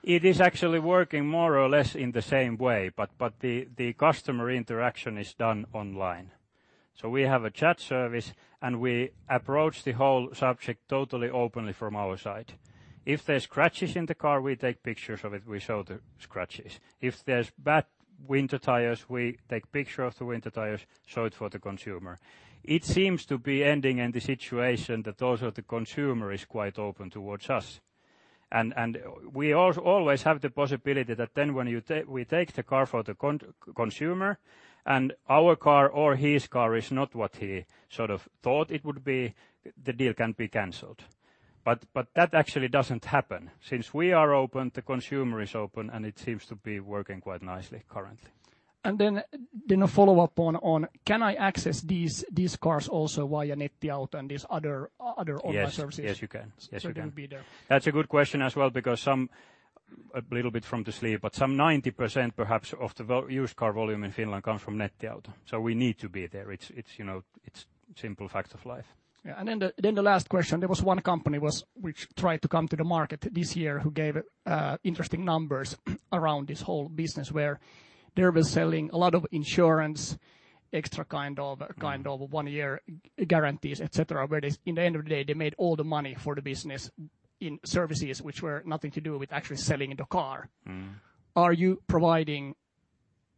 It is actually working more or less in the same way, but the customer interaction is done online. We have a chat service, and we approach the whole subject totally openly from our side. If there's scratches in the car, we take pictures of it, we show the scratches. If there's bad winter tires, we take picture of the winter tires, show it for the consumer. It seems to be ending in the situation that also the consumer is quite open towards us. We always have the possibility that then when we take the car for the consumer and our car or his car is not what he sort of thought it would be, the deal can be canceled. That actually doesn't happen. Since we are open, the consumer is open, and it seems to be working quite nicely currently. Then a follow-up on, can I access these cars also via Nettiauto and these other online services? Yes. Yes, you can. Yes, you can. It will be there. That's a good question as well because some a little bit from the sleeve, but 90%, perhaps, of the used car volume in Finland comes from Nettiauto, so we need to be there. It's a simple fact of life. Yeah. The last question, there was one company which tried to come to the market this year who gave interesting numbers around this whole business where they were selling a lot of insurance, extra kind of one-year guarantees, et cetera, where at the end of the day, they made all the money for the business in services which were nothing to do with actually selling the car. Are you providing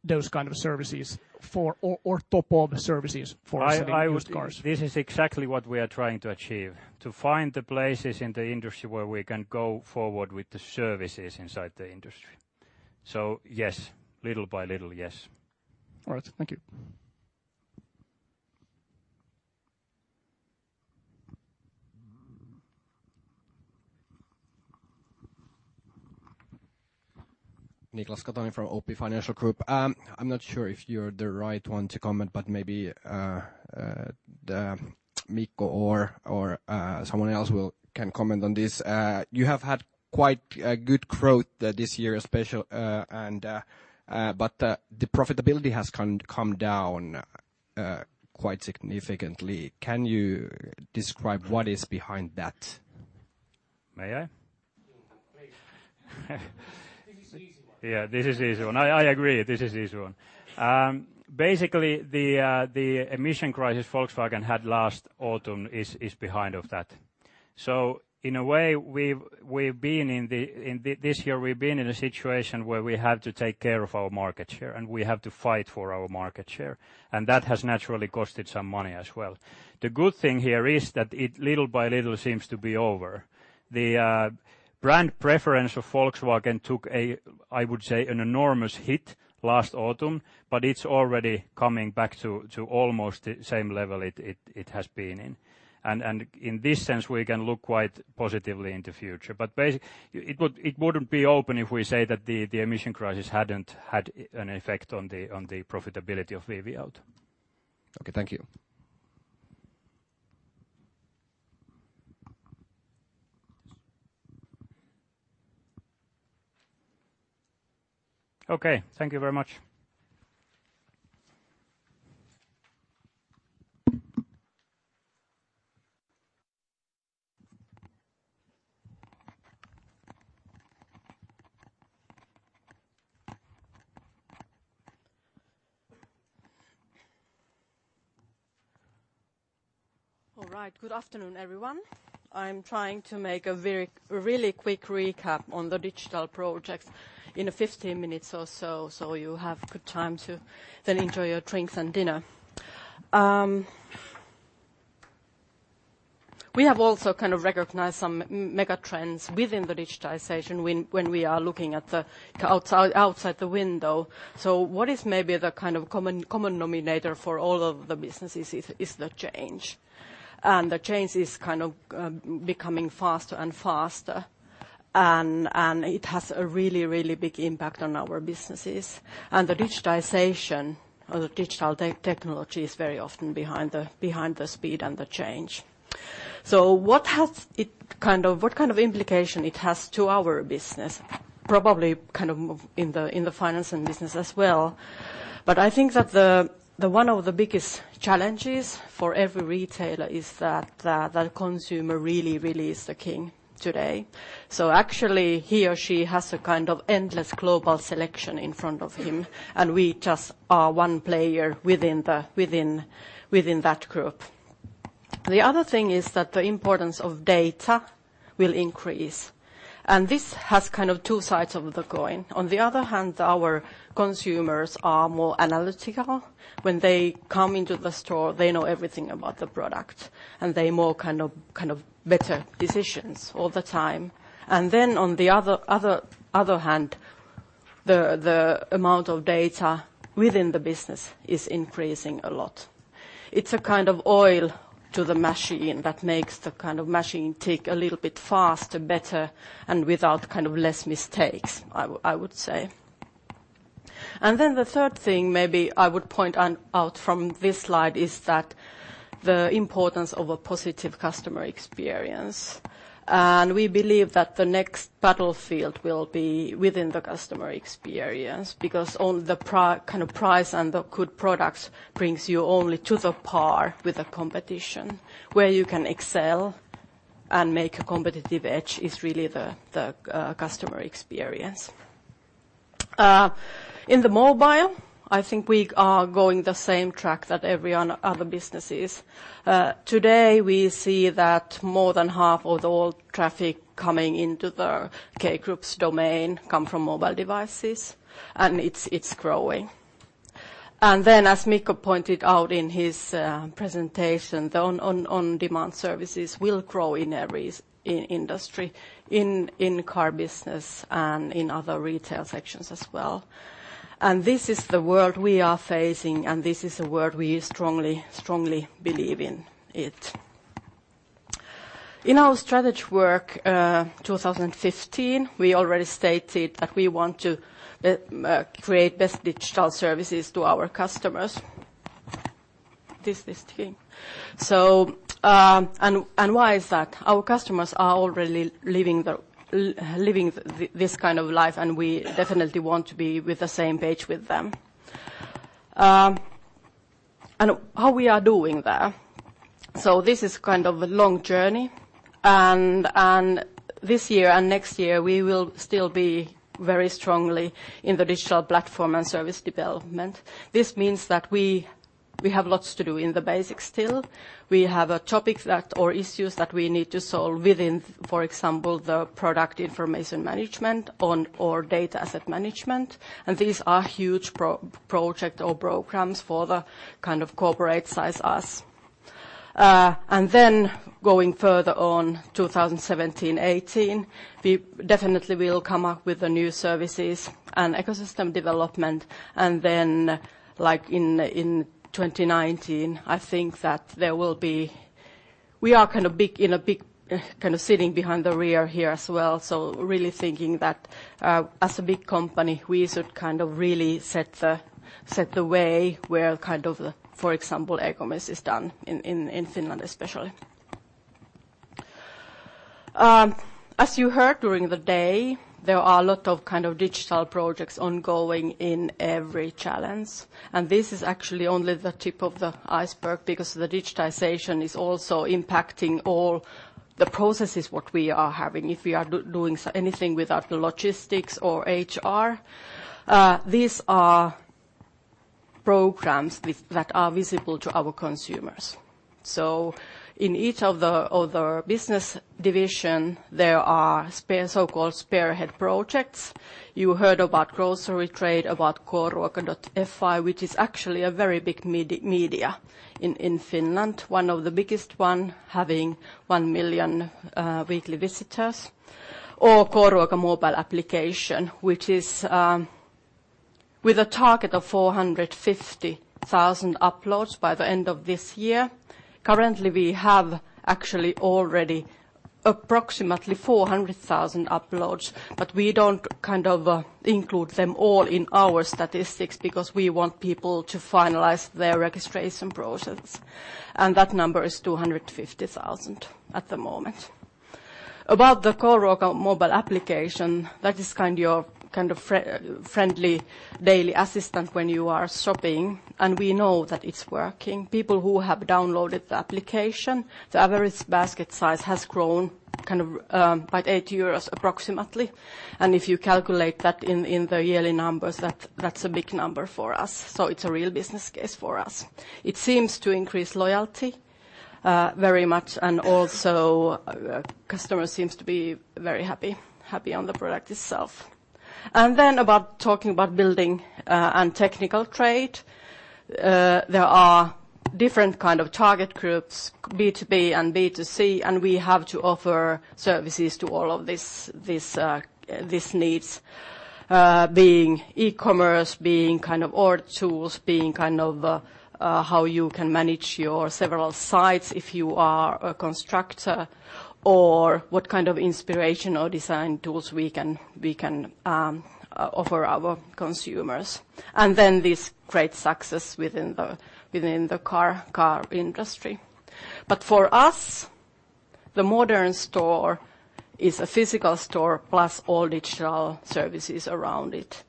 those kind of services or top of services for selling used cars? This is exactly what we are trying to achieve, to find the places in the industry where we can go forward with the services inside the industry. Yes, little by little, yes. All right. Thank you. Niklas Katonen from OP Financial Group. I'm not sure if you're the right one to comment, but maybe Mikko or someone else can comment on this. You have had quite good growth this year, but the profitability has come down quite significantly. Can you describe what is behind that? May I? Please. This is the easy one. Yeah, this is easy one. I agree, this is easy one. Basically, the emission crisis Volkswagen had last autumn is behind of that. In a way, this year we've been in a situation where we have to take care of our market share, and we have to fight for our market share, and that has naturally costed some money as well. The good thing here is that it little by little seems to be over. The brand preference of Volkswagen took, I would say, an enormous hit last autumn, but it's already coming back to almost the same level it has been in. In this sense, we can look quite positively in the future. It wouldn't be open if we say that the emission crisis hadn't had an effect on the profitability of VV-Auto. Okay. Thank you. Okay. Thank you very much. All right. Good afternoon, everyone. I'm trying to make a really quick recap on the digital projects in 15 minutes or so you have good time to then enjoy your drinks and dinner. We have also recognized some mega trends within the digitization when we are looking outside the window. What is maybe the kind of common nominator for all of the businesses is the change. The change is becoming faster and faster. It has a really, really big impact on our businesses. The digitization or the digital technology is very often behind the speed and the change. What kind of implication it has to our business, probably in the finance and business as well. I think that one of the biggest challenges for every retailer is that the consumer really, really is the king today. Actually, he or she has a kind of endless global selection in front of him, and we just are one player within that group. The other thing is that the importance of data will increase, and this has two sides of the coin. On the other hand, our consumers are more analytical. When they come into the store, they know everything about the product, and they more kind of make better decisions all the time. On the other hand, the amount of data within the business is increasing a lot. It's a kind of oil to the machine that makes the machine tick a little bit faster, better, and with less mistakes, I would say. The third thing maybe I would point out from this slide is that the importance of a positive customer experience. We believe that the next battlefield will be within the customer experience because all the price and the good products brings you only to the par with the competition. Where you can excel and make a competitive edge is really the customer experience. In the mobile, I think we are going the same track that every other business is. Today, we see that more than half of all traffic coming into the K Group's domain come from mobile devices, and it's growing. As Mikko pointed out in his presentation, the on-demand services will grow in every industry, in car business and in other retail sections as well. This is the world we are facing, and this is the world we strongly believe in it. In our strategy work 2015, we already stated that we want to create best digital services to our customers. Why is that? Our customers are already living this kind of life. We definitely want to be with the same page with them. How we are doing there, this is kind of a long journey. This year and next year, we will still be very strongly in the digital platform and service development. This means that we have lots to do in the basics still. We have a topic or issues that we need to solve within, for example, the product information management or data asset management. These are huge project or programs for the kind of corporate size as us. Going further on 2017-2018, we definitely will come up with the new services and ecosystem development. In 2019, I think that we are kind of sitting behind the rear here as well, really thinking that, as a big company, we should kind of really set the way where, for example, e-commerce is done in Finland, especially. As you heard during the day, there are a lot of digital projects ongoing in every challenge. This is actually only the tip of the iceberg because the digitization is also impacting all the processes what we are having. If we are doing anything with our logistics or HR, these are programs that are visible to our consumers. In each of the other business division, there are so-called spearhead projects. You heard about grocery trade, about K-Ruoka.fi, which is actually a very big media in Finland, one of the biggest one, having 1 million weekly visitors, or K-Ruoka mobile application, with a target of 450,000 uploads by the end of this year. Currently, we have actually already approximately 400,000 uploads. We don't include them all in our statistics because we want people to finalize their registration process, and that number is 250,000 at the moment. About the K-Ruoka mobile application, that is kind of your friendly daily assistant when you are shopping. We know that it's working. People who have downloaded the application, the average basket size has grown by 8 euros approximately. If you calculate that in the yearly numbers, that's a big number for us. It's a real business case for us. It seems to increase loyalty very much. Also customer seems to be very happy on the product itself. Talking about building and technical trade, there are different kind of target groups, B2B and B2C. We have to offer services to all of these needs, being e-commerce, being kind of order tools, being kind of how you can manage your several sites if you are a constructor, or what kind of inspiration or design tools we can offer our consumers. This great success within the car industry. For us, the modern store is a physical store plus all digital services around it.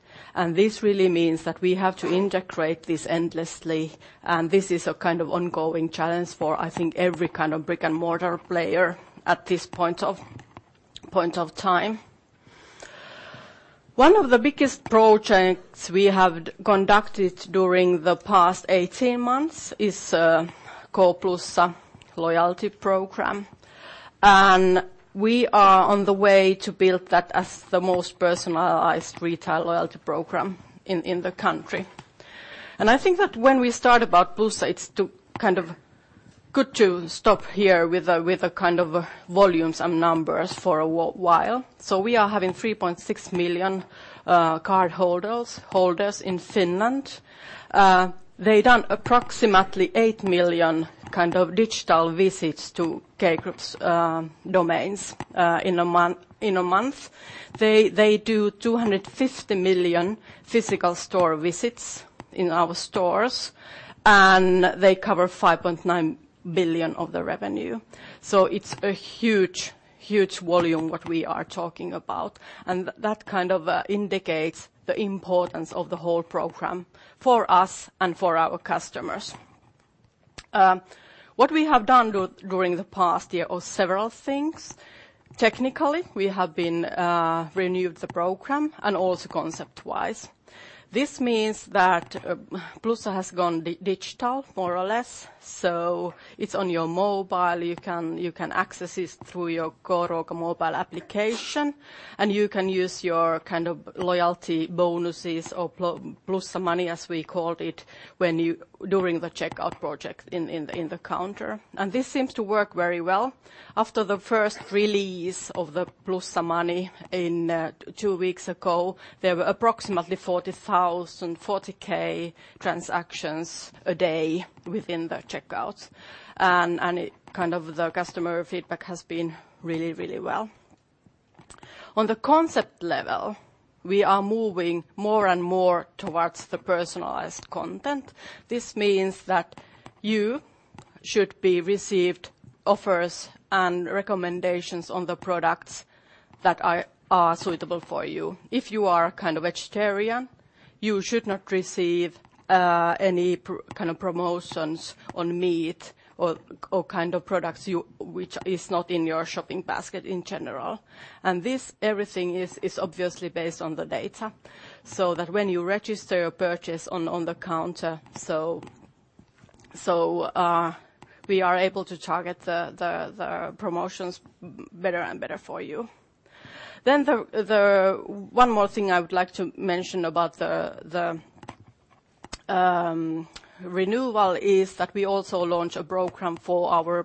This really means that we have to integrate this endlessly. This is a kind of ongoing challenge for, I think, every kind of brick-and-mortar player at this point of time. One of the biggest projects we have conducted during the past 18 months is K-Plussa loyalty program. We are on the way to build that as the most personalized retail loyalty program in the country. I think that when we start about Plussa, it's kind of good to stop here with the kind of volumes and numbers for a while. We are having 3.6 million card holders in Finland. They done approximately 8 million kind of digital visits to K Group's domains in a month. They do 250 million physical store visits in our stores, and they cover 5.9 billion of the revenue. It's a huge volume what we are talking about, and that kind of indicates the importance of the whole program for us and for our customers. What we have done during the past year are several things. Technically, we have renewed the program and also concept-wise. This means that Plussa has gone digital more or less, so it's on your mobile. You can access it through your K-Ruoka mobile application, and you can use your kind of loyalty bonuses or Plussa money, as we called it, during the checkout project in the counter. This seems to work very well. After the first release of the Plussa money two weeks ago, there were approximately 40,000 transactions a day within the checkouts. The customer feedback has been really well. On the concept level, we are moving more and more towards the personalized content. This means that you should be received offers and recommendations on the products that are suitable for you. If you are vegetarian, you should not receive any promotions on meat or products which is not in your shopping basket in general. Everything is obviously based on the data, so that when you register a purchase on the counter, we are able to target the promotions better and better for you. The one more thing I would like to mention about the renewal is that we also launch a program for our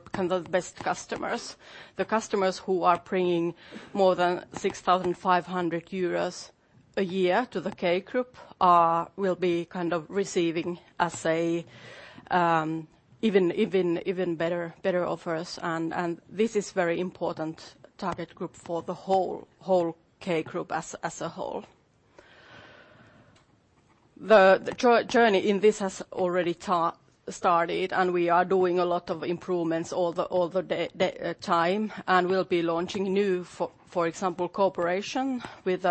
best customers. The customers who are bringing more than 6,500 euros a year to the K Group will be receiving even better offers and this is very important target group for the whole K Group as a whole. The journey in this has already started, and we are doing a lot of improvements all the time, and we'll be launching new, for example, cooperation with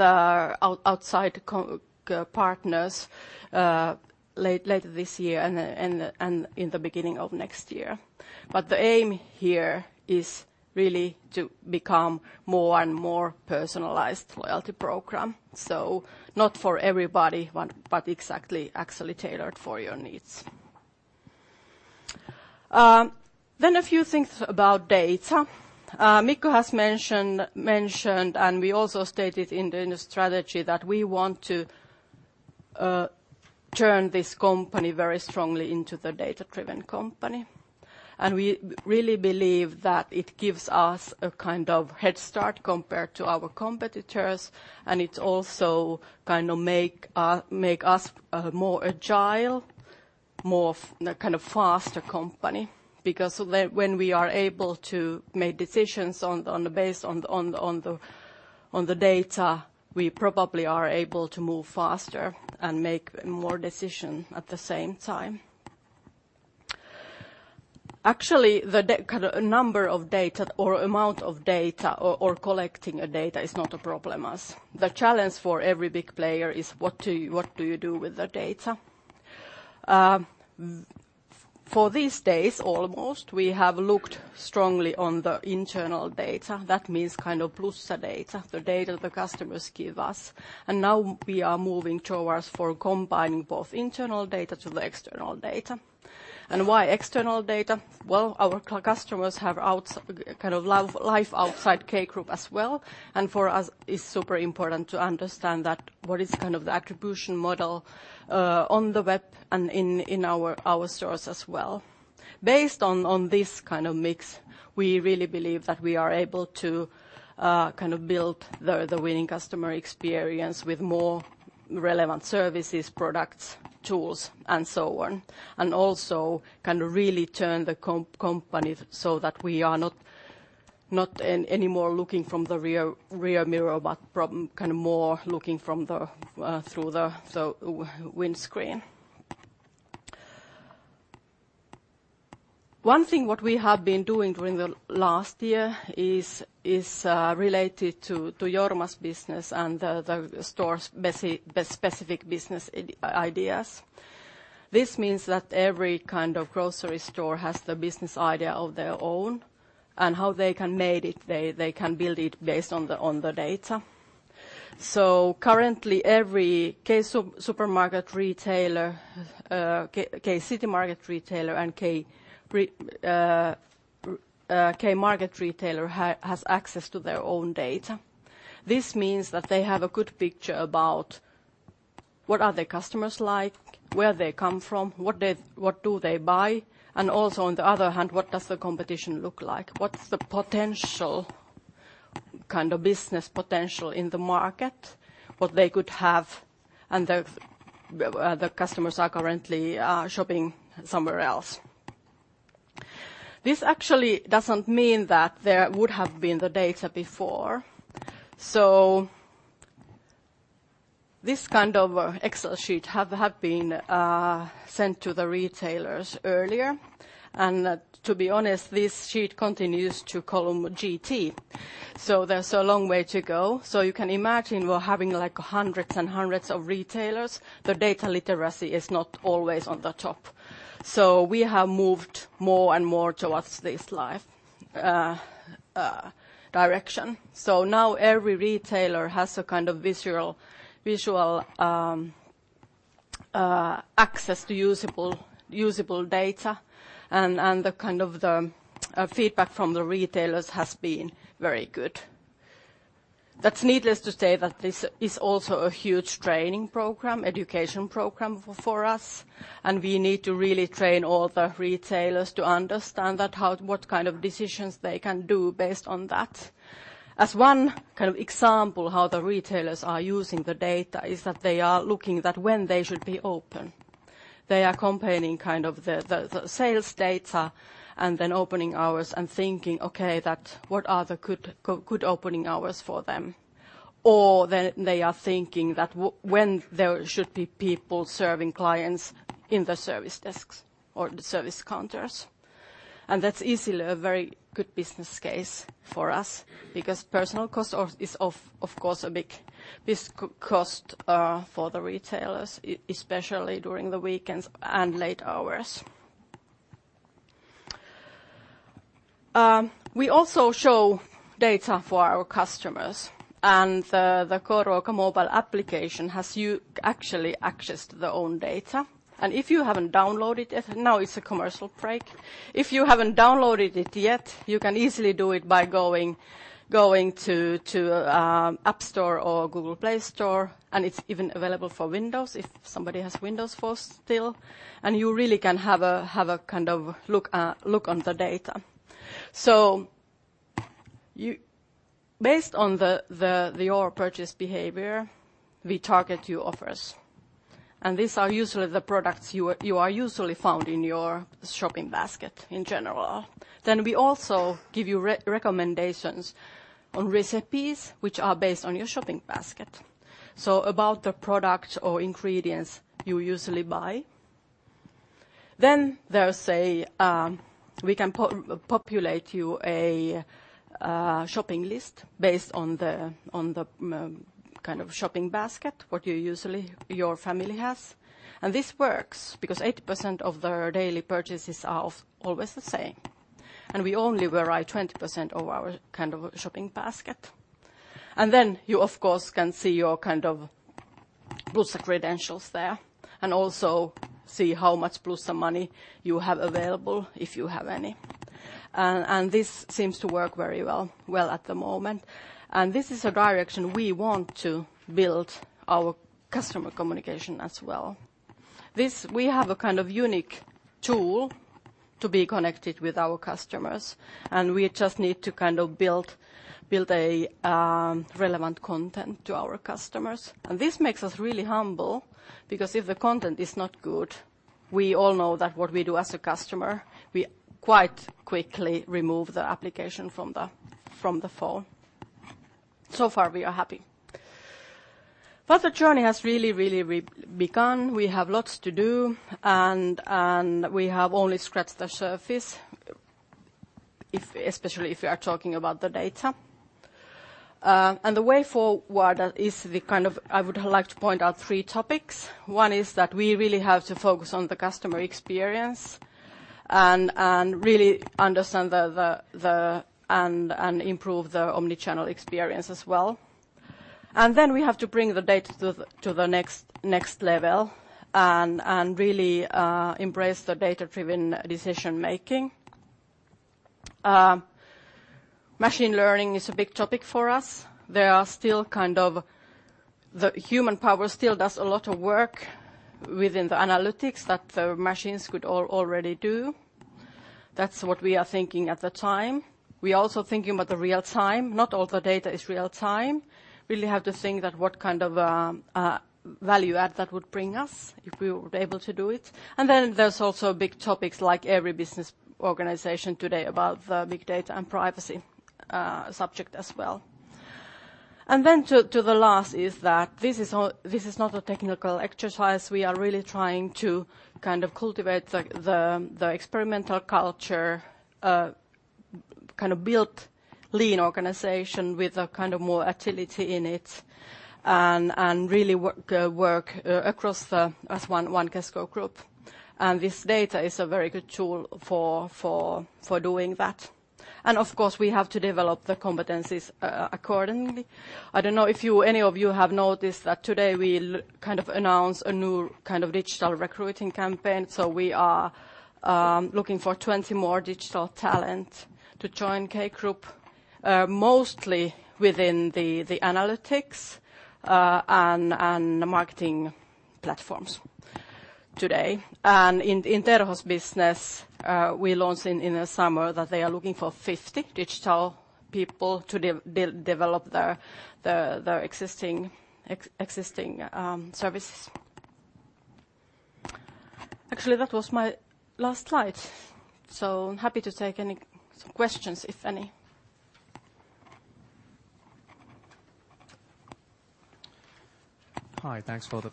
outside partners later this year and in the beginning of next year. The aim here is really to become more and more personalized loyalty program. Not for everybody, but exactly actually tailored for your needs. A few things about data. Mikko has mentioned, and we also stated in the strategy that we want to turn this company very strongly into the data-driven company. We really believe that it gives us a head start compared to our competitors, and it also make us more agile, more faster company, because when we are able to make decisions based on the data, we probably are able to move faster and make more decision at the same time. Actually, the number of data or amount of data or collecting a data is not a problem as the challenge for every big player is what do you do with the data? For these days, almost, we have looked strongly on the internal data. That means Plussa data, the data the customers give us. Now we are moving towards combining both internal data to the external data. Why external data? Our customers have life outside K Group as well, and for us, it's super important to understand what is the attribution model on the web and in our stores as well. Based on this kind of mix, we really believe that we are able to build the winning customer experience with more relevant services, products, tools, and so on. Also really turn the company so that we are not any more looking from the rear mirror, but more looking through the windscreen. One thing what we have been doing during the last year is related to Jorma's business and the stores' specific business ideas. This means that every grocery store has the business idea of their own, and how they can build it based on the data. Currently, every K-Supermarket retailer, K-Citymarket retailer, and K-Market retailer has access to their own data. This means that they have a good picture about what are their customers like, where they come from, what do they buy, and also on the other hand, what does the competition look like? What's the potential business potential in the market, what they could have and the customers are currently shopping somewhere else. This actually doesn't mean that there would have been the data before. This kind of Excel sheet has been sent to the retailers earlier. To be honest, this sheet continues to column GT. There's a long way to go. You can imagine we're having hundreds and hundreds of retailers. The data literacy is not always on the top. We have moved more and more towards this live direction. Now every retailer has a kind of visual access to usable data and the feedback from the retailers has been very good. That's needless to say that this is also a huge training program, education program for us, and we need to really train all the retailers to understand what kind of decisions they can do based on that. As one example how the retailers are using the data is that they are looking when they should be open. They are comparing the sales data and opening hours and thinking, "Okay, what are the good opening hours for them?" Or they are thinking when there should be people serving clients in the service desks or the service counters. That's easily a very good business case for us because personal cost is, of course, a big cost for the retailers, especially during the weekends and late hours. We also show data for our customers, and the K-Ruoka mobile application has you actually access their own data. If you haven't downloaded it, now it's a commercial break. If you haven't downloaded it yet, you can easily do it by going to App Store or Google Play Store, and it's even available for Windows if somebody has Windows first still, and you really can have a look on the data. Based on your purchase behavior, we target you offers. These are usually the products you are usually found in your shopping basket in general. We also give you recommendations on recipes which are based on your shopping basket. About the product or ingredients you usually buy. We can populate you a shopping list based on the shopping basket, what usually your family has. This works because 80% of their daily purchases are always the same. We only vary 20% of our shopping basket. You, of course, can see your Plussa credentials there, and also see how much Plussa money you have available, if you have any. This seems to work very well at the moment. This is a direction we want to build our customer communication as well. We have a unique tool to be connected with our customers, and we just need to build a relevant content to our customers. This makes us really humble, because if the content is not good, we all know that what we do as a customer, we quite quickly remove the application from the phone. So far, we are happy. The journey has really begun. We have lots to do, and we have only scratched the surface, especially if you are talking about the data. The way forward is, I would like to point out three topics. One is that we really have to focus on the customer experience and really understand and improve the omnichannel experience as well. We have to bring the data to the next level and really embrace the data-driven decision-making. Machine learning is a big topic for us. The human power still does a lot of work within the analytics that the machines could already do. That's what we are thinking at the time. We're also thinking about the real-time. Not all the data is real-time. Really have to think that what kind of value add that would bring us if we were able to do it. There's also big topics like every business organization today about the big data and privacy subject as well. To the last is that this is not a technical exercise. We are really trying to cultivate the experimental culture, build lean organization with more activity in it and really work across as one Kesko Group. This data is a very good tool for doing that. Of course, we have to develop the competencies accordingly. I don't know if any of you have noticed that today we'll announce a new digital recruiting campaign. We are looking for 20 more digital talent to join K Group, mostly within the analytics and marketing platforms today. In Terho's business, we're launching in the summer that they are looking for 50 digital people to develop their existing services. Actually, that was my last slide. Happy to take some questions, if any. Hi, thanks for the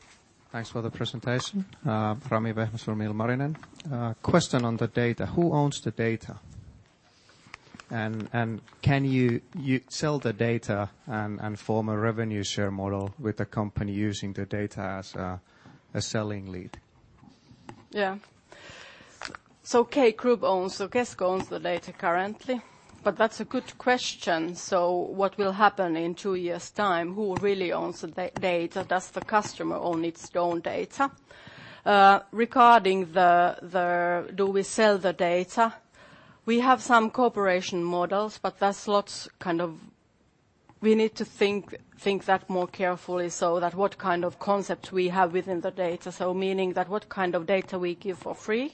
presentation. Rami Vehmas from Ilmarinen. Question on the data, who owns the data? Can you sell the data and form a revenue share model with the company using the data as a selling lead? Yeah. K Group owns, so Kesko owns the data currently. That's a good question, so what will happen in two years' time? Who really owns the data? Does the customer own its own data? Regarding do we sell the data, we have some cooperation models, we need to think that more carefully so that what kind of concept we have within the data, so meaning that what kind of data we give for free.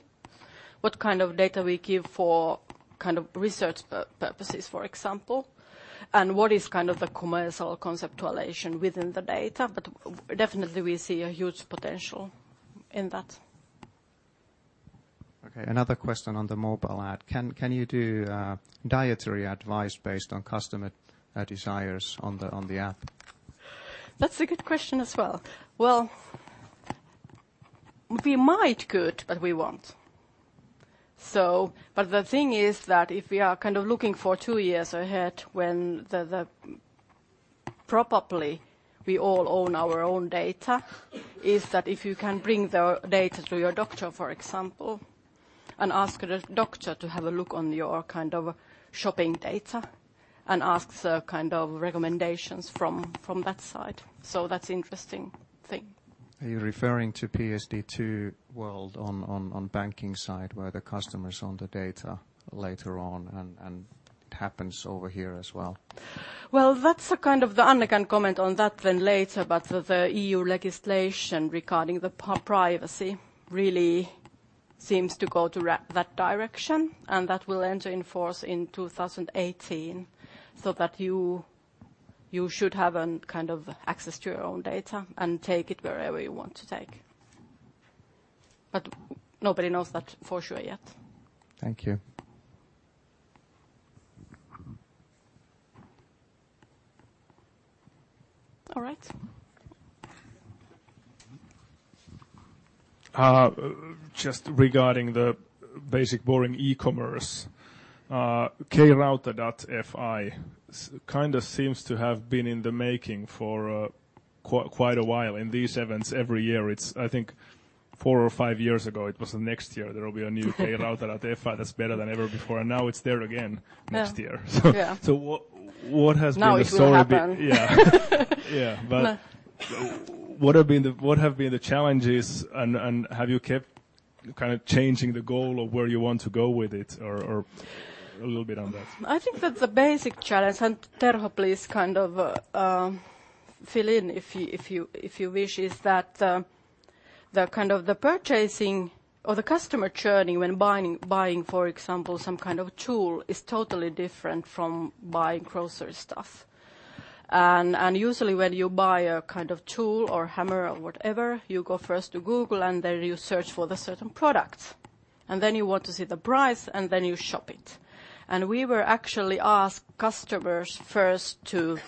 What kind of data we give for research purposes, for example, and what is the commercial conceptualization within the data, definitely we see a huge potential in that. Okay. Another question on the mobile app. Can you do dietary advice based on customer desires on the app? That's a good question as well. Well, we might could, we won't. The thing is that if we are looking for two years ahead when probably we all own our own data, is that if you can bring the data to your doctor, for example, and ask the doctor to have a look on your shopping data and asks recommendations from that side. That's interesting thing. Are you referring to PSD2 world on banking side, where the customer's own the data later on and it happens over here as well? Well, Anne can comment on that then later, but the EU legislation regarding the privacy really seems to go that direction, and that will enter in force in 2018, so that you should have access to your own data and take it wherever you want to take. Nobody knows that for sure yet. Thank you. All right. Just regarding the basic boring e-commerce, K-Rauta.fi seems to have been in the making for quite a while in these events every year. I think four or five years ago, it was next year, there will be a new K-Rauta.fi that's better than ever before. Now it's there again next year. Yeah. What has been the story- Now it will happen. Yeah. What have been the challenges and have you kept changing the goal of where you want to go with it or a little bit on that? I think that the basic challenge, Terho, please fill in if you wish, is that the purchasing or the customer journey when buying, for example, some kind of tool is totally different from buying grocery stuff. Usually, when you buy a tool or hammer or whatever, you go first to Google. Then you search for the certain product. Then you want to see the price. Then you shop it. We were actually asked customers first to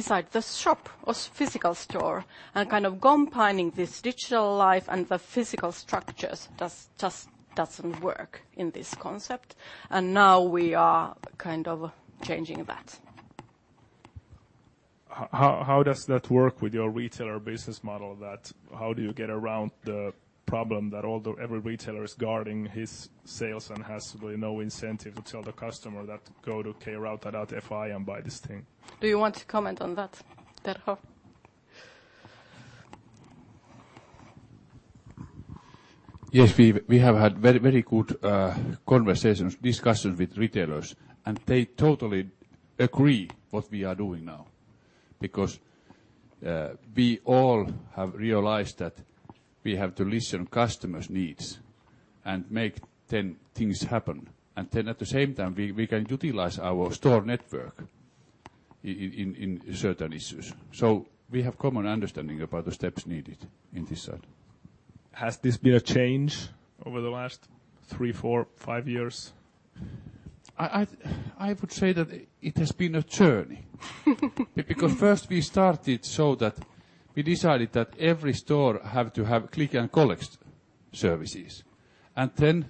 decide the shop or physical store and combining this digital life and the physical structures just doesn't work in this concept. Now we are changing that. How does that work with your retailer business model that how do you get around the problem that every retailer is guarding his sales and has really no incentive to tell the customer that go to K-Rauta.fi and buy this thing? Do you want to comment on that, Terho? Yes, we have had very good conversations, discussions with retailers. They totally agree what we are doing now because, we all have realized that we have to listen customers' needs and make then things happen. Then at the same time, we can utilize our store network in certain issues. We have common understanding about the steps needed in this side. Has this been a change over the last three, four, five years? I would say that it has been a journey. First we started so that we decided that every store have to have click and collect services. Then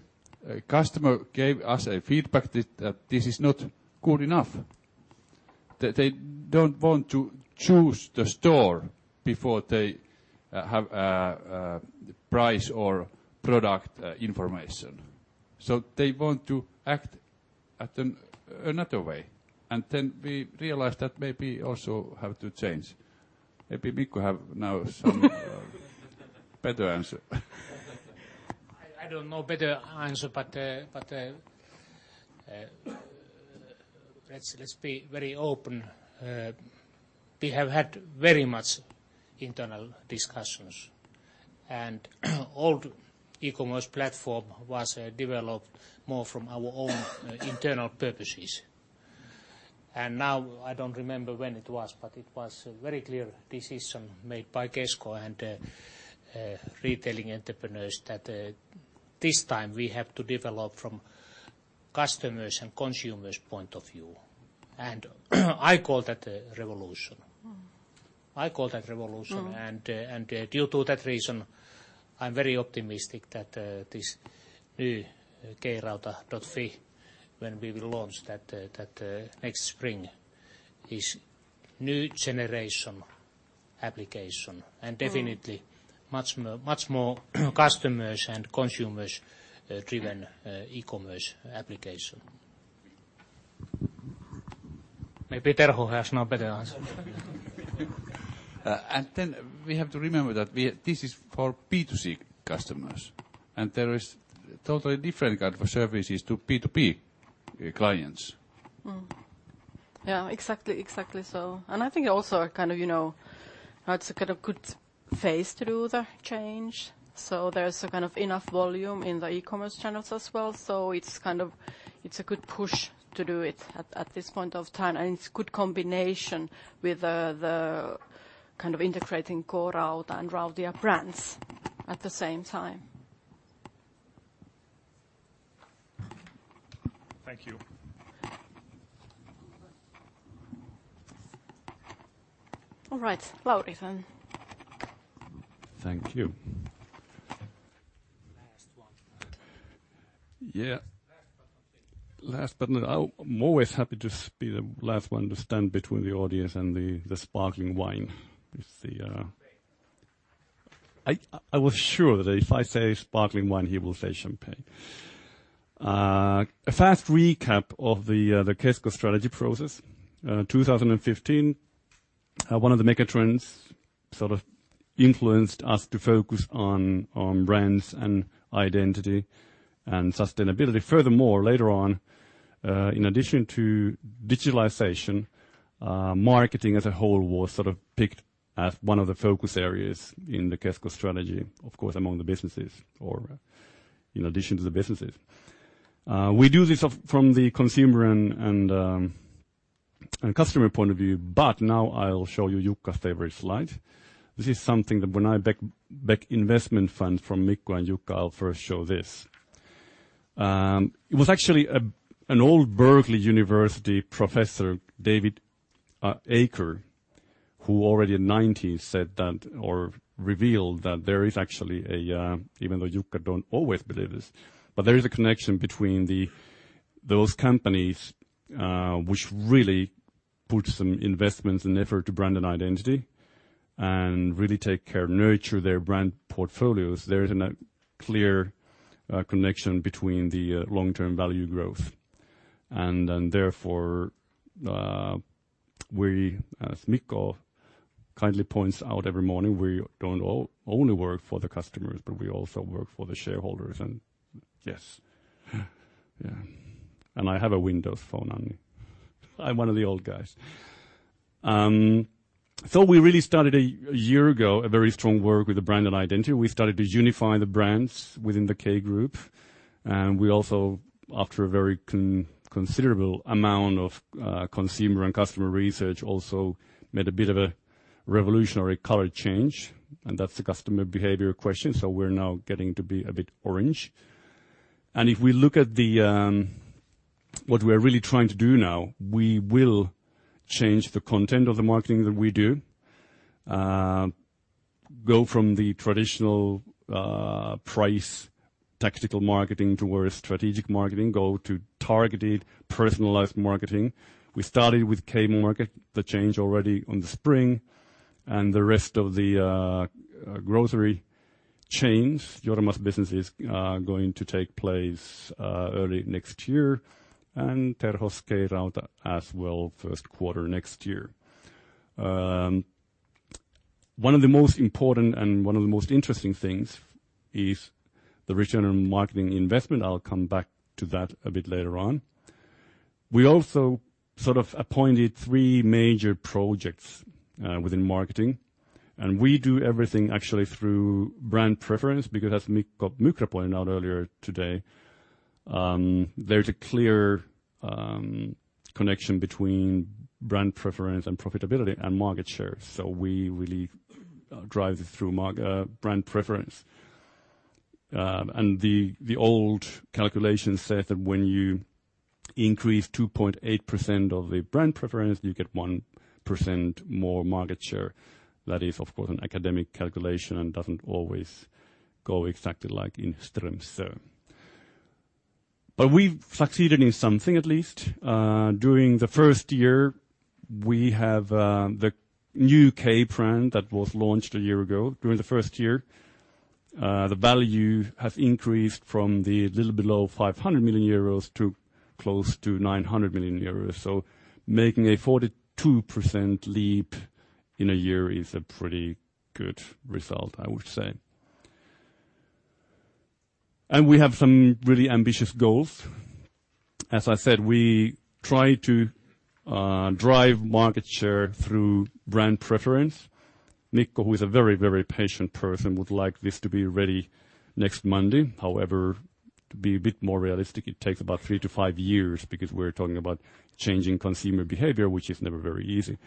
customer gave us a feedback that this is not good enough, that they don't want to choose the store before they have price or product information. They want to act at another way. Then we realized that maybe also have to change. Maybe Mikko have now better answer. I don't know better answer, let's be very open. We have had very much internal discussions, old e-commerce platform was developed more from our own internal purposes. Now I don't remember when it was, but it was a very clear decision made by Kesko and retailing entrepreneurs that this time we have to develop from customers and consumers' point of view. I call that a revolution. I call that revolution. Due to that reason, I'm very optimistic that this new K-Rauta.fi, when we will launch that next spring, is new generation application and definitely much more customers and consumers driven e-commerce application. Maybe Terho has now better answer. Then we have to remember that this is for B2C customers, and there is totally different kind of services to B2B clients Yeah, exactly. I think also it's a good phase to do the change. There's enough volume in the e-commerce channels as well. It's a good push to do it at this point of time, it's good combination with the kind of integrating K-Rauta and Rautia brands at the same time. Thank you. All right. Well, [Ethan]. Thank you. Last one. Yeah. Last but not least. I'm always happy to be the last one to stand between the audience and the sparkling wine. Champagne. I was sure that if I say sparkling wine, he will say champagne. A fast recap of the Kesko strategy process. 2015, one of the megatrends sort of influenced us to focus on brands and identity and sustainability. Furthermore, later on, in addition to digitalization, marketing as a whole was sort of picked as one of the focus areas in the Kesko strategy, of course, among the businesses or in addition to the businesses. We do this from the consumer and customer point of view, but now I'll show you Jukka's favorite slide. This is something that when I back investment fund from Mikko and Jukka, I'll first show this. It was actually an old UC Berkeley professor, David Aaker, who already in 1990 said that or revealed that there is actually a Even though Jukka don't always believe this, but there is a connection between those companies which really put some investments and effort to brand and identity and really take care, nurture their brand portfolios. There is a clear connection between the long-term value growth. Therefore, we as Mikko kindly points out every morning, we don't only work for the customers, but we also work for the shareholders and yes. I have a Windows Phone, Anni. I'm one of the old guys. We really started a year ago, a very strong work with the brand and identity. We started to unify the brands within the K Group. We also, after a very considerable amount of consumer and customer research, also made a bit of a revolutionary color change. That's the customer behavior question. We're now getting to be a bit orange. If we look at what we are really trying to do now, we will change the content of the marketing that we do, go from the traditional price tactical marketing towards strategic marketing, go to targeted personalized marketing. We started with K-Market, the change already in the spring and the rest of the grocery chains, Jorma's businesses are going to take place early next year, and Terho's K-Rauta as well, first quarter next year. One of the most important and one of the most interesting things is the return on marketing investment. I'll come back to that a bit later on. We also sort of appointed three major projects within marketing, we do everything actually through brand preference because as Mikko pointed out earlier today, there's a clear connection between brand preference and profitability and market share. We really drive through brand preference. The old calculation said that when you increase 2.8% of the brand preference, you get 1% more market share. That is of course an academic calculation and doesn't always go exactly like in streams. We've succeeded in something at least. During the first year, we have the new K brand that was launched a year ago. During the first year, the value has increased from the little below 500 million euros to close to 900 million euros. Making a 42% leap in a year is a pretty good result, I would say. We have some really ambitious goals. As I said, we try to drive market share through brand preference. Mikko, who is a very patient person, would like this to be ready next Monday. However, to be a bit more realistic, it takes about three to five years because we're talking about changing consumer behavior, which is never very easy.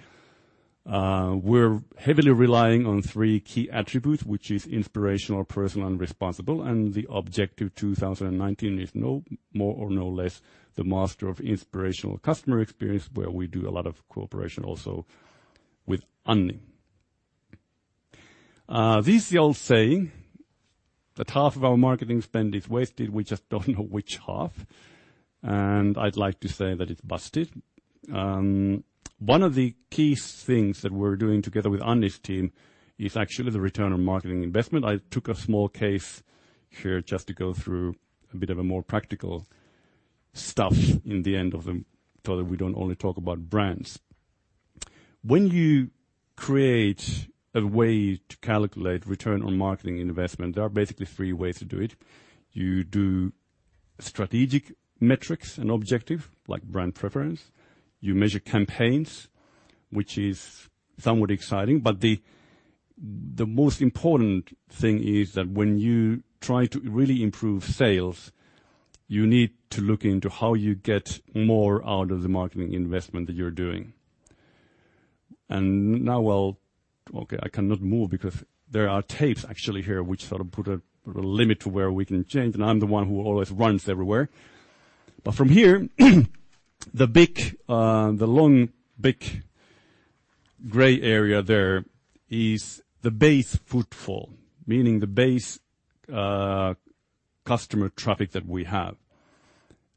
We're heavily relying on three key attributes, which is inspirational, personal, and responsible, and the objective 2019 is no more or no less the master of inspirational customer experience, where we do a lot of cooperation also with Anni. This is the old saying that half of our marketing spend is wasted, we just don't know which half, and I'd like to say that it's busted. One of the key things that we're doing together with Anni's team is actually the return on marketing investment. I took a small case here just to go through a bit of a more practical stuff in the end of the talk, we don't only talk about brands. When you create a way to calculate return on marketing investment, there are basically three ways to do it. You do strategic metrics and objective, like brand preference. You measure campaigns, which is somewhat exciting, but the most important thing is that when you try to really improve sales, you need to look into how you get more out of the marketing investment that you're doing. Now, well, okay, I cannot move because there are tapes actually here which sort of put a limit to where we can change, and I'm the one who always runs everywhere. From here the long, big gray area there is the base footfall, meaning the base customer traffic that we have.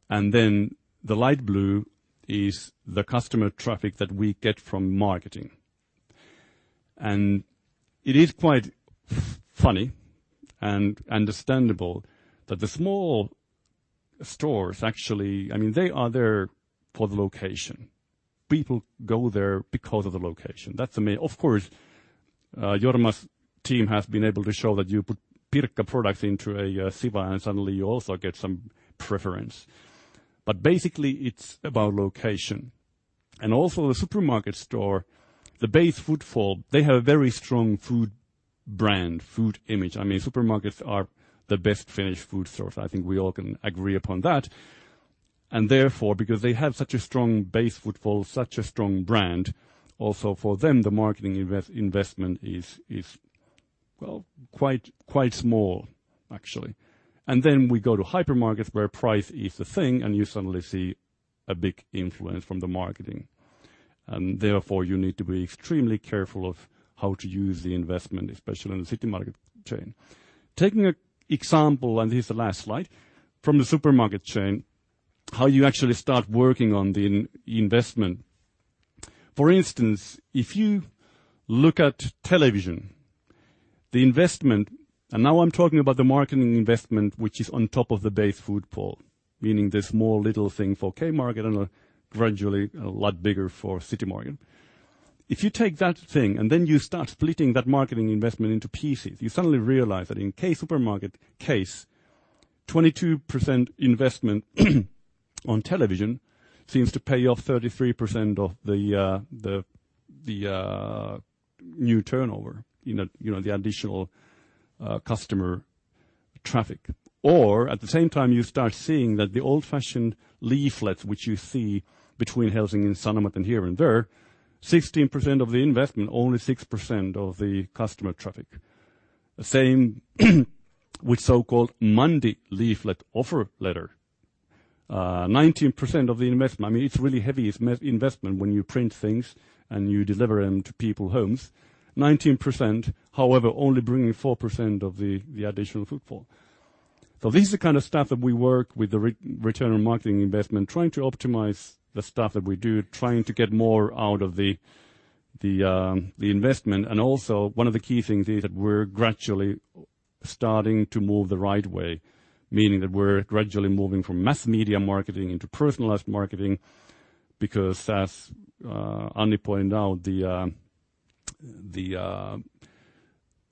Then the light blue is the customer traffic that we get from marketing. It is quite funny and understandable that the small stores actually, they are there for the location. People go there because of the location. Of course, Jorma's team has been able to show that you put Pirkka products into a Siwa, suddenly you also get some preference. Basically, it's about location. Also the supermarket store, the base footfall, they have a very strong food brand, food image. Supermarkets are the best Finnish food source. I think we all can agree upon that. Therefore, because they have such a strong base footfall, such a strong brand, also for them, the marketing investment is quite small, actually. Then we go to hypermarkets, where price is the thing, and you suddenly see a big influence from the marketing. Therefore, you need to be extremely careful of how to use the investment, especially in the Citymarket chain. Taking an example, and here's the last slide, from the supermarket chain, how you actually start working on the investment. For instance, if you look at television, the investment, and now I'm talking about the marketing investment, which is on top of the base footfall, meaning the small little thing for K-Market and gradually a lot bigger for Citymarket. If you take that thing and then you start splitting that marketing investment into pieces, you suddenly realize that in K-Supermarket case, 22% investment on television seems to pay off 33% of the new turnover, the additional customer traffic. At the same time, you start seeing that the old-fashioned leaflets, which you see between Helsingin Sanomat and here and there, 16% of the investment, only 6% of the customer traffic. The same with so-called Monday leaflet offer letter. 19% of the investment, it's really heavy investment when you print things and you deliver them to people homes. 19%, however, only bringing 4% of the additional footfall. This is the kind of stuff that we work with the return on marketing investment, trying to optimize the stuff that we do, trying to get more out of the investment. Also, one of the key things is that we're gradually starting to move the right way, meaning that we're gradually moving from mass media marketing into personalized marketing, because as Anni pointed out, the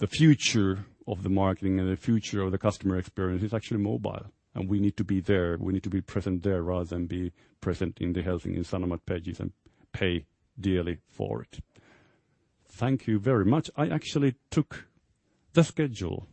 future of the marketing and the future of the customer experience is actually mobile. We need to be there. We need to be present there rather than be present in the Helsingin Sanomat pages and pay dearly for it. Thank you very much. I actually took the schedule.